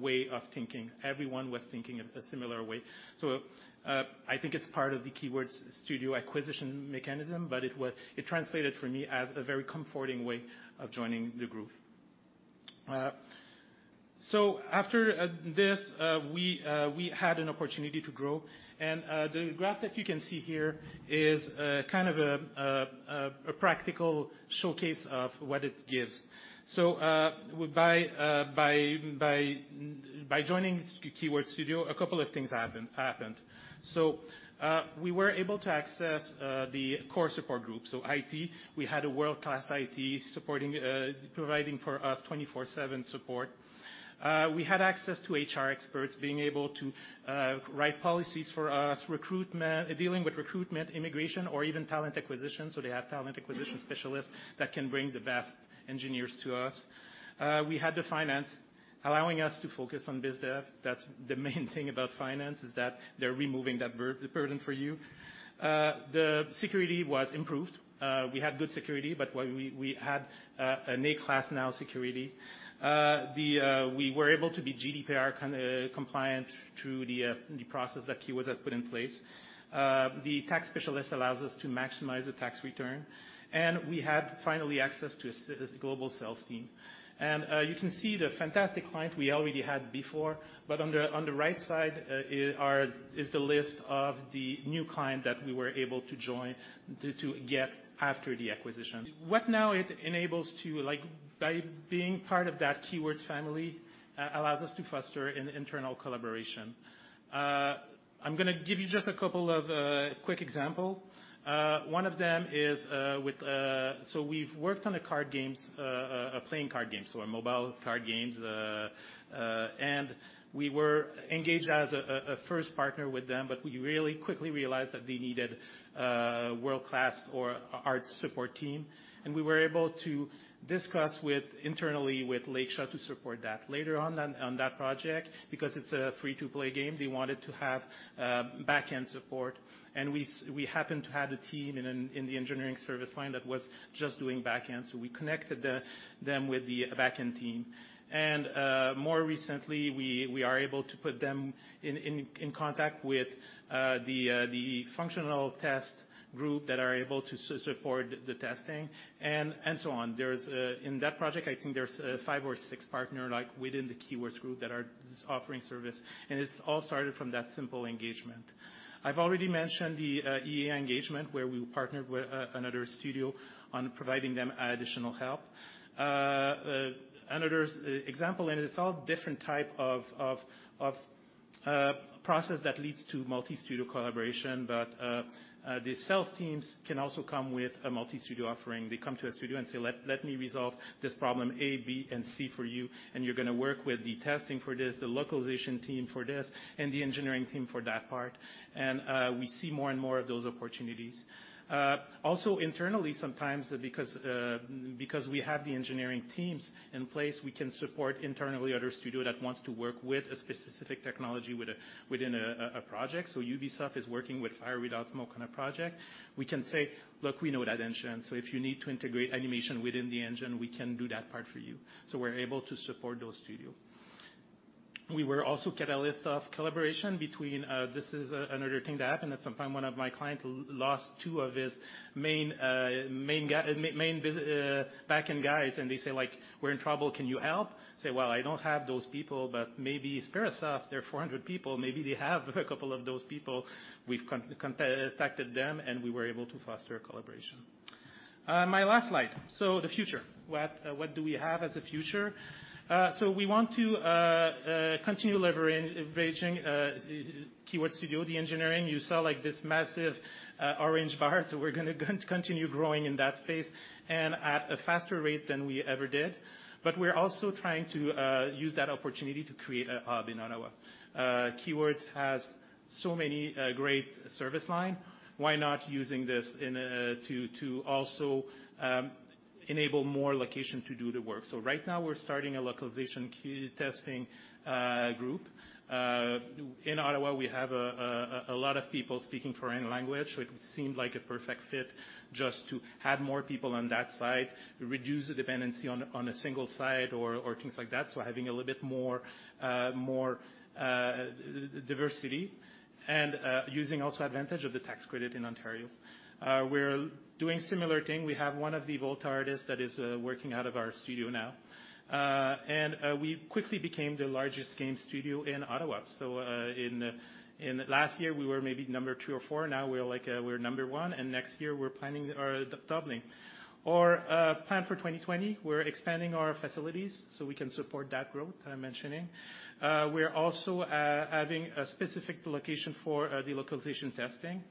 way of thinking. Everyone was thinking a similar way. I think it's part of the Keywords Studios acquisition mechanism, but it translated for me as a very comforting way of joining the group. After this, we had an opportunity to grow. The graph that you can see here is kind of a practical showcase of what it gives. By joining Keywords Studios, a couple of things happened. We were able to access the core support group. IT, we had a world-class IT supporting, providing for us 24/7 support. We had access to HR experts being able to write policies for us, recruitment, dealing with recruitment, immigration, or even talent acquisition, so they have talent acquisition specialists that can bring the best engineers to us. We had the finance allowing us to focus on biz dev. That's the main thing about finance is that they're removing that burden for you. The security was improved. We had good security, but we had an A-class now security. We were able to be GDPR compliant through the process that Keywords has put in place. The tax specialist allows us to maximize the tax return. We had finally access to a global sales team. You can see the fantastic client we already had before, but on the right side is the list of the new client that we were able to join to get after the acquisition. What now it enables to, by being part of that Keywords family, allows us to foster an internal collaboration. I'm going to give you just a couple of quick example. One of them is with So we've worked on a card games, playing card games, so mobile card games. We were engaged as a first partner with them, but we really quickly realized that they needed a world-class art support team, and we were able to discuss internally with Lakshya to support that later on that project because it's a free-to-play game. They wanted to have backend support, and we happened to have a team in the engineering service line that was just doing backend. We connected them with the backend team. More recently, we are able to put them in contact with the functional test group that are able to support the testing and so on. In that project, I think there's five or six partner within the Keywords Group that are offering service, and it all started from that simple engagement. I've already mentioned the EA engagement where we partnered with another studio on providing them additional help. Another example, it's all different type of process that leads to multi-studio collaboration, but the sales teams can also come with a multi-studio offering. They come to a studio and say, "Let me resolve this problem A, B, and C for you, and you're going to work with the testing for this, the localization team for this, and the engineering team for that part." We see more and more of those opportunities. Also internally sometimes because we have the engineering teams in place, we can support internally other studio that wants to work with a specific technology within a project. Ubisoft is working with Fire Without Smoke on a project. We can say, "Look, we know that engine. If you need to integrate animation within the engine, we can do that part for you." We're able to support those studio. We were also catalyst of collaboration between. This is another thing that happened at some time. One of my clients lost two of his main backend guys, and they say, "We're in trouble. Can you help?" Say, "Well, I don't have those people, but maybe Sperasoft, they're 400 people, maybe they have a couple of those people." We've contacted them, we were able to foster collaboration. My last slide. The future, what do we have as a future? We want to continue leveraging Keywords Studios, the engineering. You saw this massive orange bar. We're going to continue growing in that space, at a faster rate than we ever did. We're also trying to use that opportunity to create a hub in Ottawa. Keywords has so many great service line, why not using this to also enable more location to do the work? Right now we're starting a localization QA testing group. In Ottawa, we have a lot of people speaking foreign language, so it seemed like a perfect fit just to have more people on that side, reduce the dependency on a single side or things like that, having a little bit more diversity, and using also advantage of the tax credit in Ontario. We're doing similar thing. We have one of the VOLT artists that is working out of our studio now. We quickly became the largest game studio in Ottawa. In last year we were maybe number 2 or 4, now we're number 1, and next year we're planning on doubling. Our plan for 2020, we're expanding our facilities so we can support that growth I'm mentioning. We're also adding a specific location for the localization testing.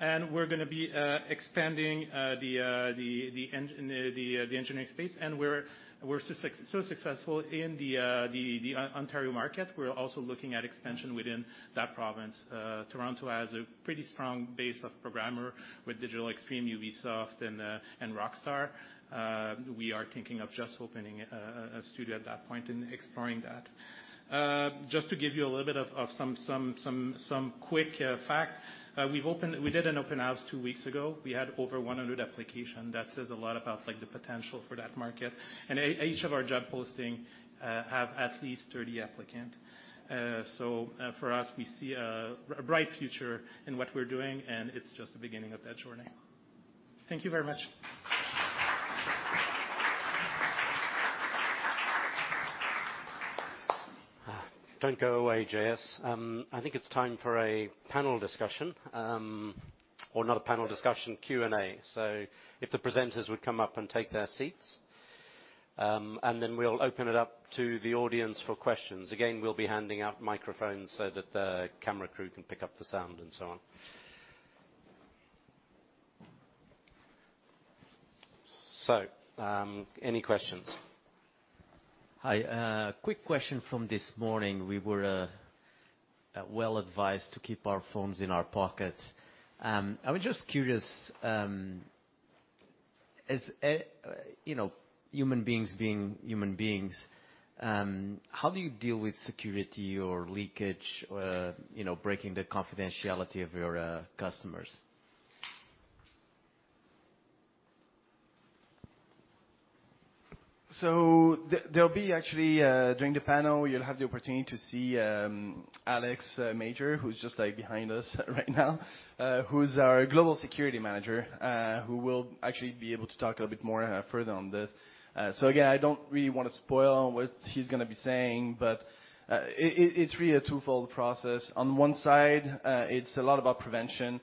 We're going to be expanding the engineering space, and we're so successful in the Ontario market, we're also looking at expansion within that province. Toronto has a pretty strong base of programmers with Digital Extremes, Ubisoft, and Rockstar. We are thinking of just opening a studio at that point and exploring that. Just to give you a little bit of some quick facts. We did an open house two weeks ago. We had over 100 applications. That says a lot about the potential for that market. Each of our job postings has at least 30 applicants. For us, we see a bright future in what we're doing, and it's just the beginning of that journey. Thank you very much. Don't go away, JS. I think it's time for a panel discussion. Not a panel discussion, Q&A. If the presenters would come up and take their seats, we'll open it up to the audience for questions. Again, we'll be handing out microphones so that the camera crew can pick up the sound and so on. Any questions? Hi, quick question from this morning. We were well advised to keep our phones in our pockets. I was just curious, as human beings being human beings, how do you deal with security or leakage, breaking the confidentiality of your customers? There'll be actually, during the panel, you'll have the opportunity to see Alex Major, who's just behind us right now, who's our Global Security Manager who will actually be able to talk a little bit more further on this. Again, I don't really want to spoil what he's going to be saying, but it's really a twofold process. On one side, it's a lot about prevention.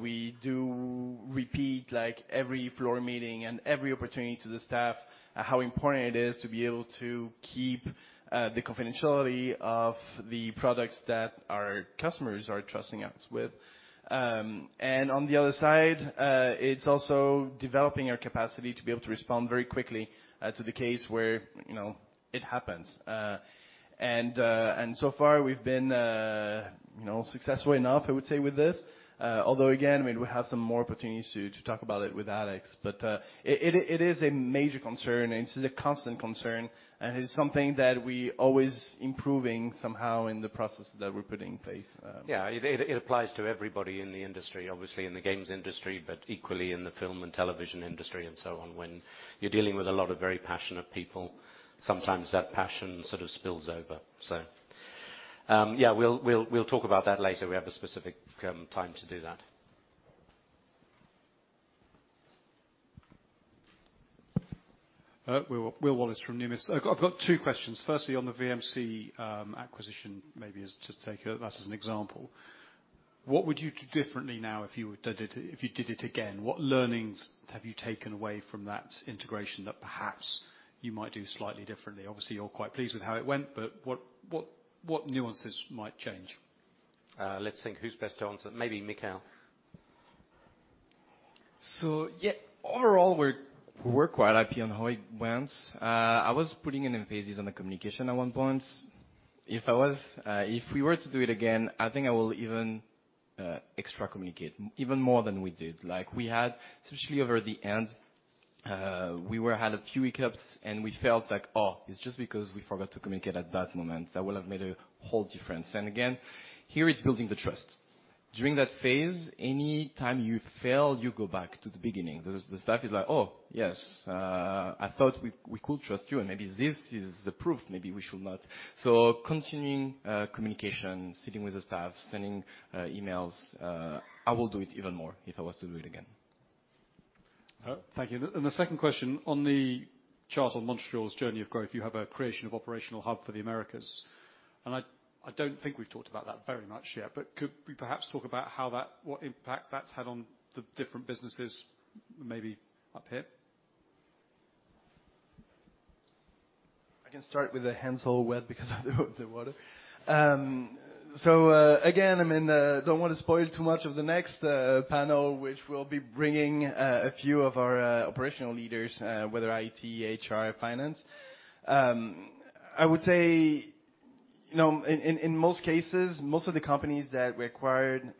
We do repeat every floor meeting and every opportunity to the staff, how important it is to be able to keep the confidentiality of the products that our customers are trusting us with. On the other side, it's also developing our capacity to be able to respond very quickly to the case where it happens. So far we've been successful enough, I would say, with this. Although, again, we have some more opportunities to talk about it with Alex. It is a major concern, and it is a constant concern, and it is something that we always improving somehow in the process that we're putting in place. Yeah, it applies to everybody in the industry. Obviously in the games industry, but equally in the film and television industry and so on. When you're dealing with a lot of very passionate people, sometimes that passion sort of spills over. We'll talk about that later. We have a specific time to do that. Will Wallis from Numis. I've got two questions. Firstly, on the VMC acquisition, maybe just take that as an example. What would you do differently now if you did it again? What learnings have you taken away from that integration that perhaps you might do slightly differently? Obviously, you're quite pleased with how it went, but what nuances might change? Let's think who's best to answer. Maybe Michaël. Yeah, overall, we're quite happy on how it went. I was putting an emphasis on the communication at one point. If we were to do it again, I think I will even extra communicate, even more than we did. We had, especially over the end, we had a few hiccups and we felt like, oh, it's just because we forgot to communicate at that moment. That would have made a whole difference. Again, here it's building the trust. During that phase, any time you fail, you go back to the beginning. The staff is like "Oh, yes. I thought we could trust you, and maybe this is the proof. Maybe we should not." Continuing communication, sitting with the staff, sending emails, I would do it even more if I was to do it again. Thank you. The second question on the chart on Montreal's journey of growth, you have a creation of operational hub for the Americas. I don't think we've talked about that very much yet, but could we perhaps talk about what impact that's had on the different businesses, maybe up here? I can start with the hands all wet because of the water. Again, I don't want to spoil too much of the next panel, which will be bringing a few of our operational leaders, whether IT, HR, finance. I would say, in most cases, most of the companies that we acquired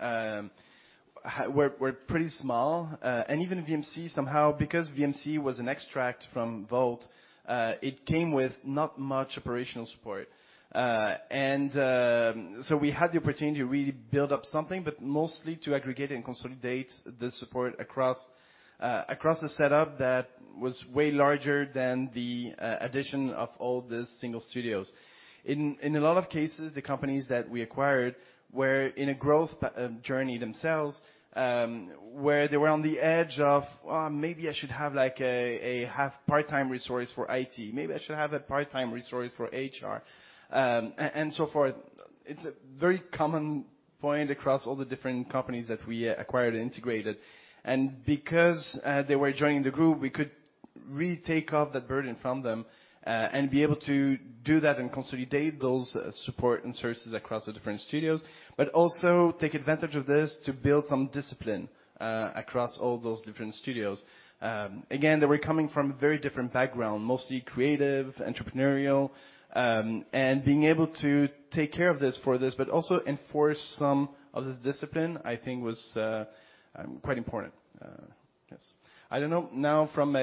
were pretty small. Even VMC somehow, because VMC was an extract from Volt, it came with not much operational support. We had the opportunity to really build up something, but mostly to aggregate and consolidate the support across the setup that was way larger than the addition of all the single studios. In a lot of cases, the companies that we acquired were in a growth journey themselves, where they were on the edge of, "Maybe I should have a half, part-time resource for IT. Maybe I should have a part-time resource for HR," and so forth. It's a very common point across all the different companies that we acquired and integrated. Because they were joining the group, we could really take off that burden from them, and be able to do that and consolidate those support and services across the different studios, but also take advantage of this to build some discipline across all those different studios. Again, they were coming from a very different background, mostly creative, entrepreneurial. Being able to take care of this for this, but also enforce some of the discipline, I think was quite important. Yes. I don't know now from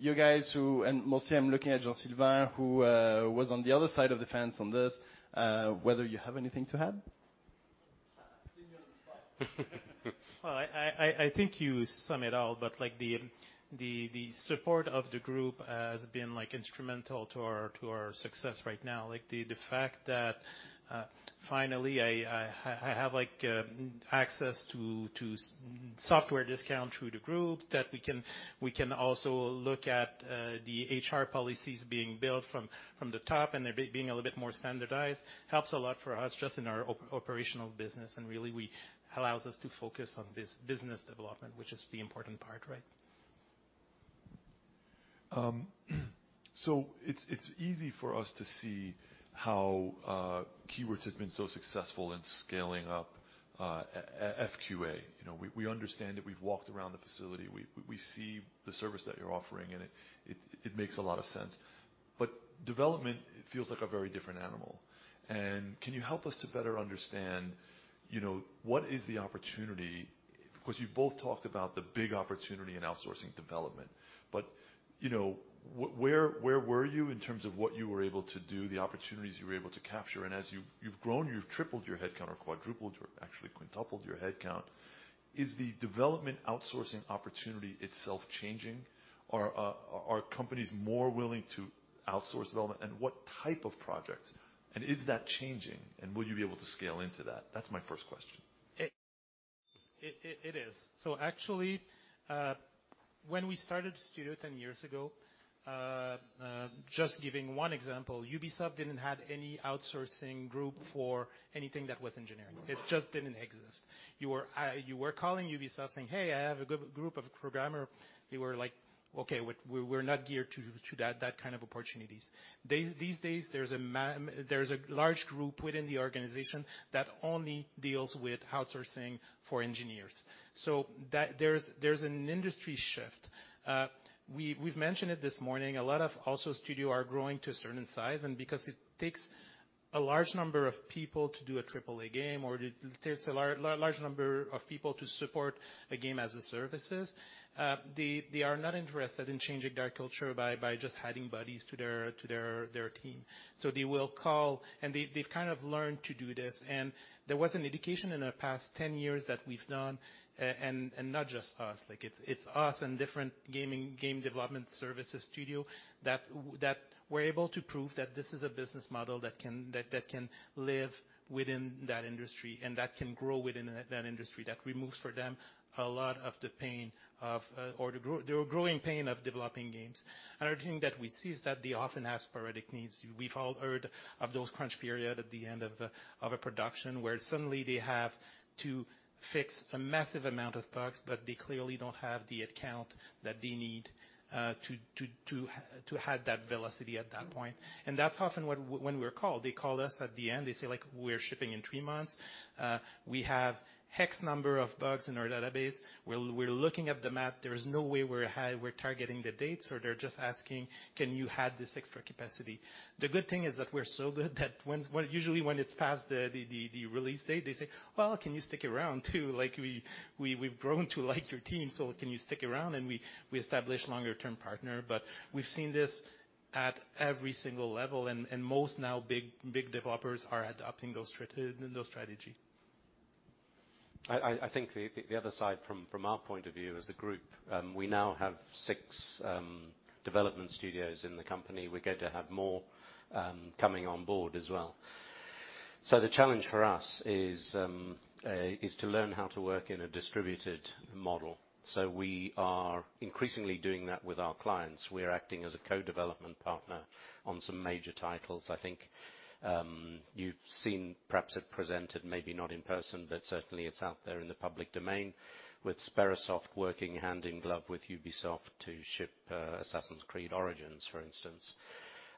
you guys who, and mostly I'm looking at Jean-Sylvain, who was on the other side of the fence on this, whether you have anything to add? Put me on the spot. Well, I think you sum it all. The support of the Keywords Group has been instrumental to our success right now. The fact that, finally, I have access to software discount through the Keywords Group, that we can also look at the HR policies being built from the top and they're being a little bit more standardized helps a lot for us just in our operational business and really allows us to focus on business development, which is the important part, right? It's easy for us to see how Keywords has been so successful in scaling up FQA. We understand it. We've walked around the facility. We see the service that you're offering, and it makes a lot of sense. Development feels like a very different animal. Can you help us to better understand what is the opportunity? Because you both talked about the big opportunity in outsourcing development. Where were you in terms of what you were able to do, the opportunities you were able to capture? As you've grown, you've tripled your headcount or quadrupled or actually quintupled your headcount. Is the development outsourcing opportunity itself changing? Are companies more willing to outsource development, and what type of projects? Is that changing, and will you be able to scale into that? That's my first question. It is. Actually, when we started the studio 10 years ago, just giving one example, Ubisoft didn't have any outsourcing group for anything that was engineering. It just didn't exist. You were calling Ubisoft saying, "Hey, I have a group of programmer." They were like, "Okay, we're not geared to that kind of opportunities." These days, there's a large group within the organization that only deals with outsourcing for engineers. There's an industry shift. We've mentioned it this morning, a lot of also studio are growing to a certain size, and because it takes a large number of people to do a AAA game or it takes a large number of people to support a game as a services, they are not interested in changing their culture by just adding buddies to their team. They will call, and they've kind of learned to do this. There was an education in the past 10 years that we've done, and not just us. It's us and different game development services studio that were able to prove that this is a business model that can live within that industry and that can grow within that industry, that removes for them a lot of the or the growing pain of developing games. Another thing that we see is that they often have sporadic needs. We've all heard of those crunch period at the end of a production where suddenly they have to fix a massive amount of bugs, but they clearly don't have the headcount that they need to add that velocity at that point. That's often when we're called. They call us at the end. They say, "We're shipping in three months. We have X number of bugs in our database. We're looking at the map. There is no way we're targeting the dates. They're just asking, "Can you add this extra capacity?" The good thing is that we're so good that usually when it's past the release date, they say, "Well, can you stick around, too? We've grown to like your team, so can you stick around?" We establish longer-term partner. We've seen this at every single level, and most now big developers are adopting those strategy. I think the other side from our point of view as a group, we now have six development studios in the company. We're going to have more coming on board as well. The challenge for us is to learn how to work in a distributed model. We are increasingly doing that with our clients. We are acting as a co-development partner on some major titles. I think you've seen, perhaps it presented, maybe not in person, but certainly it's out there in the public domain with Sperasoft working hand in glove with Ubisoft to ship, "Assassin's Creed Origins," for instance.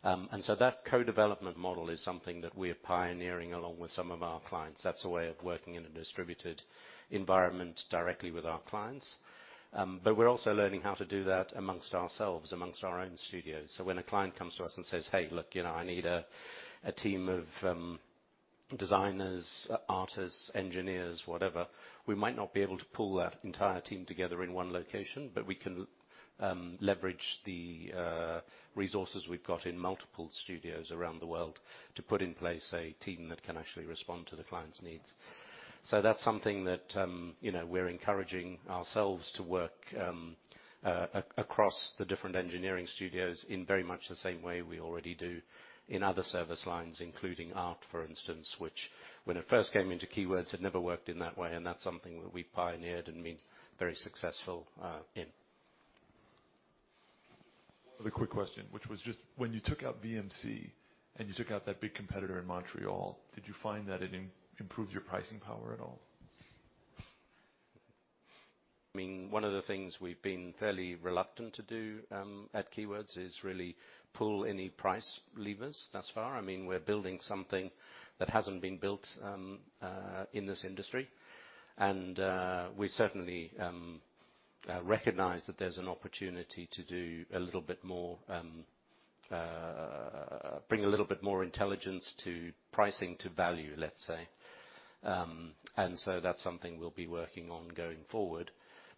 That co-development model is something that we're pioneering along with some of our clients. That's a way of working in a distributed environment directly with our clients. We're also learning how to do that amongst ourselves, amongst our own studios. When a client comes to us and says, "Hey, look, I need a team of designers, artists, engineers," whatever. We might not be able to pull that entire team together in one location, but we can leverage the resources we've got in multiple studios around the world to put in place a team that can actually respond to the client's needs. That's something that we're encouraging ourselves to work across the different engineering studios in very much the same way we already do in other service lines, including art, for instance, which when it first came into Keywords, had never worked in that way. That's something that we pioneered and been very successful in. The quick question, which was just when you took out VMC and you took out that big competitor in Montreal, did you find that it improved your pricing power at all? One of the things we've been fairly reluctant to do at Keywords is really pull any price levers thus far. We're building something that hasn't been built in this industry. We certainly recognize that there's an opportunity to do a little bit more, bring a little bit more intelligence to pricing to value, let's say. That's something we'll be working on going forward.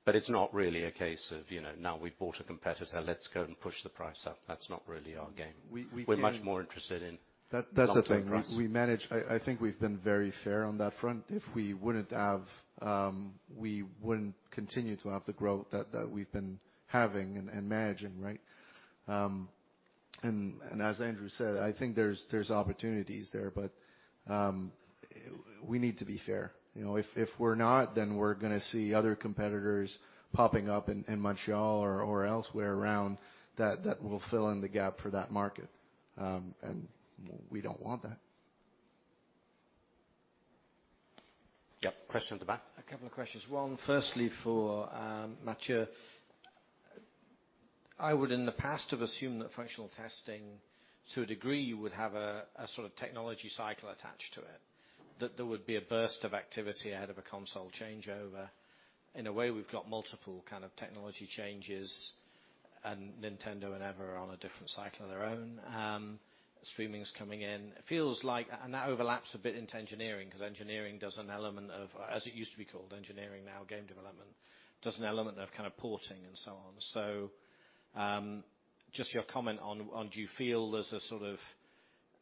It's not really a case of now we've bought a competitor, let's go and push the price up. That's not really our game. We- We're much more interested. That's the thing. control price. I think we've been very fair on that front. If we wouldn't have, we wouldn't continue to have the growth that we've been having and managing, right? As Andrew said, I think there's opportunities there. We need to be fair. If we're not, we're going to see other competitors popping up in Montreal or elsewhere around that will fill in the gap for that market. We don't want that. Yep. Question at the back. A couple of questions. One, firstly, for Mathieu. I would in the past have assumed that functional testing, to a degree, you would have a sort of technology cycle attached to it, that there would be a burst of activity ahead of a console changeover. In a way, we've got multiple kind of technology changes, and Nintendo and Ever on a different cycle of their own. Streaming's coming in. It feels like, and that overlaps a bit into engineering because engineering does an element of, as it used to be called engineering, now game development, does an element of porting and so on. Just your comment on, do you feel there's a sort of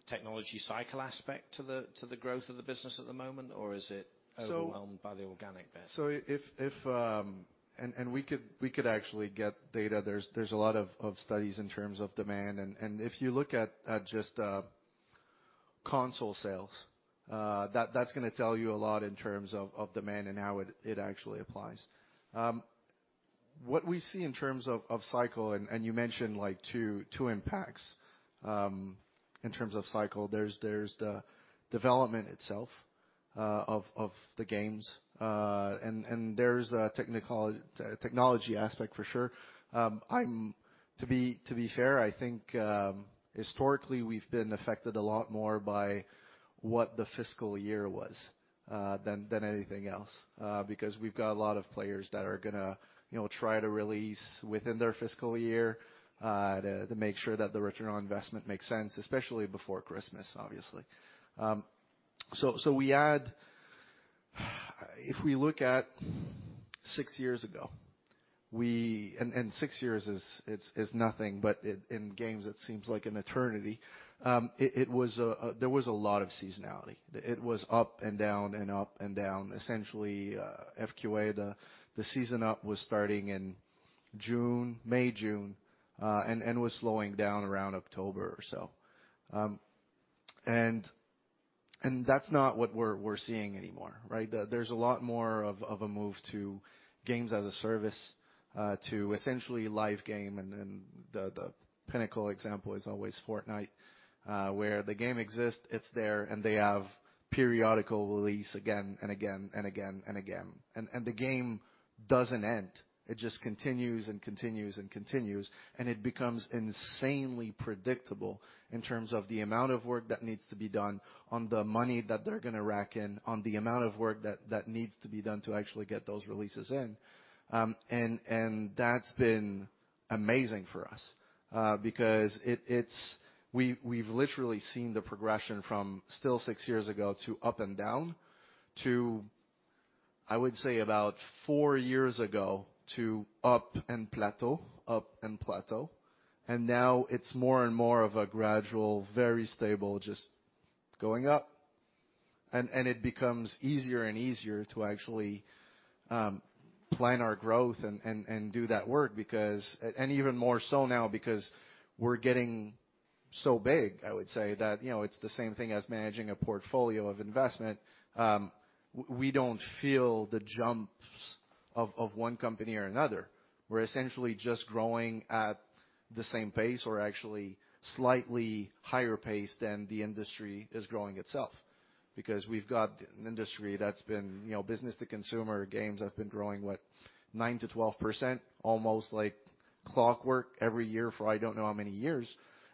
technology cycle aspect to the growth of the business at the moment? Or is it overwhelmed by the organic bit? We could actually get data. There's a lot of studies in terms of demand, and if you look at just console sales, that's going to tell you a lot in terms of demand and how it actually applies. What we see in terms of cycle, and you mentioned two impacts in terms of cycle. There's the development itself of the games. There's a technology aspect for sure. To be fair, I think historically, we've been affected a lot more by what the fiscal year was than anything else because we've got a lot of players that are going to try to release within their fiscal year to make sure that the return on investment makes sense, especially before Christmas, obviously. If we look at six years ago, and six years is nothing, but in games, it seems like an eternity. There was a lot of seasonality. It was up and down and up and down. Essentially, FQA, the season up was starting in June, May, June, and was slowing down around October or so. That's not what we're seeing anymore, right? There's a lot more of a move to games as a service, to essentially live game and the pinnacle example is always Fortnite, where the game exists, it's there, and they have periodical release again and again and again and again and again. The game doesn't end. It just continues and continues and continues, and it becomes insanely predictable in terms of the amount of work that needs to be done on the money that they're going to rack in, on the amount of work that needs to be done to actually get those releases in. That's been amazing for us because we've literally seen the progression from still six years ago to up and down to, I would say about four years ago, to up and plateau, up and plateau. Now it's more and more of a gradual, very stable, just going up. It becomes easier and easier to actually plan our growth and do that work because, and even more so now because we're getting so big, I would say that it's the same thing as managing a portfolio of investment. We don't feel the jumps of one company or another. We're essentially just growing at the same pace or actually slightly higher pace than the industry is growing itself because we've got an industry that's been business-to-consumer games that's been growing, what, 9%-12% almost like clockwork every year for I don't know how many years.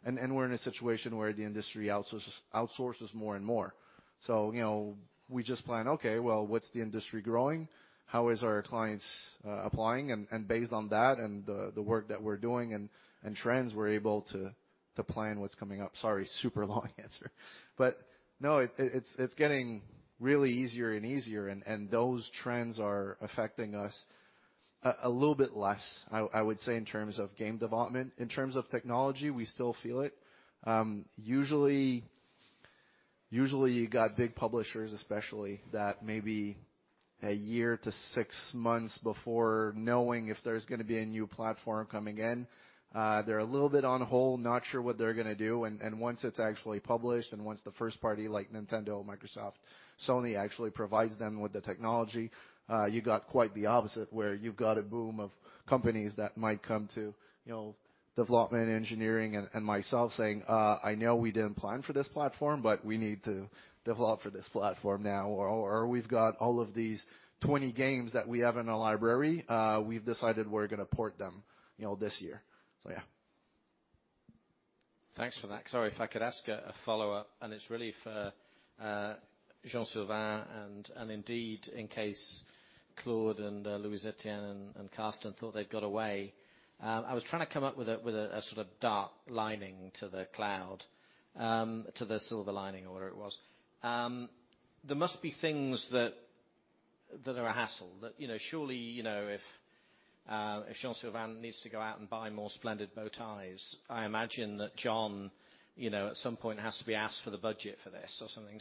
We're in a situation where the industry outsources more and more. We just plan, okay, well, what's the industry growing? How is our clients applying? Based on that and the work that we're doing and trends, we're able to plan what's coming up. Sorry, super long answer. No, it's getting really easier and easier, and those trends are affecting us a little bit less, I would say, in terms of game development. In terms of technology, we still feel it. Usually, you got big publishers especially that maybe a year to six months before knowing if there's going to be a new platform coming in. They're a little bit on hold, not sure what they're going to do. Once it's actually published and once the first party like Nintendo, Microsoft, Sony actually provides them with the technology, you got quite the opposite where you've got a boom of companies that might come to development engineering and myself saying, "I know we didn't plan for this platform, but we need to develop for this platform now," or, "We've got all of these 20 games that we have in our library. We've decided we're going to port them this year." Yeah. Thanks for that. Sorry if I could ask a follow-up and it is really for Jean-Sylvain and indeed in case Claude and Louis-Étienne and Carsten thought they had got away. I was trying to come up with a sort of dark lining to the cloud, to the silver lining or whatever it was. There must be things that are a hassle that surely if Jean-Sylvain needs to go out and buy more splendid bow ties, I imagine that Jon at some point has to be asked for the budget for this or something.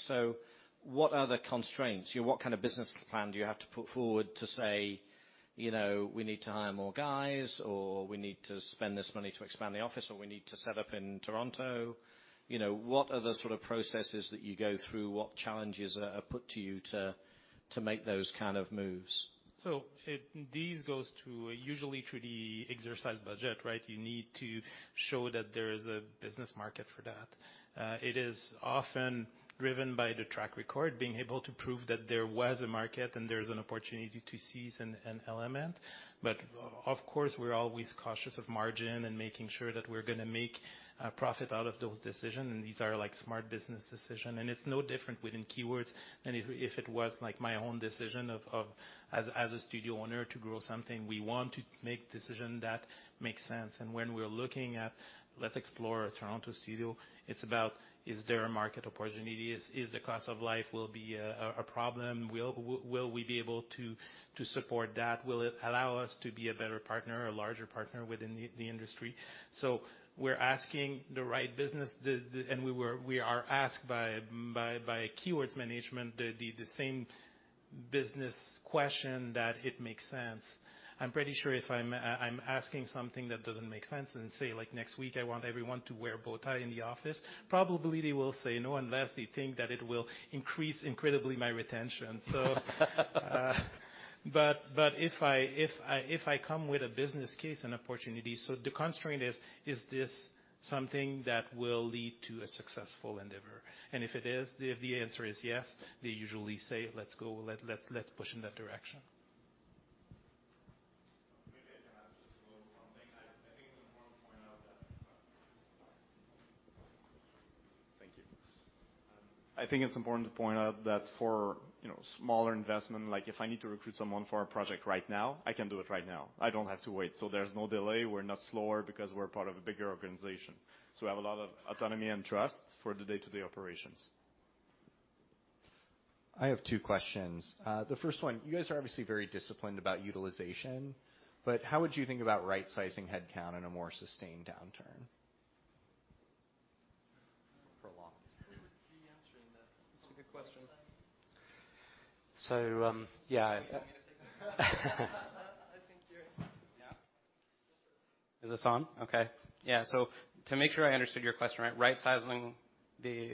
What are the constraints? What kind of business plan do you have to put forward to say we need to hire more guys, or we need to spend this money to expand the office, or we need to set up in Toronto? What are the sort of processes that you go through? What challenges are put to you to make those kind of moves? These goes usually through the exercise budget, right? You need to show that there is a business market for that. It is often driven by the track record, being able to prove that there was a market and there's an opportunity to seize an element. Of course, we're always cautious of margin and making sure that we're going to make a profit out of those decision, and these are like smart business decision. It's no different within Keywords than if it was like my own decision as a studio owner to grow something. We want to make decision that makes sense. When we're looking at let's explore a Toronto studio, it's about is there a market opportunity? Is the cost of life will be a problem? Will we be able to support that? Will it allow us to be a better partner, a larger partner within the industry? We're asking the right business, and we are asked by Keywords management the same business question that it makes sense. I'm pretty sure if I'm asking something that doesn't make sense and say like, "Next week I want everyone to wear bow tie in the office," probably they will say no unless they think that it will increase incredibly my retention so. If I come with a business case and opportunity, so the constraint is this something that will lead to a successful endeavor? If it is, if the answer is yes, they usually say, "Let's go. Let's push in that direction. Maybe I can add just a little something. Thank you. I think it's important to point out that for smaller investment, like if I need to recruit someone for a project right now, I can do it right now. I don't have to wait. There's no delay. We're not slower because we're part of a bigger organization. We have a lot of autonomy and trust for the day-to-day operations. I have two questions. The first one, you guys are obviously very disciplined about utilization, but how would you think about right-sizing headcount in a more sustained downturn? Prolonged. Who would be answering that? That's a good question. Yeah. You want me to take that? I think you're it. Yeah. Is this on? Okay. Yeah. To make sure I understood your question right-sizing the,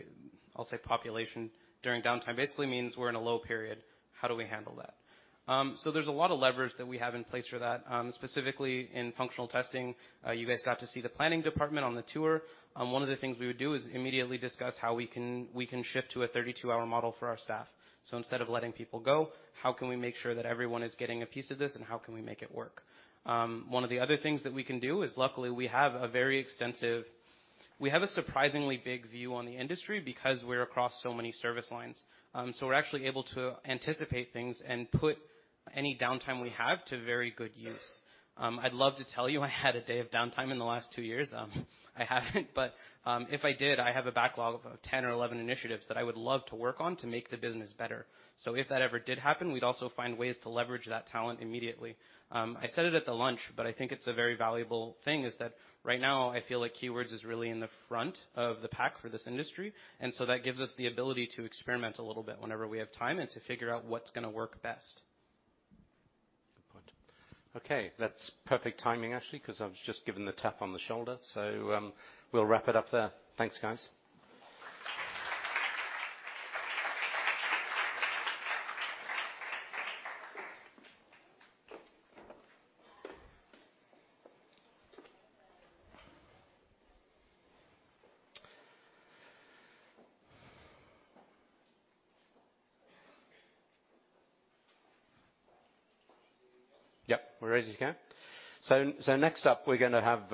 I'll say population during downtime basically means we're in a low period. How do we handle that? There's a lot of levers that we have in place for that, specifically in functional testing. You guys got to see the planning department on the tour. One of the things we would do is immediately discuss how we can shift to a 32-hour model for our staff. Instead of letting people go, how can we make sure that everyone is getting a piece of this and how can we make it work? One of the other things that we can do is luckily we have a very extensive. We have a surprisingly big view on the industry because we're across so many service lines. We're actually able to anticipate things and put any downtime we have to very good use. I'd love to tell you I had a day of downtime in the last two years. I haven't, but if I did, I have a backlog of 10 or 11 initiatives that I would love to work on to make the business better. If that ever did happen, we'd also find ways to leverage that talent immediately. I said it at the lunch, but I think it's a very valuable thing is that right now I feel like Keywords is really in the front of the pack for this industry, and so that gives us the ability to experiment a little bit whenever we have time and to figure out what's going to work best. Okay. That's perfect timing, actually, because I was just given the tap on the shoulder. We'll wrap it up there. Thanks, guys. Yep, we're ready to go. Next up, we're going to have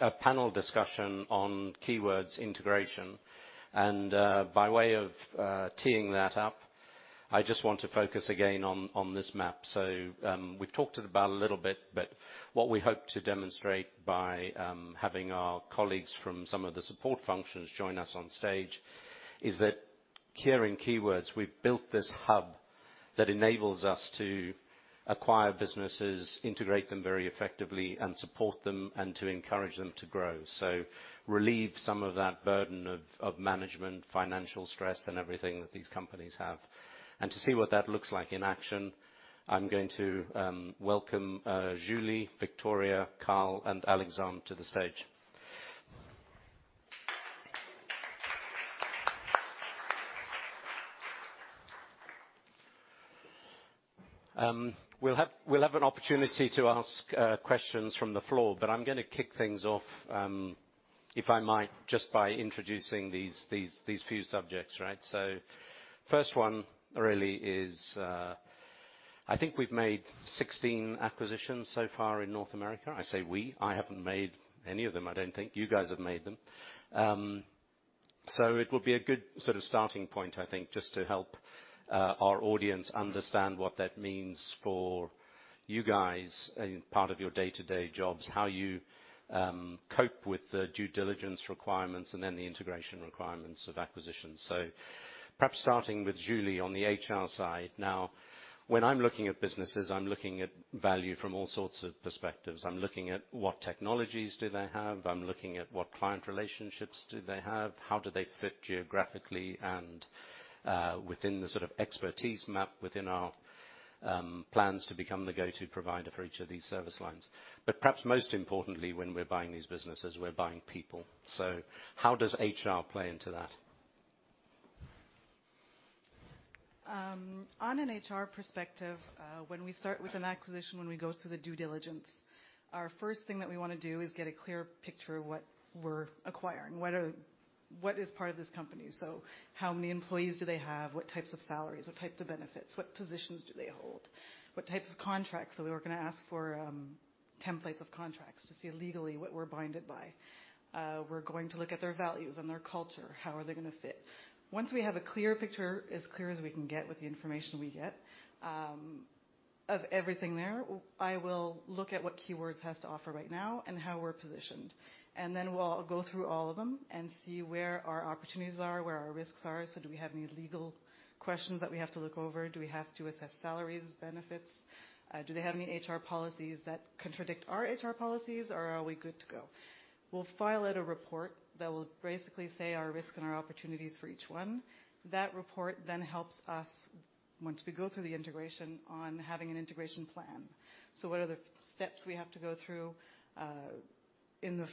a panel discussion on Keywords integration. By way of teeing that up, I just want to focus again on this map. We've talked about a little bit, but what we hope to demonstrate by having our colleagues from some of the support functions join us on stage is that here in Keywords, we've built this hub that enables us to acquire businesses, integrate them very effectively, and support them, and to encourage them to grow. Relieve some of that burden of management, financial stress, and everything that these companies have. To see what that looks like in action, I'm going to welcome Julie, Victoria, Carl, and Alexandre to the stage. We'll have an opportunity to ask questions from the floor, but I'm going to kick things off, if I might, just by introducing these few subjects. First one really is, I think we've made 16 acquisitions so far in North America. I say we, I haven't made any of them. I don't think you guys have made them. It will be a good starting point, I think, just to help our audience understand what that means for you guys in part of your day-to-day jobs, how you cope with the due diligence requirements and then the integration requirements of acquisitions. Perhaps starting with Julie on the HR side now, when I'm looking at businesses, I'm looking at value from all sorts of perspectives. I'm looking at what technologies do they have, I'm looking at what client relationships do they have, how do they fit geographically and within the sort of expertise map within our plans to become the go-to provider for each of these service lines. Perhaps most importantly, when we're buying these businesses, we're buying people. How does HR play into that? On an HR perspective, when we start with an acquisition, when we go through the due diligence, our first thing that we want to do is get a clear picture of what we're acquiring. What is part of this company? How many employees do they have? What types of salaries? What types of benefits? What positions do they hold? What types of contracts? We're going to ask for templates of contracts to see legally what we're binded by. We're going to look at their values and their culture. How are they going to fit? Once we have a clear picture, as clear as we can get with the information we get, of everything there, I will look at what Keywords has to offer right now and how we're positioned. We'll go through all of them and see where our opportunities are, where our risks are. Do we have any legal questions that we have to look over? Do we have to assess salaries, benefits? Do they have any HR policies that contradict our HR policies, or are we good to go? We'll file out a report that will basically say our risk and our opportunities for each one. That report helps us, once we go through the integration, on having an integration plan. What are the steps we have to go through in the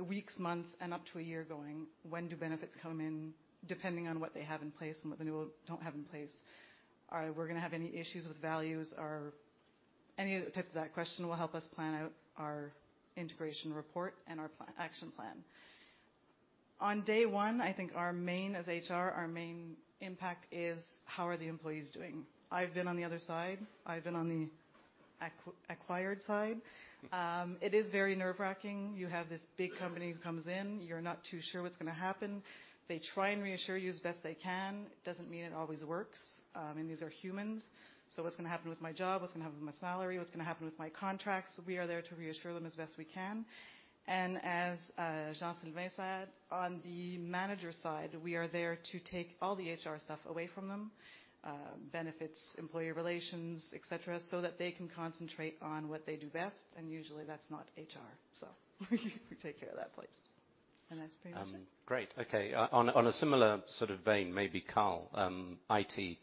weeks, months, and up to a year going? When do benefits come in, depending on what they have in place and what the new don't have in place? Are we going to have any issues with values or any type of that question will help us plan out our integration report and our action plan. On day one, I think our main as HR, our main impact is how are the employees doing? I've been on the other side. I've been on the acquired side. It is very nerve-wracking. You have this big company who comes in, you're not too sure what's going to happen. They try and reassure you as best they can. It doesn't mean it always works. I mean, these are humans. What's going to happen with my job? What's going to happen with my salary? What's going to happen with my contracts? We are there to reassure them as best we can. As Jean-Sylvain said, on the manager side, we are there to take all the HR stuff away from them, benefits, employee relations, et cetera, so that they can concentrate on what they do best, and usually that's not HR. We take care of that for them. That's pretty much it. Great. Okay. On a similar sort of vein, maybe Carl, IT.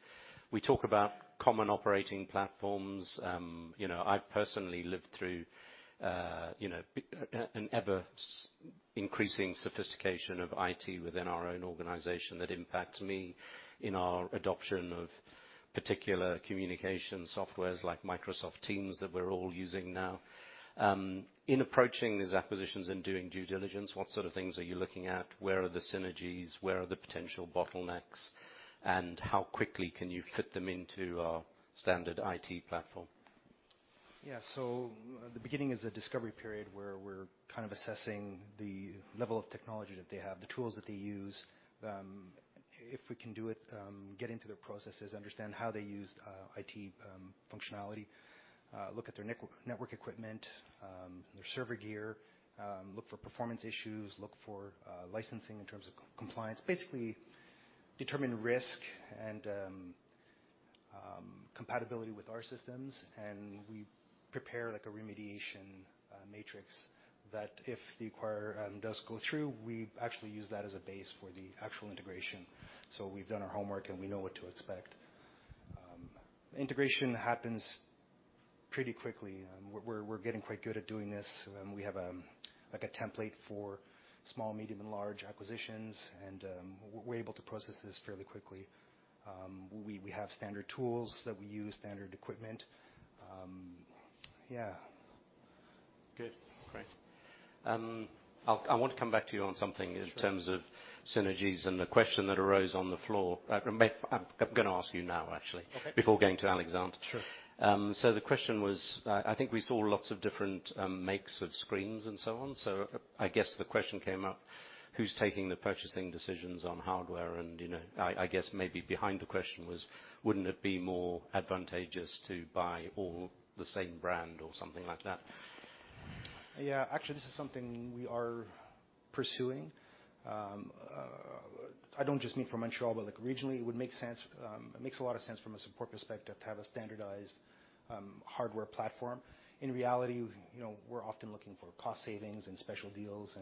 We talk about common operating platforms. I've personally lived through an ever-increasing sophistication of IT within our own organization that impacts me in our adoption of particular communication softwares like Microsoft Teams that we're all using now. In approaching these acquisitions and doing due diligence, what sort of things are you looking at? Where are the synergies? Where are the potential bottlenecks, and how quickly can you fit them into our standard IT platform? The beginning is a discovery period where we're kind of assessing the level of technology that they have, the tools that they use. If we can do it, get into their processes, understand how they used IT functionality. Look at their network equipment, their server gear. Look for performance issues, look for licensing in terms of compliance. Basically determine risk and compatibility with our systems, and we prepare like a remediation matrix that if the acquirer does go through, we actually use that as a base for the actual integration. We've done our homework, and we know what to expect. Integration happens pretty quickly. We're getting quite good at doing this. We have a template for small, medium, and large acquisitions, and we're able to process this fairly quickly. We have standard tools that we use, standard equipment. Yeah. Good. Great. I want to come back to you on something. Sure in terms of synergies and the question that arose on the floor. I'm going to ask you now, actually. Okay before going to Alexandre. Sure. The question was, I think we saw lots of different makes of screens and so on. I guess the question came up, who's taking the purchasing decisions on hardware? I guess maybe behind the question was, wouldn't it be more advantageous to buy all the same brand or something like that? Yeah. Actually, this is something we are pursuing. I don't just mean for Montreal, but like regionally, it makes a lot of sense from a support perspective to have a standardized hardware platform. In reality, we're often looking for cost savings and special deals.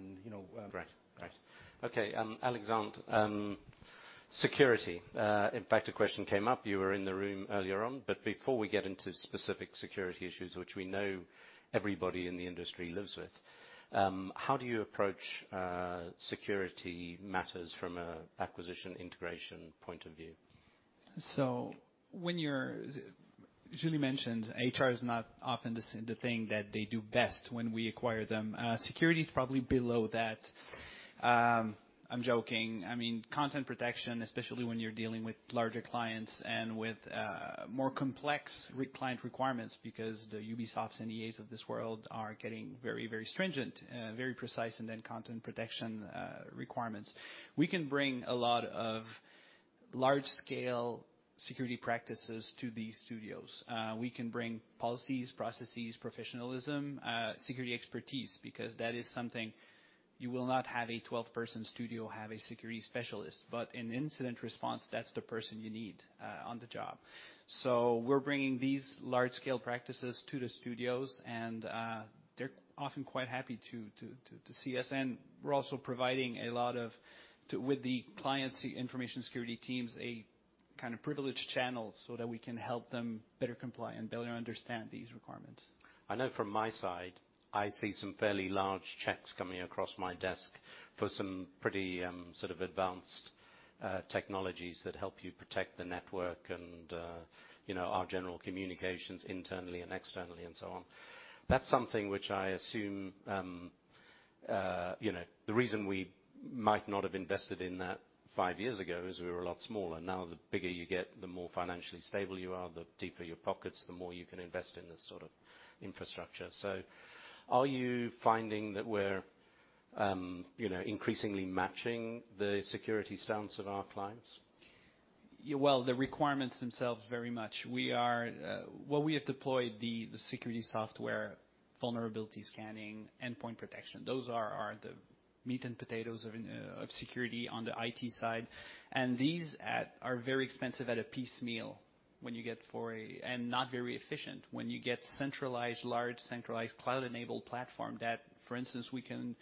Right. Okay. Alexandre, security. In fact, a question came up, you were in the room earlier on, but before we get into specific security issues, which we know everybody in the industry lives with, how do you approach security matters from an acquisition integration point of view? Julie mentioned, HR is not often the thing that they do best when we acquire them. Security is probably below that. I'm joking. I mean, content protection, especially when you're dealing with larger clients and with more complex client requirements because the Ubisofts and EAs of this world are getting very stringent, very precise, and then content protection requirements. We can bring a lot of large-scale security practices to these studios. We can bring policies, processes, professionalism, security expertise, because that is something you will not have a 12-person studio have a security specialist. In incident response, that's the person you need on the job. We're bringing these large-scale practices to the studios, and they're often quite happy to see us. We're also providing a lot of, with the clients, information security teams, a kind of privileged channel so that we can help them better comply and better understand these requirements. I know from my side, I see some fairly large checks coming across my desk for some pretty sort of advanced technologies that help you protect the network and our general communications internally and externally and so on. That's something which I assume the reason we might not have invested in that five years ago is we were a lot smaller. Now, the bigger you get, the more financially stable you are, the deeper your pockets, the more you can invest in this sort of infrastructure. Are you finding that we're increasingly matching the security stance of our clients? Well, the requirements themselves very much. We have deployed the security software vulnerability scanning, endpoint protection. Those are the meat and potatoes of security on the IT side. These are very expensive at a piecemeal when you get and not very efficient when you get large centralized cloud-enabled platform that, for instance, we can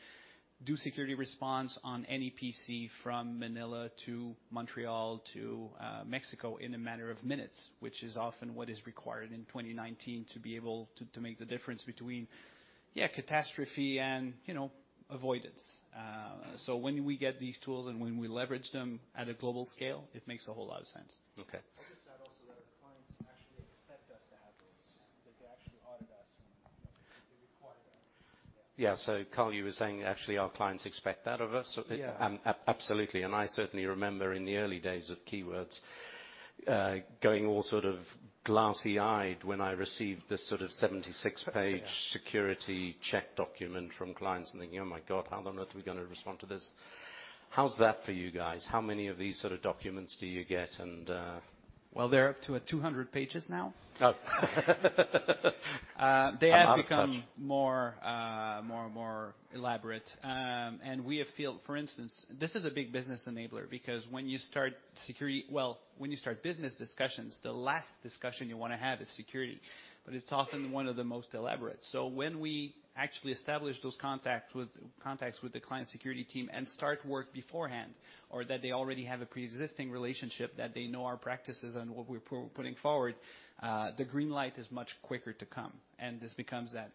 do security response on any PC from Manila to Montreal to Mexico in a matter of minutes, which is often what is required in 2019 to be able to make the difference between catastrophe and avoidance. When we get these tools and when we leverage them at a global scale, it makes a whole lot of sense. Okay. I'll just add also that our clients actually expect us to have those, like they actually audit us, and they require that. Yeah. Carl, you were saying actually our clients expect that of us. Yeah. Absolutely. I certainly remember in the early days of Keywords, going all sort of glassy-eyed when I received this sort of 76-page security check document from clients and thinking, "Oh, my God, how on earth are we going to respond to this?" How's that for you guys? How many of these sort of documents do you get. Well, they're up to at 200 pages now. Oh. They have become- I'm out of touch. more elaborate. For instance, this is a big business enabler because when you start, well, when you start business discussions, the last discussion you want to have is security, but it's often one of the most elaborate. When we actually establish those contacts with the client security team and start work beforehand, or that they already have a preexisting relationship that they know our practices and what we're putting forward, the green light is much quicker to come. That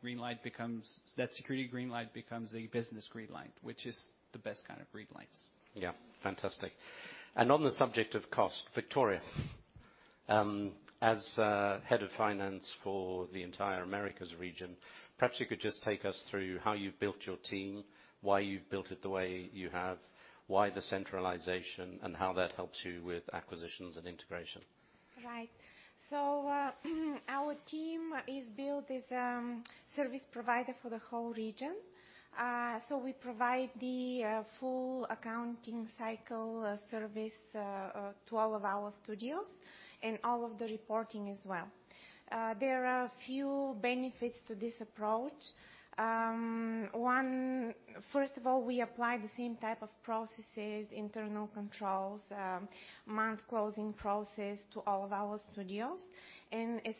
security green light becomes a business green light, which is the best kind of green lights. Yeah. Fantastic. On the subject of cost, Victoria, as Head of Finance for the entire Americas region, perhaps you could just take us through how you've built your team, why you've built it the way you have, why the centralization, and how that helps you with acquisitions and integration. Right. Our team is built as a service provider for the whole region. We provide the full accounting cycle service to all of our studios and all of the reporting as well. There are a few benefits to this approach. First of all, we apply the same type of processes, internal controls, month-closing process to all of our studios. As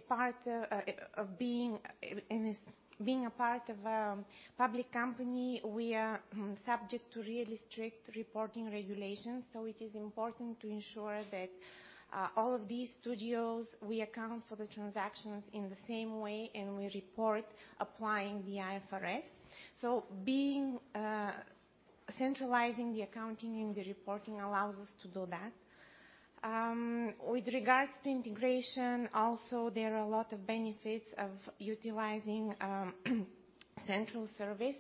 being a part of a public company, we are subject to really strict reporting regulations. It is important to ensure that all of these studios, we account for the transactions in the same way, and we report applying the IFRS. Centralizing the accounting and the reporting allows us to do that. With regards to integration also, there are a lot of benefits of utilizing central service.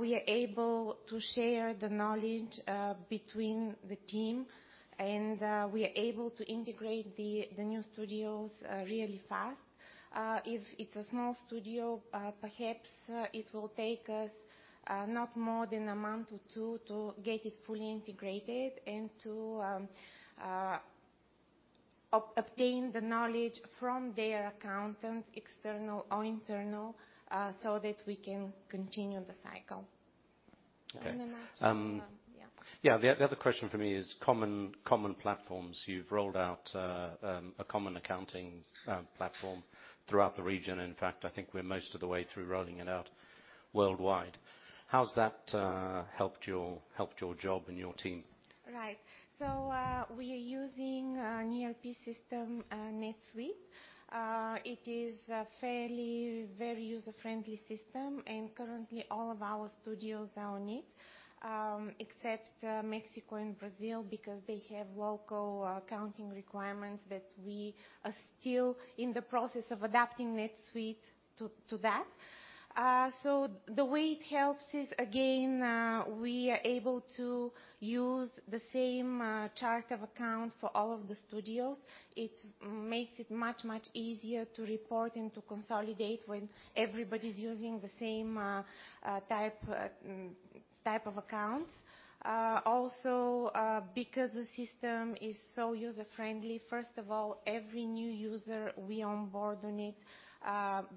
We are able to share the knowledge between the team, and we are able to integrate the new studios really fast. If it's a small studio, perhaps it will take us not more than a month or two to get it fully integrated and to obtain the knowledge from their accountants, external or internal, so that we can continue the cycle. Okay. After, yeah. Yeah. The other question for me is common platforms. You've rolled out a common accounting platform throughout the region. In fact, I think we're most of the way through rolling it out worldwide. How's that helped your job and your team? Right. We are using an ERP system, NetSuite. It is a fairly very user-friendly system, and currently all of our studios are on it, except Mexico and Brazil, because they have local accounting requirements that we are still in the process of adapting NetSuite to that. The way it helps is, again, we are able to use the same chart of account for all of the studios. It makes it much, much easier to report and to consolidate when everybody's using the same type of accounts. Because the system is so user-friendly, first of all, every new user we onboard on it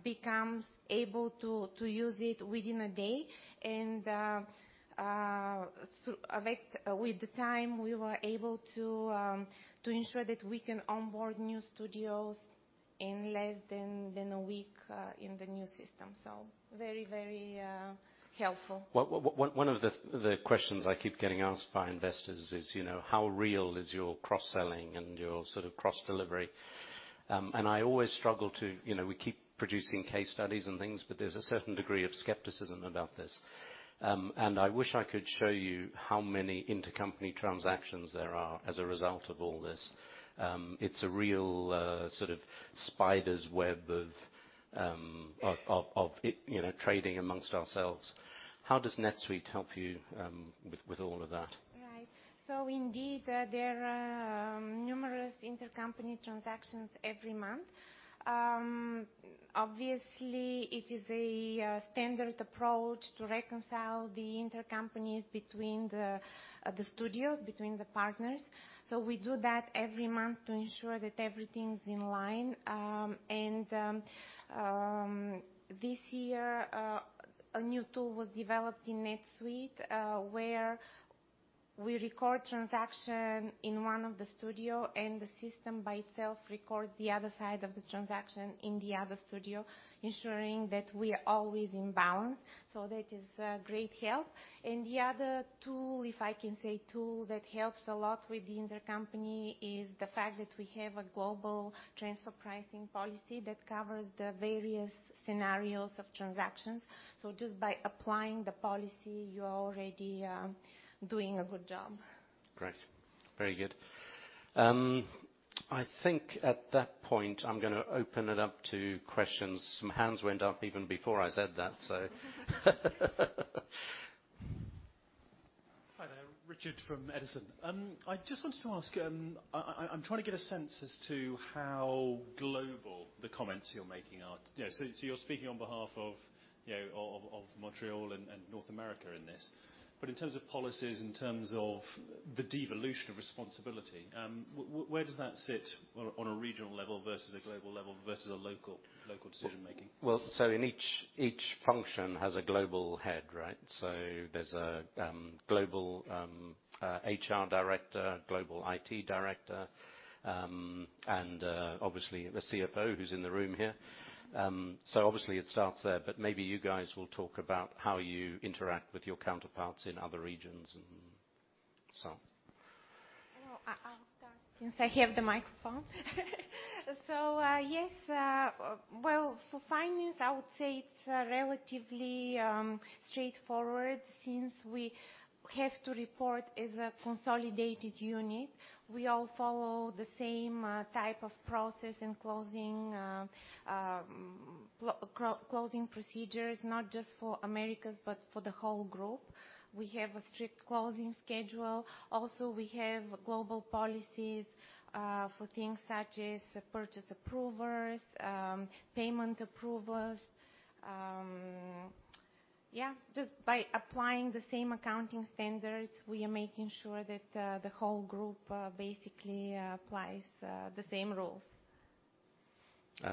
becomes able to use it within a day. With the time, we were able to ensure that we can onboard new studios in less than a week in the new system. Very helpful. One of the questions I keep getting asked by investors is, how real is your cross-selling and your sort of cross-delivery? I always struggle. We keep producing case studies and things, but there's a certain degree of skepticism about this. I wish I could show you how many intercompany transactions there are as a result of all this. It's a real sort of spider's web of trading amongst ourselves. How does NetSuite help you with all of that? Indeed, there are numerous intercompany transactions every month. Obviously, it is a standard approach to reconcile the intercompanies between the studios, between the partners. We do that every month to ensure that everything's in line. This year, a new tool was developed in NetSuite, where we record transaction in one of the studio, and the system by itself records the other side of the transaction in the other studio, ensuring that we are always in balance. That is a great help. The other tool, if I can say tool, that helps a lot with the intercompany is the fact that we have a global transfer pricing policy that covers the various scenarios of transactions. Just by applying the policy, you are already doing a good job. Great. Very good. I think at that point I'm going to open it up to questions. Some hands went up even before I said that. Hi there. Richard from Edison. I just wanted to ask, I'm trying to get a sense as to how global the comments you're making are. You're speaking on behalf of Montreal and North America in this. In terms of policies, in terms of the devolution of responsibility, where does that sit on a regional level versus a global level versus a local decision-making? Each function has a global head, right? There's a global HR director, global IT director, and obviously the CFO who's in the room here. Obviously it starts there, but maybe you guys will talk about how you interact with your counterparts in other regions and so on. I'll start since I have the microphone. Yes. Well, for finance, I would say it's relatively straightforward since we have to report as a consolidated unit. We all follow the same type of process in closing procedures, not just for Americas, but for the whole Group. We have a strict closing schedule. Also, we have global policies for things such as purchase approvals, payment approvals. Yeah, just by applying the same accounting standards, we are making sure that the whole Group basically applies the same rules. Go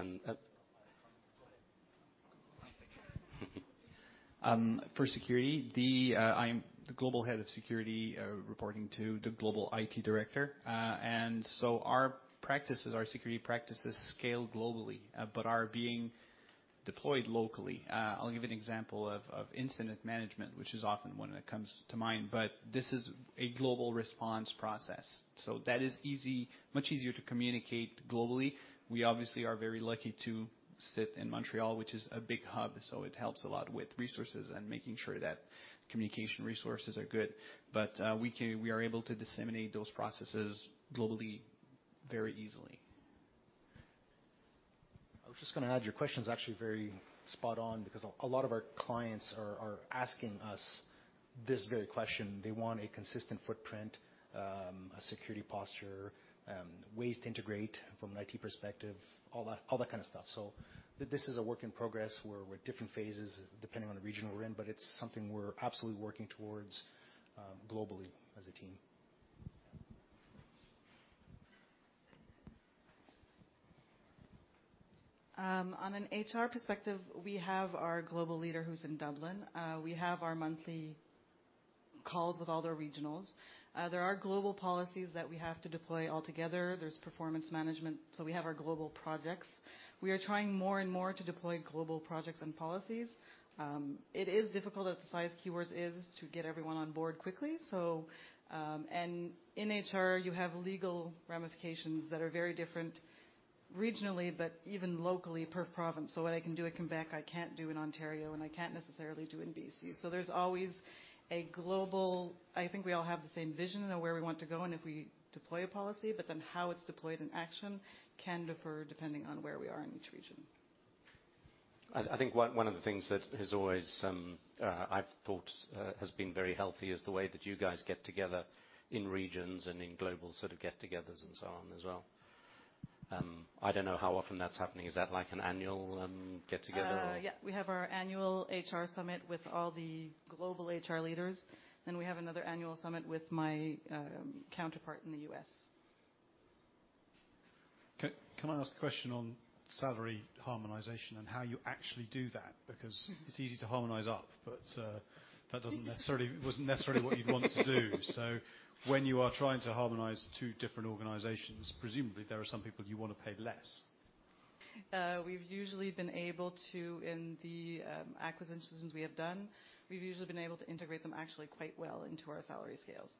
ahead. For security, I'm the global head of security, reporting to the global IT director. Our security practices scale globally, but are being deployed locally. I'll give you an example of incident management, which is often one that comes to mind. This is a global response process, so that is much easier to communicate globally. We obviously are very lucky to sit in Montreal, which is a big hub, so it helps a lot with resources and making sure that communication resources are good. We are able to disseminate those processes globally very easily. I was just going to add, your question is actually very spot on because a lot of our clients are asking us this very question. They want a consistent footprint, a security posture, ways to integrate from an IT perspective, all that kind of stuff. This is a work in progress. We're different phases depending on the region we're in, but it's something we're absolutely working towards globally as a team. On an HR perspective, we have our global leader who's in Dublin. We have our monthly calls with all the regionals. There are global policies that we have to deploy altogether. There's performance management. We have our global projects. We are trying more and more to deploy global projects and policies. It is difficult, at the size Keywords is, to get everyone on board quickly. In HR, you have legal ramifications that are very different regionally, but even locally, per province. What I can do in Quebec, I can't do in Ontario, and I can't necessarily do in B.C. There's always I think we all have the same vision of where we want to go and if we deploy a policy, but then how it's deployed in action can differ depending on where we are in each region. I think one of the things that I've thought has been very healthy is the way that you guys get together in regions and in global sort of get-togethers and so on as well. I don't know how often that's happening. Is that like an annual get-together or? Yeah. We have our annual HR summit with all the global HR leaders, and we have another annual summit with my counterpart in the U.S. Can I ask a question on salary harmonization and how you actually do that? It's easy to harmonize up, but that wasn't necessarily what you'd want to do. When you are trying to harmonize two different organizations, presumably there are some people you want to pay less. We've usually been able to, in the acquisition systems we have done, we've usually been able to integrate them actually quite well into our salary scales.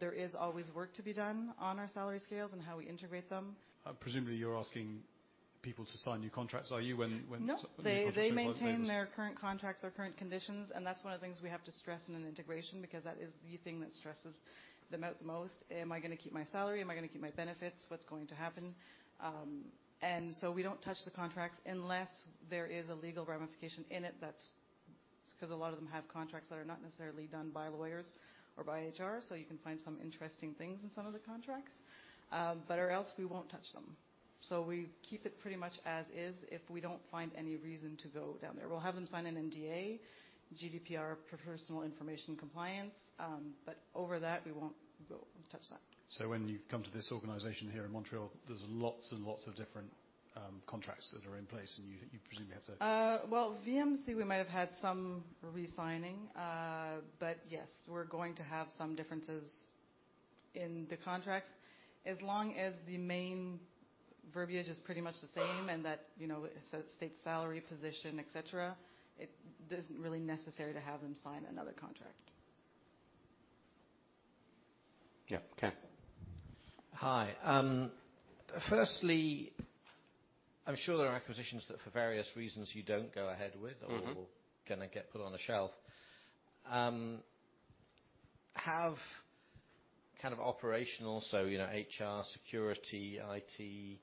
There is always work to be done on our salary scales and how we integrate them. Presumably, you're asking people to sign new contracts, are you? No. people are saying well. They maintain their current contracts, their current conditions, and that's one of the things we have to stress in an integration, because that is the thing that stresses them out the most. Am I going to keep my salary? Am I going to keep my benefits? What's going to happen? We don't touch the contracts unless there is a legal ramification in it. Because a lot of them have contracts that are not necessarily done by lawyers or by HR, so you can find some interesting things in some of the contracts. Or else we won't touch them. We keep it pretty much as is, if we don't find any reason to go down there. We'll have them sign an NDA, GDPR, professional information compliance. Over that, we won't touch that. When you come to this organization here in Montreal, there is lots and lots of different contracts that are in place. Well, VMC, we might have had some re-signing. Yes, we're going to have some differences in the contracts. As long as the main verbiage is pretty much the same and that states salary, position, et cetera, it isn't really necessary to have them sign another contract. Yeah. Ken. Hi. Firstly, I'm sure there are acquisitions that for various reasons you don't go ahead with. Going to get put on a shelf. Have kind of operational, so HR, security, IT,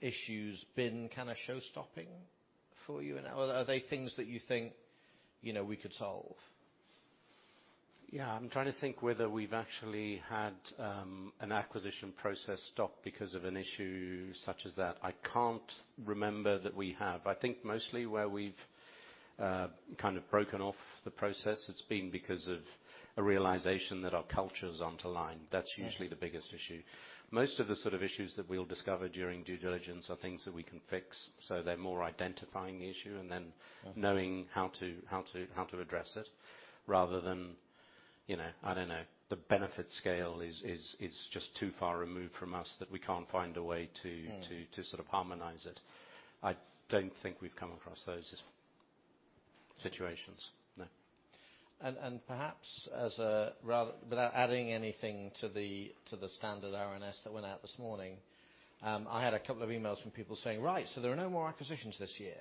issues been show stopping for you? Are they things that you think we could solve? Yeah. I'm trying to think whether we've actually had an acquisition process stop because of an issue such as that. I can't remember that we have. I think mostly where we've kind of broken off the process, it's been because of a realization that our cultures aren't aligned. That's usually the biggest issue. Most of the sort of issues that we'll discover during due diligence are things that we can fix. They're more identifying the issue and then knowing how to address it, rather than, I don't know, the benefit scale is just too far removed from us that we can't find a way. sort of harmonize it. I don't think we've come across those situations, no. Perhaps without adding anything to the standard RNS that went out this morning, I had a couple of emails from people saying, "Right. So there are no more acquisitions this year."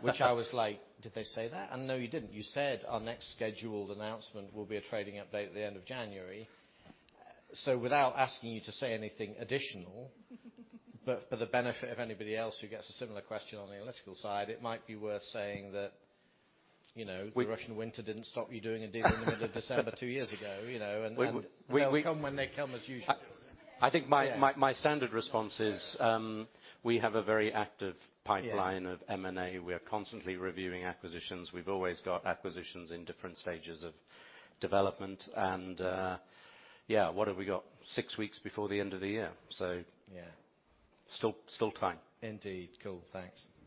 Which I was like, "Did they say that?" No, you didn't. You said our next scheduled announcement will be a trading update at the end of January. Without asking you to say anything additional, but for the benefit of anybody else who gets a similar question on the analytical side, it might be worth saying that the Russian winter didn't stop you doing a deal in the middle of December two years ago. They'll come when they come, as usual. I think my standard response is. We have a very active pipeline. Yeah of M&A. We are constantly reviewing acquisitions. We've always got acquisitions in different stages of development. What have we got? Six weeks before the end of the year. Yeah still time. Indeed. Cool. Thanks. Great.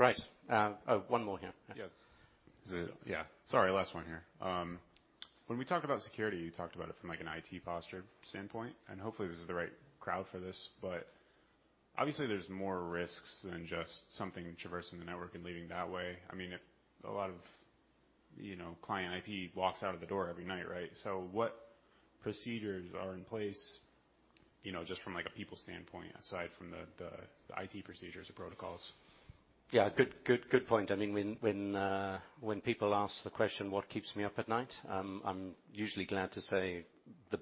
Oh, one more here. Yeah. Yeah. Sorry, last one here. When we talk about security, you talked about it from an IT posture standpoint, and hopefully, this is the right crowd for this. Obviously, there's more risks than just something traversing the network and leaving that way. A lot of client IP walks out of the door every night, right? What procedures are in place just from a people standpoint, aside from the IT procedures or protocols? Yeah, good point. When people ask the question, what keeps me up at night? I'm usually glad to say the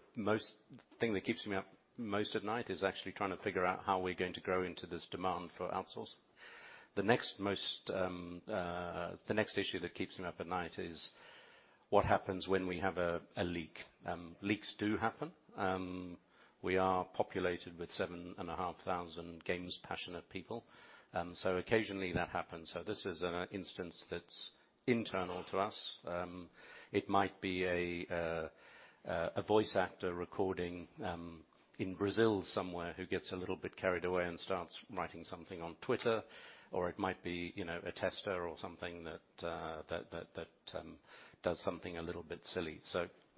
thing that keeps me up most at night is actually trying to figure out how we're going to grow into this demand for outsource. The next issue that keeps me up at night is what happens when we have a leak. Leaks do happen. We are populated with 7,500 games passionate people. Occasionally, that happens. This is an instance that's internal to us. It might be a voice actor recording in Brazil somewhere who gets a little bit carried away and starts writing something on Twitter, or it might be a tester or something that does something a little bit silly.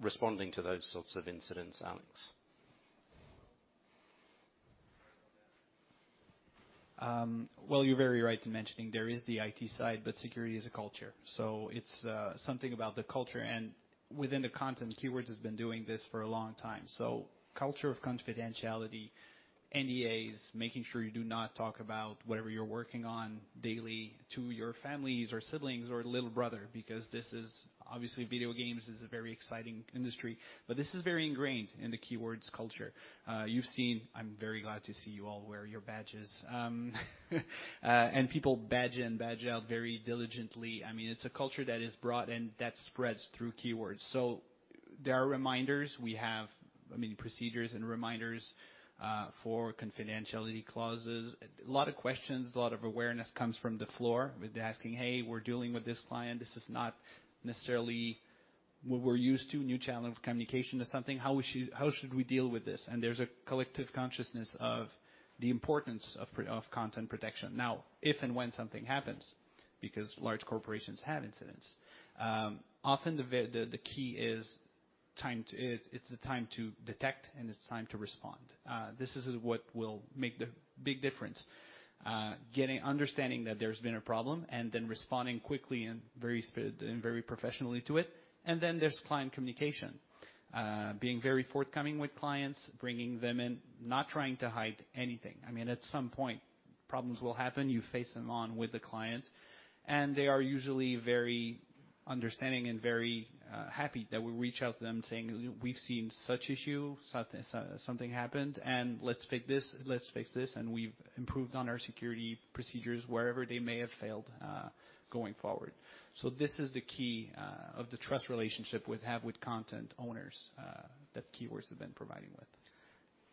Responding to those sorts of incidents, Alex. Well, you're very right in mentioning there is the IT side, but security is a culture. It's something about the culture and within the content, Keywords has been doing this for a long time. Culture of confidentiality, NDAs, making sure you do not talk about whatever you're working on daily to your families or siblings or little brother, because this is obviously video games is a very exciting industry. This is very ingrained in the Keywords culture. You've seen, I'm very glad to see you all wear your badges. People badge in, badge out very diligently. It's a culture that is brought and that spreads through Keywords. There are reminders. We have procedures and reminders for confidentiality clauses. A lot of questions, a lot of awareness comes from the floor with asking, "Hey, we're dealing with this client. This is not necessarily what we're used to, new challenge of communication or something. How should we deal with this? There's a collective consciousness of the importance of content protection. If and when something happens, because large corporations have incidents, often the key is it's the time to detect and it's the time to respond. This is what will make the big difference. Understanding that there's been a problem and then responding quickly and very professionally to it. Then there's client communication. Being very forthcoming with clients, bringing them in, not trying to hide anything. At some point, problems will happen. You face them on with the client, and they are usually very understanding and very happy that we reach out to them saying, "We've seen such issue, something happened, and let's fix this, and we've improved on our security procedures wherever they may have failed going forward." This is the key of the trust relationship we have with content owners that Keywords have been providing with.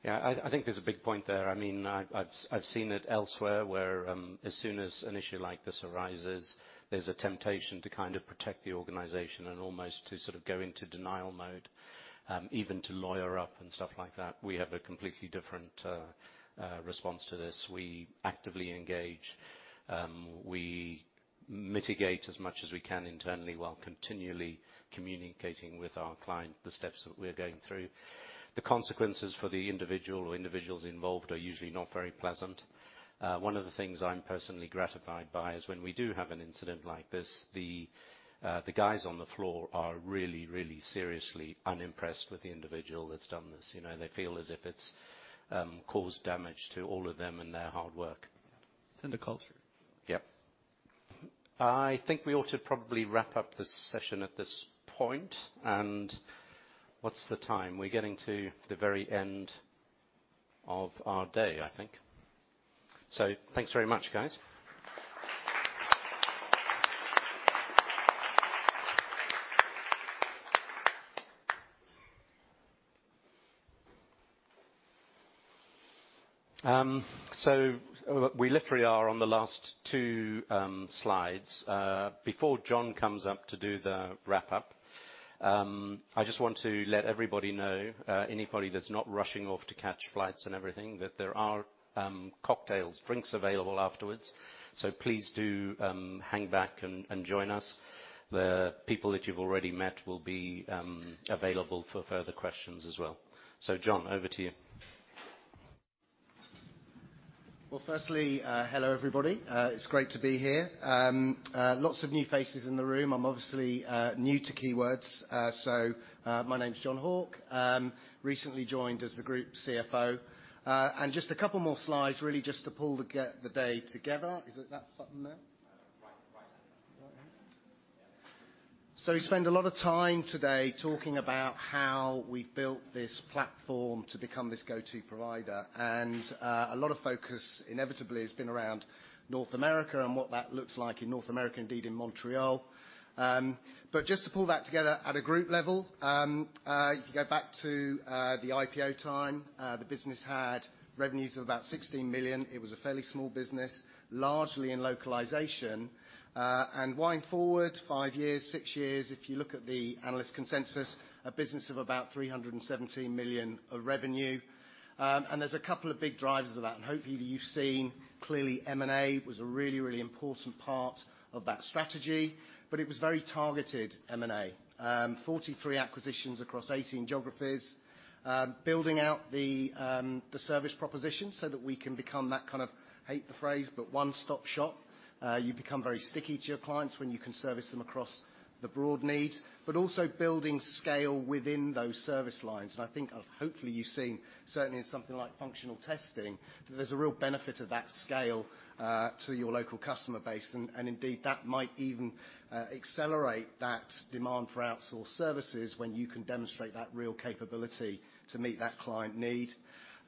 Yeah, I think there's a big point there. I've seen it elsewhere where as soon as an issue like this arises, there's a temptation to kind of protect the organization and almost to sort of go into denial mode, even to lawyer up and stuff like that. We have a completely different response to this. We actively engage. We mitigate as much as we can internally while continually communicating with our client the steps that we're going through. The consequences for the individual or individuals involved are usually not very pleasant. One of the things I'm personally gratified by is when we do have an incident like this, the guys on the floor are really seriously unimpressed with the individual that's done this. They feel as if it's caused damage to all of them and their hard work. It's in the culture. Yep. I think we ought to probably wrap up this session at this point. What's the time? We're getting to the very end of our day, I think. Thanks very much, guys. We literally are on the last two slides. Before John comes up to do the wrap-up, I just want to let everybody know, anybody that's not rushing off to catch flights and everything, that there are cocktails, drinks available afterwards. Please do hang back and join us. The people that you've already met will be available for further questions as well. John, over to you. Well, firstly, hello everybody. It's great to be here. Lots of new faces in the room. I'm obviously new to Keywords. My name's Jon Hauck. Recently joined as the group CFO. Just a couple more slides, really just to pull the day together. Is it that button there? We spend a lot of time today talking about how we've built this platform to become this go-to provider. A lot of focus inevitably has been around North America and what that looks like in North America, indeed in Montreal. Just to pull that together at a group level, you can go back to the IPO time. The business had revenues of about 16 million. It was a fairly small business, largely in localization. Wind forward five years, six years, if you look at the analyst consensus, a business of about 317 million of revenue. There's a couple of big drivers of that, and hopefully you've seen clearly M&A was a really, really important part of that strategy. It was very targeted M&A. 43 acquisitions across 18 geographies. Building out the service proposition so that we can become that kind of, hate the phrase, but one-stop shop. You become very sticky to your clients when you can service them across the broad needs, but also building scale within those service lines. I think hopefully you've seen certainly in something like functional testing, that there's a real benefit of that scale, to your local customer base. Indeed that might even accelerate that demand for outsourced services when you can demonstrate that real capability to meet that client need.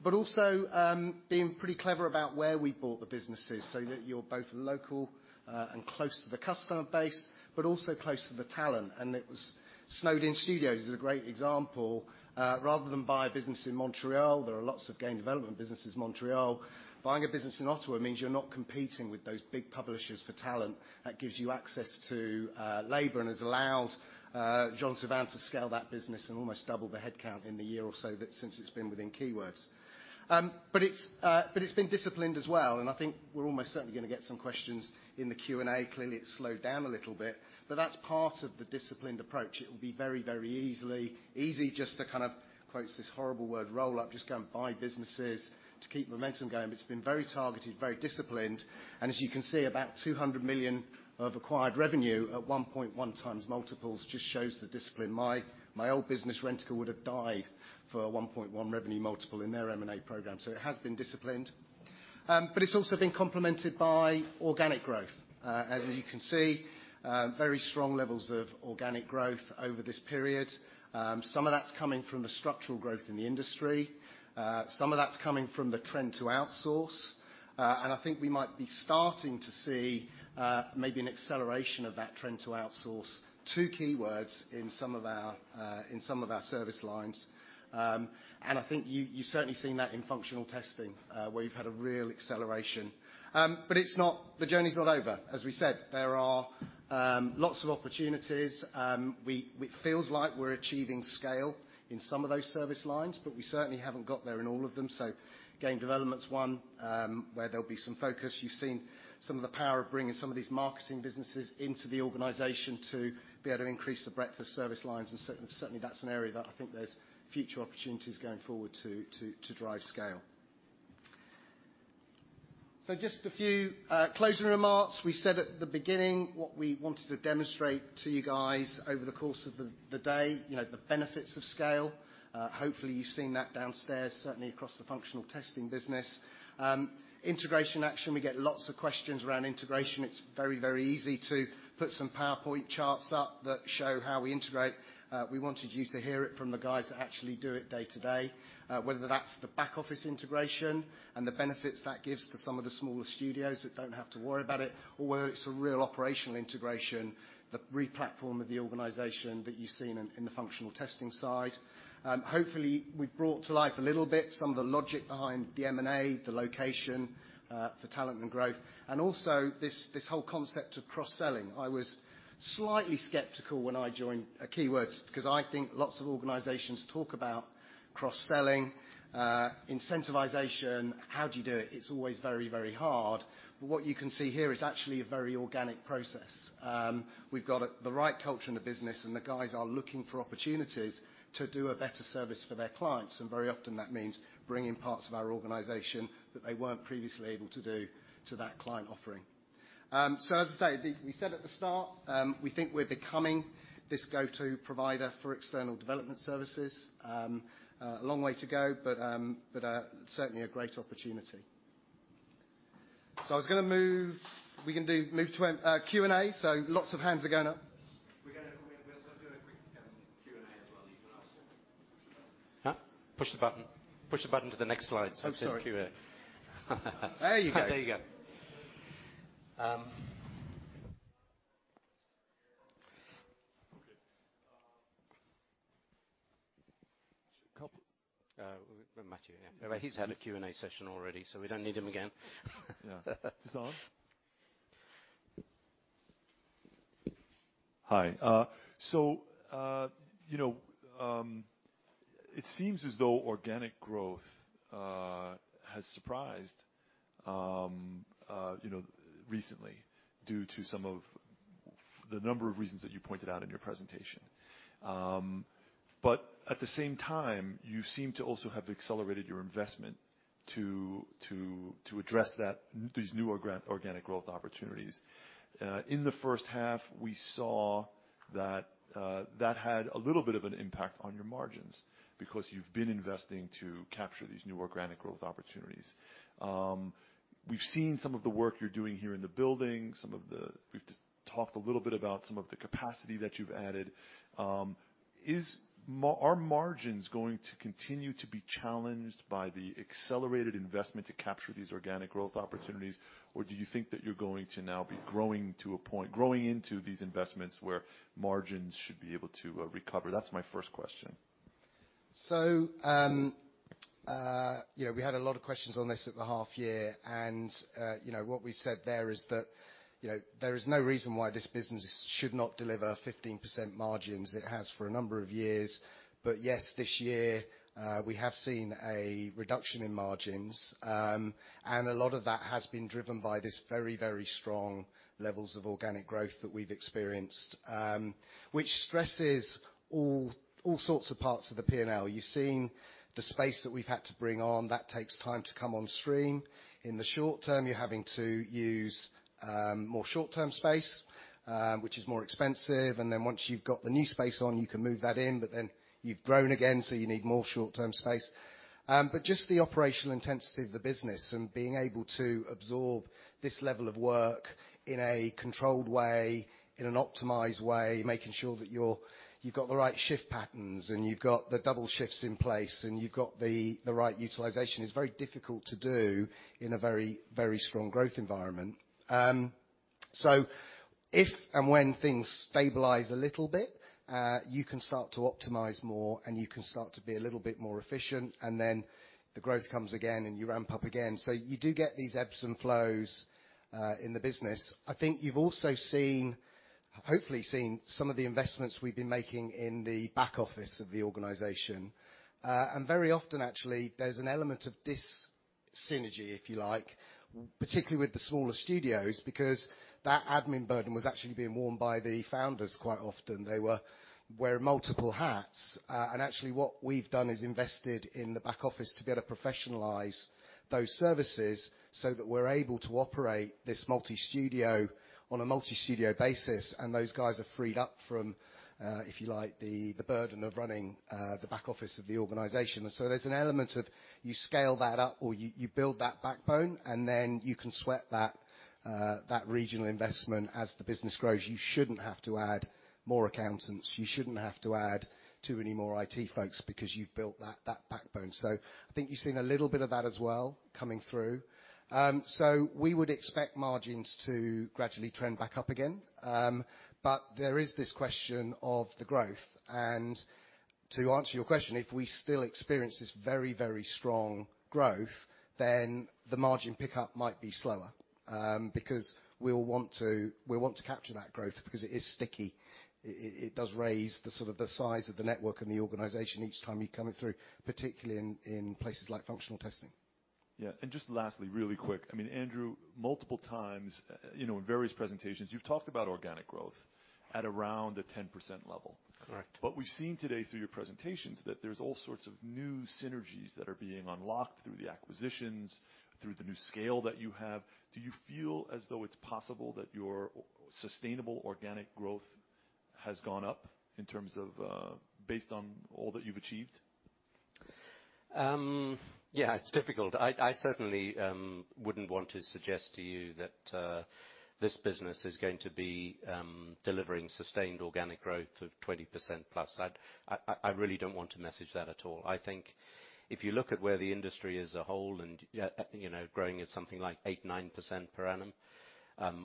Also being pretty clever about where we bought the businesses so that you're both local and close to the customer base, but also close to the talent. It was Snowed In Studios is a great example. Rather than buy a business in Montreal, there are lots of game development businesses in Montreal. Buying a business in Ottawa means you're not competing with those big publishers for talent. That gives you access to labor and has allowed Jean-Sylvain Sormany to scale that business and almost double the headcount in the year or so that since it's been within Keywords. It's been disciplined as well, and I think we're almost certainly going to get some questions in the Q&A. Clearly, it's slowed down a little bit, but that's part of the disciplined approach. It will be very easy just to kind of quotes this horrible word roll up, just go and buy businesses to keep momentum going. It's been very targeted, very disciplined, and as you can see, about 200 million of acquired revenue at 1.1x multiples just shows the discipline. My old business, Rentokil, would have died for a 1.1x revenue multiple in their M&A program. It has been disciplined. It's also been complemented by organic growth. As you can see, very strong levels of organic growth over this period. Some of that's coming from the structural growth in the industry. Some of that's coming from the trend to outsource. I think we might be starting to see maybe an acceleration of that trend to outsource to Keywords in some of our service lines. I think you've certainly seen that in functional testing, where we've had a real acceleration. The journey's not over. As we said, there are lots of opportunities. It feels like we're achieving scale in some of those service lines, but we certainly haven't got there in all of them. Game development's one where there'll be some focus. You've seen some of the power of bringing some of these marketing businesses into the organization to be able to increase the breadth of service lines, and certainly that's an area that I think there's future opportunities going forward to drive scale. Just a few closing remarks. We said at the beginning what we wanted to demonstrate to you guys over the course of the day, the benefits of scale. Hopefully you've seen that downstairs, certainly across the functional testing business. Integration action, we get lots of questions around integration. It's very easy to put some PowerPoint charts up that show how we integrate. We wanted you to hear it from the guys that actually do it day to day. Whether that's the back office integration and the benefits that gives to some of the smaller studios that don't have to worry about it, or whether it's a real operational integration, the replatform of the organization that you've seen in the functional testing side. Hopefully we've brought to life a little bit some of the logic behind the M&A, the location for talent and growth, and also this whole concept of cross-selling. I was slightly skeptical when I joined Keywords because I think lots of organizations talk about cross-selling, incentivization. How do you do it? It's always very hard. What you can see here is actually a very organic process. We've got the right culture in the business, and the guys are looking for opportunities to do a better service for their clients. Very often that means bringing parts of our organization that they weren't previously able to do to that client offering. As I say, we said at the start we think we're becoming this go-to provider for external development services. A long way to go, but certainly a great opportunity. I was going to move. We can move to Q&A. Lots of hands are going up. We're going to do a quick Q&A as well. You can ask. Huh? Push the button. Push the button to the next slide so it says Q&A. There you go. There you go. Matthew, yeah. He's had a Q&A session already, so we don't need him again. Yeah. It's on? Hi. It seems as though organic growth has surprised recently due to some of the number of reasons that you pointed out in your presentation. At the same time, you seem to also have accelerated your investment to address these newer organic growth opportunities. In the first half, we saw that had a little bit of an impact on your margins because you've been investing to capture these new organic growth opportunities. We've seen some of the work you're doing here in the building, talked a little bit about some of the capacity that you've added. Are margins going to continue to be challenged by the accelerated investment to capture these organic growth opportunities? Do you think that you're going to now be growing into these investments where margins should be able to recover? That's my first question. We had a lot of questions on this at the half year. What we said there is that there is no reason why this business should not deliver 15% margins. It has for a number of years. Yes, this year we have seen a reduction in margins. A lot of that has been driven by this very strong levels of organic growth that we've experienced, which stresses all sorts of parts of the P&L. You're seeing the space that we've had to bring on, that takes time to come on stream. In the short term, you're having to use more short-term space, which is more expensive. Once you've got the new space on, you can move that in, but then you've grown again, so you need more short-term space. Just the operational intensity of the business and being able to absorb this level of work in a controlled way, in an optimized way, making sure that you've got the right shift patterns, and you've got the double shifts in place, and you've got the right utilization, is very difficult to do in a very, very strong growth environment. If and when things stabilize a little bit, you can start to optimize more, and you can start to be a little bit more efficient. Then the growth comes again, and you ramp up again. You do get these ebbs and flows in the business. I think you've also hopefully seen some of the investments we've been making in the back office of the organization. Very often, actually, there's an element of this synergy, if you like, particularly with the smaller studios, because that admin burden was actually being worn by the founders quite often. They were wearing multiple hats. Actually what we've done is invested in the back office to be able to professionalize those services so that we're able to operate this multi-studio on a multi-studio basis, and those guys are freed up from, if you like, the burden of running the back office of the organization. There's an element of you scale that up, or you build that backbone, and then you can sweat that regional investment as the business grows. You shouldn't have to add more accountants. You shouldn't have to add too many more IT folks because you've built that backbone. I think you've seen a little bit of that as well coming through. We would expect margins to gradually trend back up again. There is this question of the growth. To answer your question, if we still experience this very, very strong growth, the margin pickup might be slower. We'll want to capture that growth because it is sticky. It does raise the sort of the size of the network and the organization each time you come in through, particularly in places like functional testing. Yeah. Just lastly, really quick, Andrew, multiple times in various presentations, you've talked about organic growth at around a 10% level. Correct. We've seen today through your presentations that there's all sorts of new synergies that are being unlocked through the acquisitions, through the new scale that you have. Do you feel as though it's possible that your sustainable organic growth has gone up in terms of based on all that you've achieved? Yeah, it's difficult. I certainly wouldn't want to suggest to you that this business is going to be delivering sustained organic growth of 20% plus. I really don't want to message that at all. I think if you look at where the industry as a whole and growing at something like 8%-9% per annum,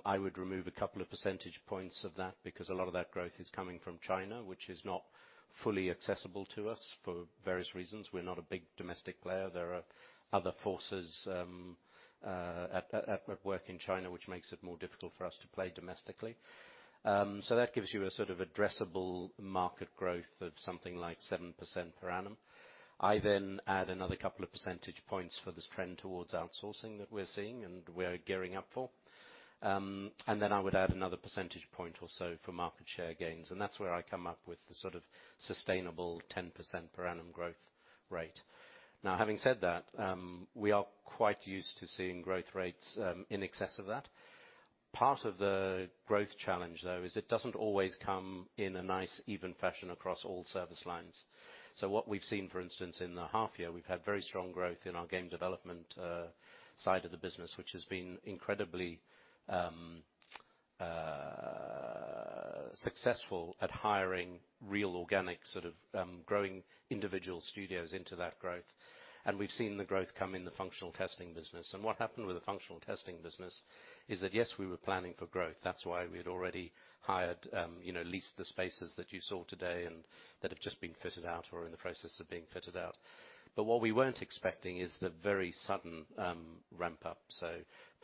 I would remove a couple of percentage points of that because a lot of that growth is coming from China, which is not fully accessible to us for various reasons. We're not a big domestic player. There are other forces at work in China, which makes it more difficult for us to play domestically. That gives you a sort of addressable market growth of something like 7% per annum. I then add another couple of percentage points for this trend towards outsourcing that we're seeing, and we're gearing up for. I would add another percentage point or so for market share gains. That's where I come up with the sort of sustainable 10% per annum growth rate. Having said that, we are quite used to seeing growth rates in excess of that. Part of the growth challenge, though, is it doesn't always come in a nice even fashion across all service lines. What we've seen, for instance, in the half year, we've had very strong growth in our game development side of the business, which has been incredibly successful at hiring real organic sort of growing individual studios into that growth. We've seen the growth come in the functional testing business. What happened with the functional testing business is that, yes, we were planning for growth. That's why we had already hired, leased the spaces that you saw today and that have just been fitted out or are in the process of being fitted out. What we weren't expecting is the very sudden ramp-up.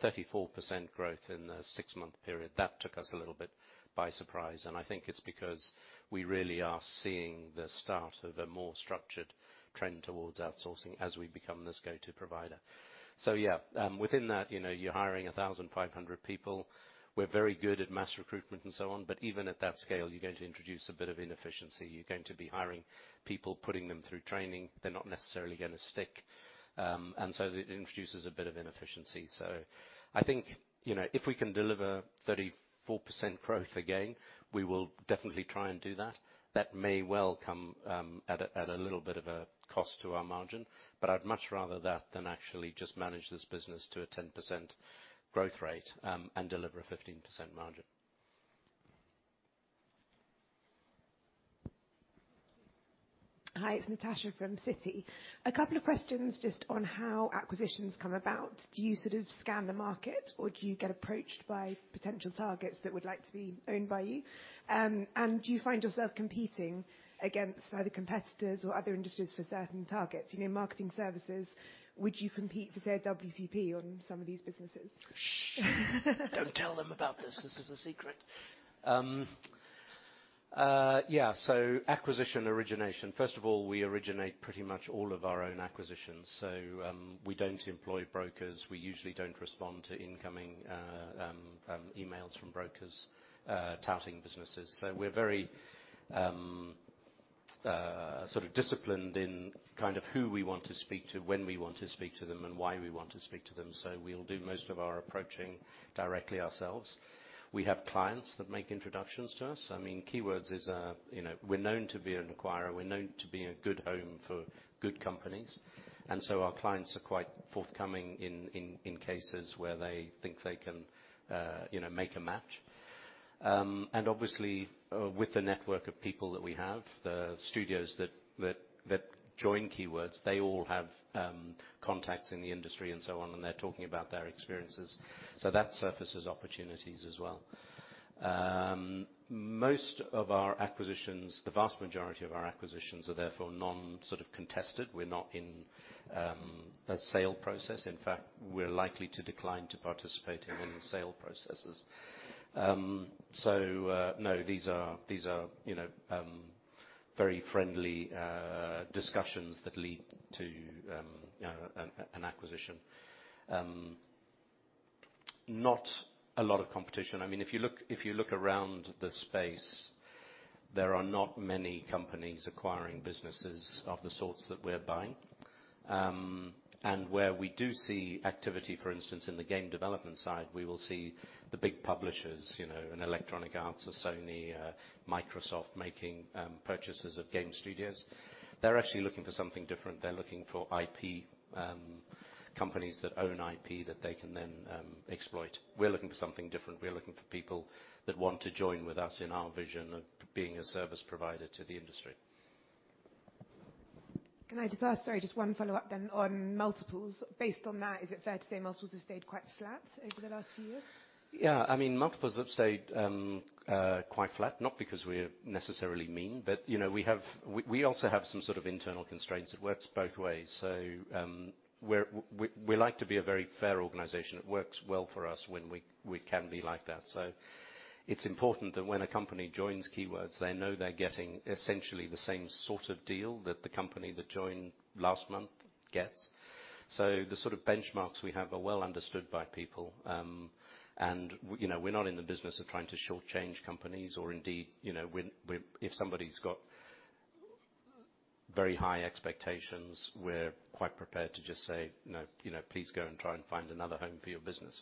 34% growth in the six-month period. That took us a little bit by surprise, and I think it's because we really are seeing the start of a more structured trend towards outsourcing as we become this go-to provider. Yeah. Within that, you're hiring 1,500 people. We're very good at mass recruitment and so on, but even at that scale, you're going to introduce a bit of inefficiency. You're going to be hiring people, putting them through training. They're not necessarily going to stick. It introduces a bit of inefficiency. I think if we can deliver 34% growth again, we will definitely try and do that. That may well come at a little bit of a cost to our margin, but I'd much rather that than actually just manage this business to a 10% growth rate and deliver a 15% margin. Hi, it's Natasha from Citi. A couple of questions just on how acquisitions come about. Do you sort of scan the market or do you get approached by potential targets that would like to be owned by you? Do you find yourself competing against either competitors or other industries for certain targets? Marketing services, would you compete for, say, a WPP on some of these businesses? Shh. Don't tell them about this. This is a secret. Yeah, acquisition origination. First of all, we originate pretty much all of our own acquisitions. We don't employ brokers. We usually don't respond to incoming emails from brokers touting businesses. We're very sort of disciplined in kind of who we want to speak to, when we want to speak to them, and why we want to speak to them. We'll do most of our approaching directly ourselves. We have clients that make introductions to us. We're known to be an acquirer. We're known to be a good home for good companies. Our clients are quite forthcoming in cases where they think they can make a match. Obviously, with the network of people that we have, the studios that join Keywords, they all have contacts in the industry and so on, and they're talking about their experiences. That surfaces opportunities as well. Most of our acquisitions, the vast majority of our acquisitions are therefore non sort of contested. We're not in a sale process. In fact, we're likely to decline to participate in any sale processes. No, these are very friendly discussions that lead to an acquisition. Not a lot of competition. If you look around the space, there are not many companies acquiring businesses of the sorts that we're buying. Where we do see activity, for instance, in the game development side, we will see the big publishers, an Electronic Arts or Sony, Microsoft making purchases of game studios. They're actually looking for something different. They're looking for IP companies that own IP that they can then exploit. We're looking for something different. We're looking for people that want to join with us in our vision of being a service provider to the industry. Can I just ask, sorry, just one follow-up then on multiples. Based on that, is it fair to say multiples have stayed quite flat over the last few years? Yeah. Multiples have stayed quite flat, not because we're necessarily mean, but we also have some sort of internal constraints. It works both ways. We like to be a very fair organization. It works well for us when we can be like that. It's important that when a company joins Keywords, they know they're getting essentially the same sort of deal that the company that joined last month gets. The sort of benchmarks we have are well understood by people. We're not in the business of trying to shortchange companies or indeed, if somebody's got very high expectations, we're quite prepared to just say, "No. Please go and try and find another home for your business.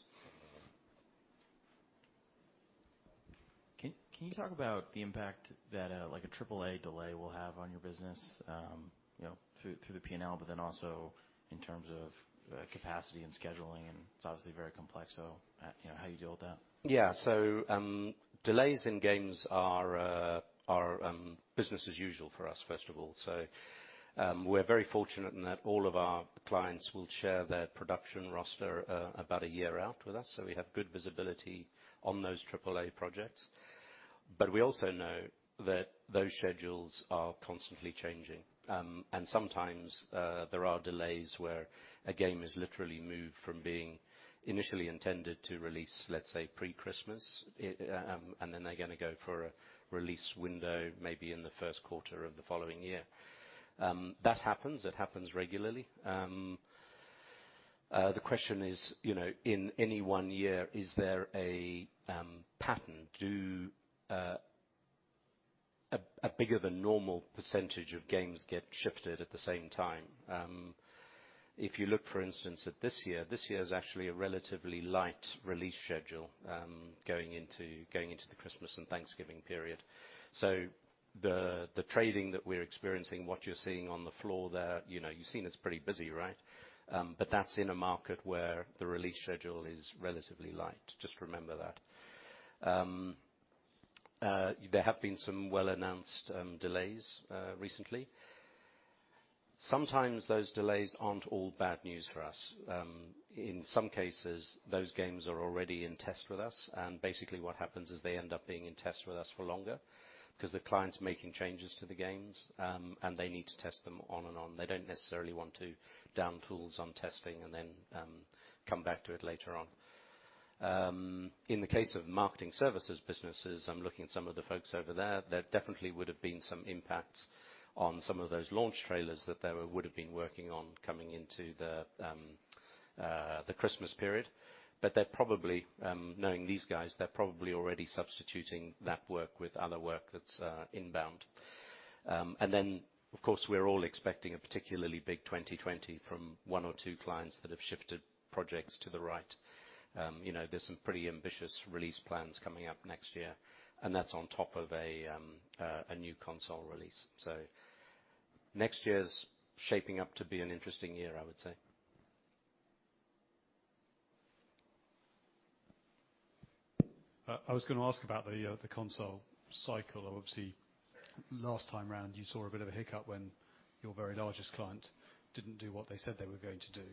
Can you talk about the impact that like a AAA delay will have on your business, through the P&L, but then also in terms of capacity and scheduling? It's obviously very complex, so how do you deal with that? Yeah. Delays in games are business as usual for us, first of all. We're very fortunate in that all of our clients will share their production roster about a year out with us, so we have good visibility on those AAA projects. We also know that those schedules are constantly changing. Sometimes, there are delays where a game is literally moved from being initially intended to release, let's say pre-Christmas, and then they're going to go for a release window, maybe in the first quarter of the following year. That happens. It happens regularly. The question is, in any one year, is there a pattern? Do a bigger than normal percentage of games get shifted at the same time? If you look, for instance, at this year, this year is actually a relatively light release schedule going into the Christmas and Thanksgiving period. The trading that we're experiencing, what you're seeing on the floor there, you've seen it's pretty busy. That's in a market where the release schedule is relatively light. Just remember that. There have been some well-announced delays recently. Sometimes those delays aren't all bad news for us. In some cases, those games are already in test with us, and basically what happens is they end up being in test with us for longer because the client's making changes to the games, and they need to test them on and on. They don't necessarily want to down tools on testing and then come back to it later on. In the case of marketing services businesses, I'm looking at some of the folks over there definitely would've been some impacts on some of those launch trailers that they would've been working on coming into the Christmas period. They're probably, knowing these guys, they're probably already substituting that work with other work that's inbound. Of course, we're all expecting a particularly big 2020 from one or two clients that have shifted projects to the right. There's some pretty ambitious release plans coming up next year, and that's on top of a new console release. Next year is shaping up to be an interesting year, I would say. I was going to ask about the console cycle. Obviously, last time around, you saw a bit of a hiccup when your very largest client didn't do what they said they were going to do.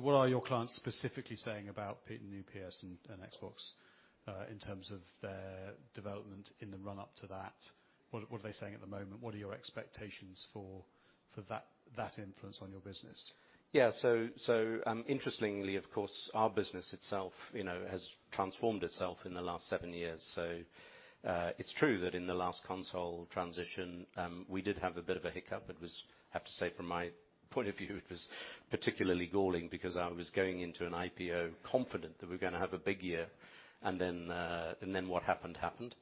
What are your clients specifically saying about new PS and Xbox in terms of their development in the run-up to that? What are they saying at the moment? What are your expectations for that influence on your business? Interestingly, of course, our business itself has transformed itself in the last seven years. It's true that in the last console transition, we did have a bit of a hiccup. I have to say, from my point of view, it was particularly galling because I was going into an IPO confident that we were going to have a big year, and then what happened happened.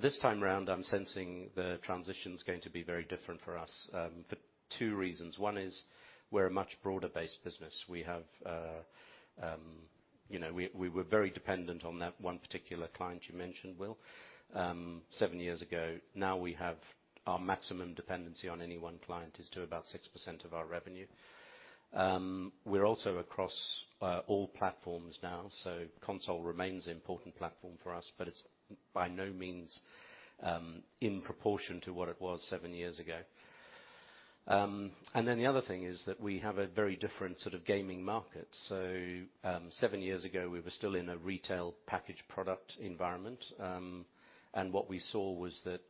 This time around, I'm sensing the transition's going to be very different for us for two reasons. One is we're a much broader-based business. We were very dependent on that one particular client you mentioned, Will, seven years ago. Now our maximum dependency on any one client is to about 6% of our revenue. We're also across all platforms now. Console remains an important platform for us, but it's by no means in proportion to what it was seven years ago. The other thing is that we have a very different sort of gaming market. Seven years ago, we were still in a retail packaged product environment, and what we saw was that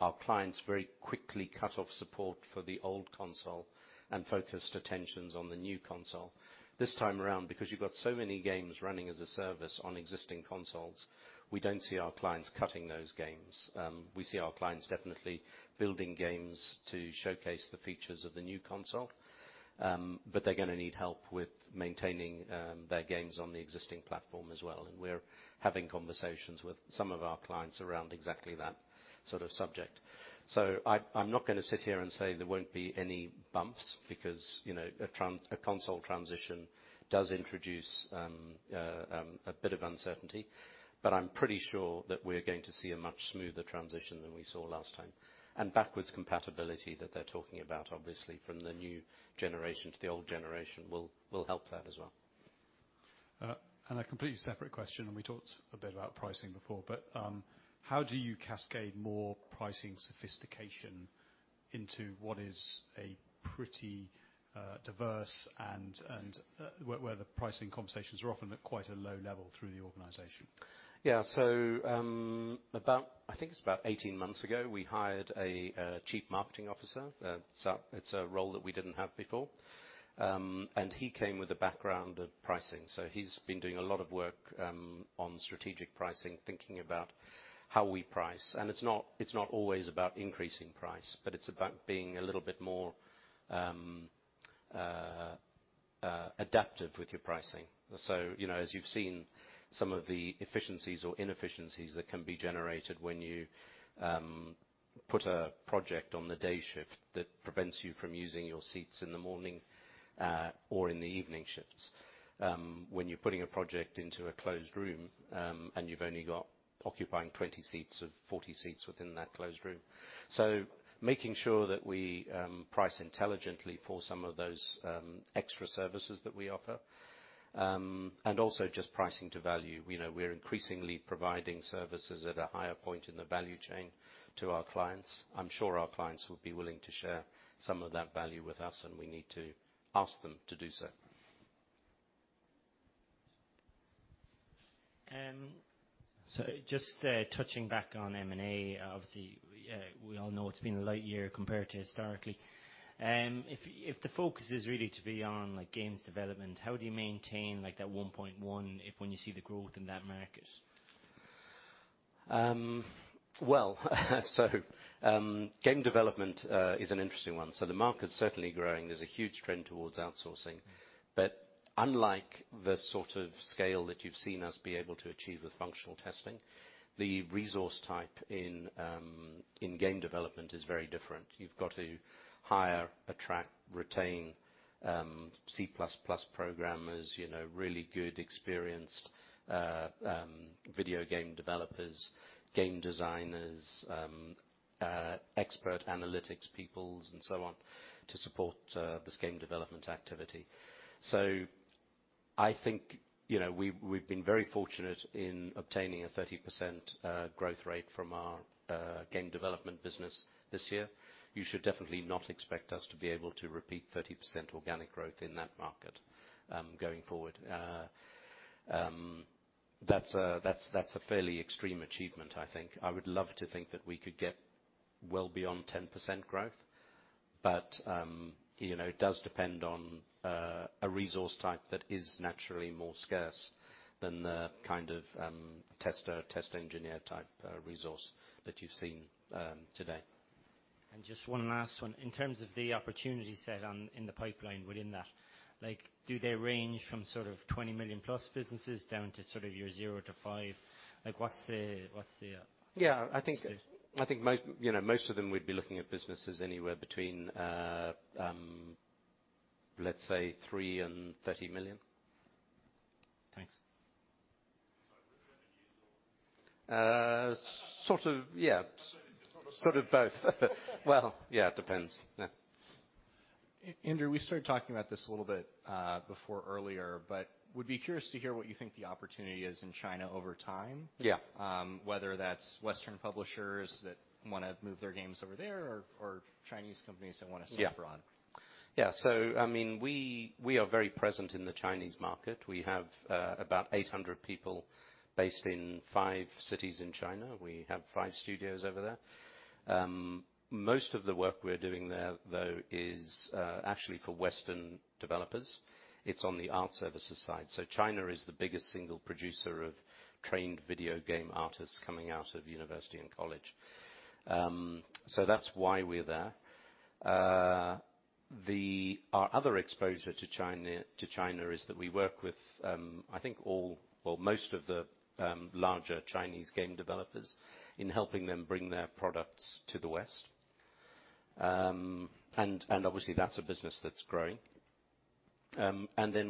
our clients very quickly cut off support for the old console and focused attentions on the new console. This time around, because you've got so many games running as a service on existing consoles, we don't see our clients cutting those games. We see our clients definitely building games to showcase the features of the new console, but they're going to need help with maintaining their games on the existing platform as well. We're having conversations with some of our clients around exactly that sort of subject. I'm not going to sit here and say there won't be any bumps because a console transition does introduce a bit of uncertainty. I'm pretty sure that we're going to see a much smoother transition than we saw last time, and backwards compatibility that they're talking about, obviously, from the new generation to the old generation will help that as well. A completely separate question, and we talked a bit about pricing before, but how do you cascade more pricing sophistication into what is a pretty diverse and where the pricing conversations are often at quite a low level through the organization? Yeah. I think it's about 18 months ago, we hired a Chief Marketing Officer. It's a role that we didn't have before. He came with a background of pricing. He's been doing a lot of work on strategic pricing, thinking about how we price. It's not always about increasing price, but it's about being a little bit more adaptive with your pricing. As you've seen some of the efficiencies or inefficiencies that can be generated when you put a project on the day shift that prevents you from using your seats in the morning or in the evening shifts. When you're putting a project into a closed room, and you've only got occupying 20 seats of 40 seats within that closed room. Making sure that we price intelligently for some of those extra services that we offer. Also just pricing to value. We're increasingly providing services at a higher point in the value chain to our clients. I'm sure our clients will be willing to share some of that value with us. We need to ask them to do so. Just touching back on M&A, obviously, we all know it's been a light year compared to historically. If the focus is really to be on games development, how do you maintain that 1.1 when you see the growth in that market? Game development is an interesting one. The market's certainly growing. There's a huge trend towards outsourcing. Unlike the sort of scale that you've seen us be able to achieve with functional testing, the resource type in game development is very different. You've got to hire, attract, retain C++ programmers, really good, experienced video game developers, game designers, expert analytics peoples, and so on, to support this game development activity. I think we've been very fortunate in obtaining a 30% growth rate from our game development business this year. You should definitely not expect us to be able to repeat 30% organic growth in that market going forward. That's a fairly extreme achievement, I think. I would love to think that we could get well beyond 10% growth. It does depend on a resource type that is naturally more scarce than the kind of tester, test engineer type resource that you've seen today. Just one last one. In terms of the opportunity set in the pipeline within that, do they range from sort of 20 million+ businesses down to sort of your 0 to 5? What's the- Yeah. I think most of them would be looking at businesses anywhere between, let's say, 3 million and 30 million. Thanks. Sort of, yeah. Sort of both. Sort of both. Well, yeah, it depends. Yeah. Andrew, we started talking about this a little bit before earlier, but would be curious to hear what you think the opportunity is in China over time. Yeah. Whether that's Western publishers that want to move their games over there or Chinese companies that want to sell abroad. We are very present in the Chinese market. We have about 800 people based in five cities in China. We have five studios over there. Most of the work we're doing there, though, is actually for Western developers. It's on the outservices side. China is the biggest single producer of trained video game artists coming out of university and college. That's why we're there. Our other exposure to China is that we work with, I think all or most of the larger Chinese game developers in helping them bring their products to the West. Obviously, that's a business that's growing.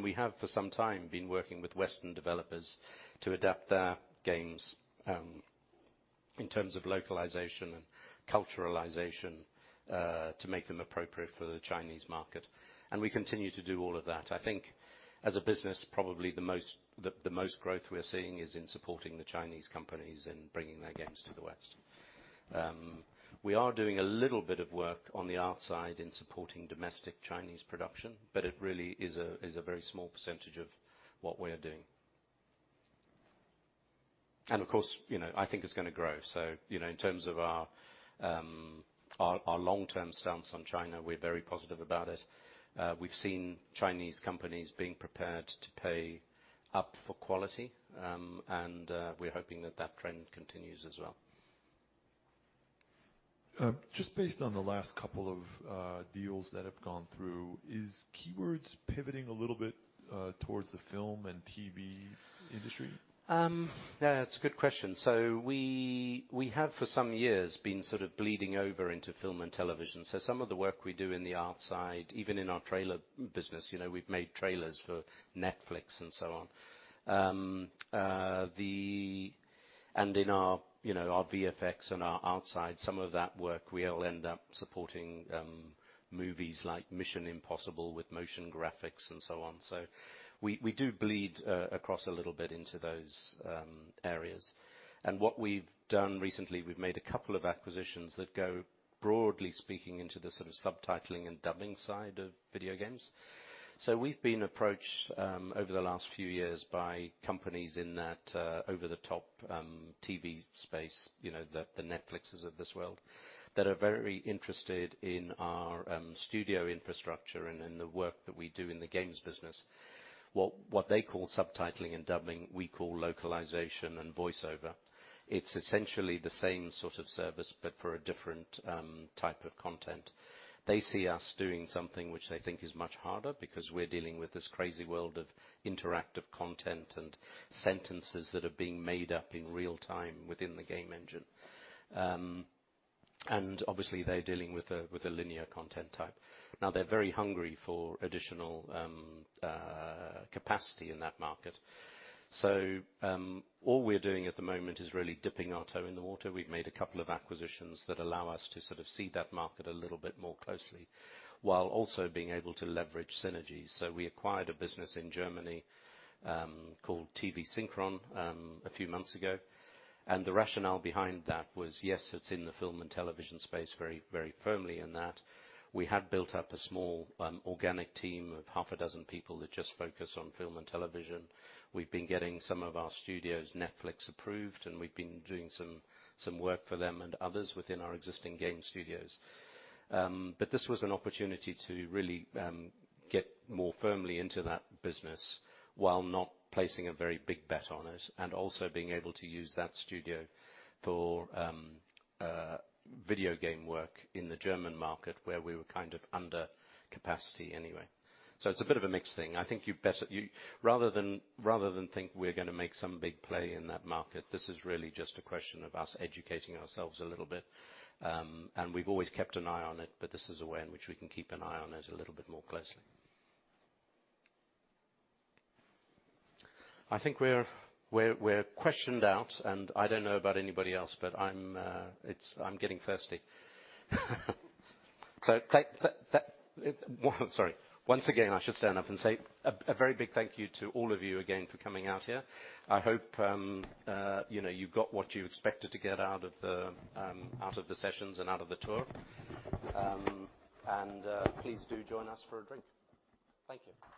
We have, for some time, been working with Western developers to adapt their games, in terms of localization and culturalization, to make them appropriate for the Chinese market. We continue to do all of that. I think as a business probably the most growth we're seeing is in supporting the Chinese companies and bringing their games to the West. We are doing a little bit of work on the outside in supporting domestic Chinese production, but it really is a very small percentage of what we are doing. Of course, I think it's going to grow. In terms of our long-term stance on China, we're very positive about it. We've seen Chinese companies being prepared to pay up for quality, and we're hoping that that trend continues as well. Just based on the last couple of deals that have gone through, is Keywords pivoting a little bit towards the film and TV industry? Yeah, it's a good question. We have for some years been sort of bleeding over into film and television. Some of the work we do in the outside, even in our trailer business, we've made trailers for Netflix and so on. In our VFX and our outside, some of that work will end up supporting movies like "Mission: Impossible" with motion graphics and so on. We do bleed across a little bit into those areas. What we've done recently, we've made a couple of acquisitions that go, broadly speaking, into the sort of subtitling and dubbing side of video games. We've been approached over the last few years by companies in that over-the-top TV space, the Netflixes of this world, that are very interested in our studio infrastructure and in the work that we do in the games business. What they call subtitling and dubbing, we call localization and voiceover. It's essentially the same sort of service, but for a different type of content. They see us doing something which they think is much harder because we're dealing with this crazy world of interactive content and sentences that are being made up in real time within the game engine. Obviously, they're dealing with a linear content type. They're very hungry for additional capacity in that market. All we're doing at the moment is really dipping our toe in the water. We've made a couple of acquisitions that allow us to sort of see that market a little bit more closely, while also being able to leverage synergies. We acquired a business in Germany, called TV+SYNCHRON, a few months ago. The rationale behind that was, yes, it's in the film and television space very firmly in that we had built up a small organic team of half a dozen people that just focus on film and television. We've been getting some of our studios Netflix approved, and we've been doing some work for them and others within our existing game studios. This was an opportunity to really get more firmly into that business while not placing a very big bet on it, and also being able to use that studio for video game work in the German market, where we were kind of under capacity anyway. It's a bit of a mixed thing. Rather than think we're going to make some big play in that market, this is really just a question of us educating ourselves a little bit. We've always kept an eye on it, but this is a way in which we can keep an eye on it a little bit more closely. I think we're questioned out, and I don't know about anybody else, but I'm getting thirsty. Sorry. Once again, I should stand up and say a very big thank you to all of you again for coming out here. I hope you got what you expected to get out of the sessions and out of the tour. Please do join us for a drink. Thank you.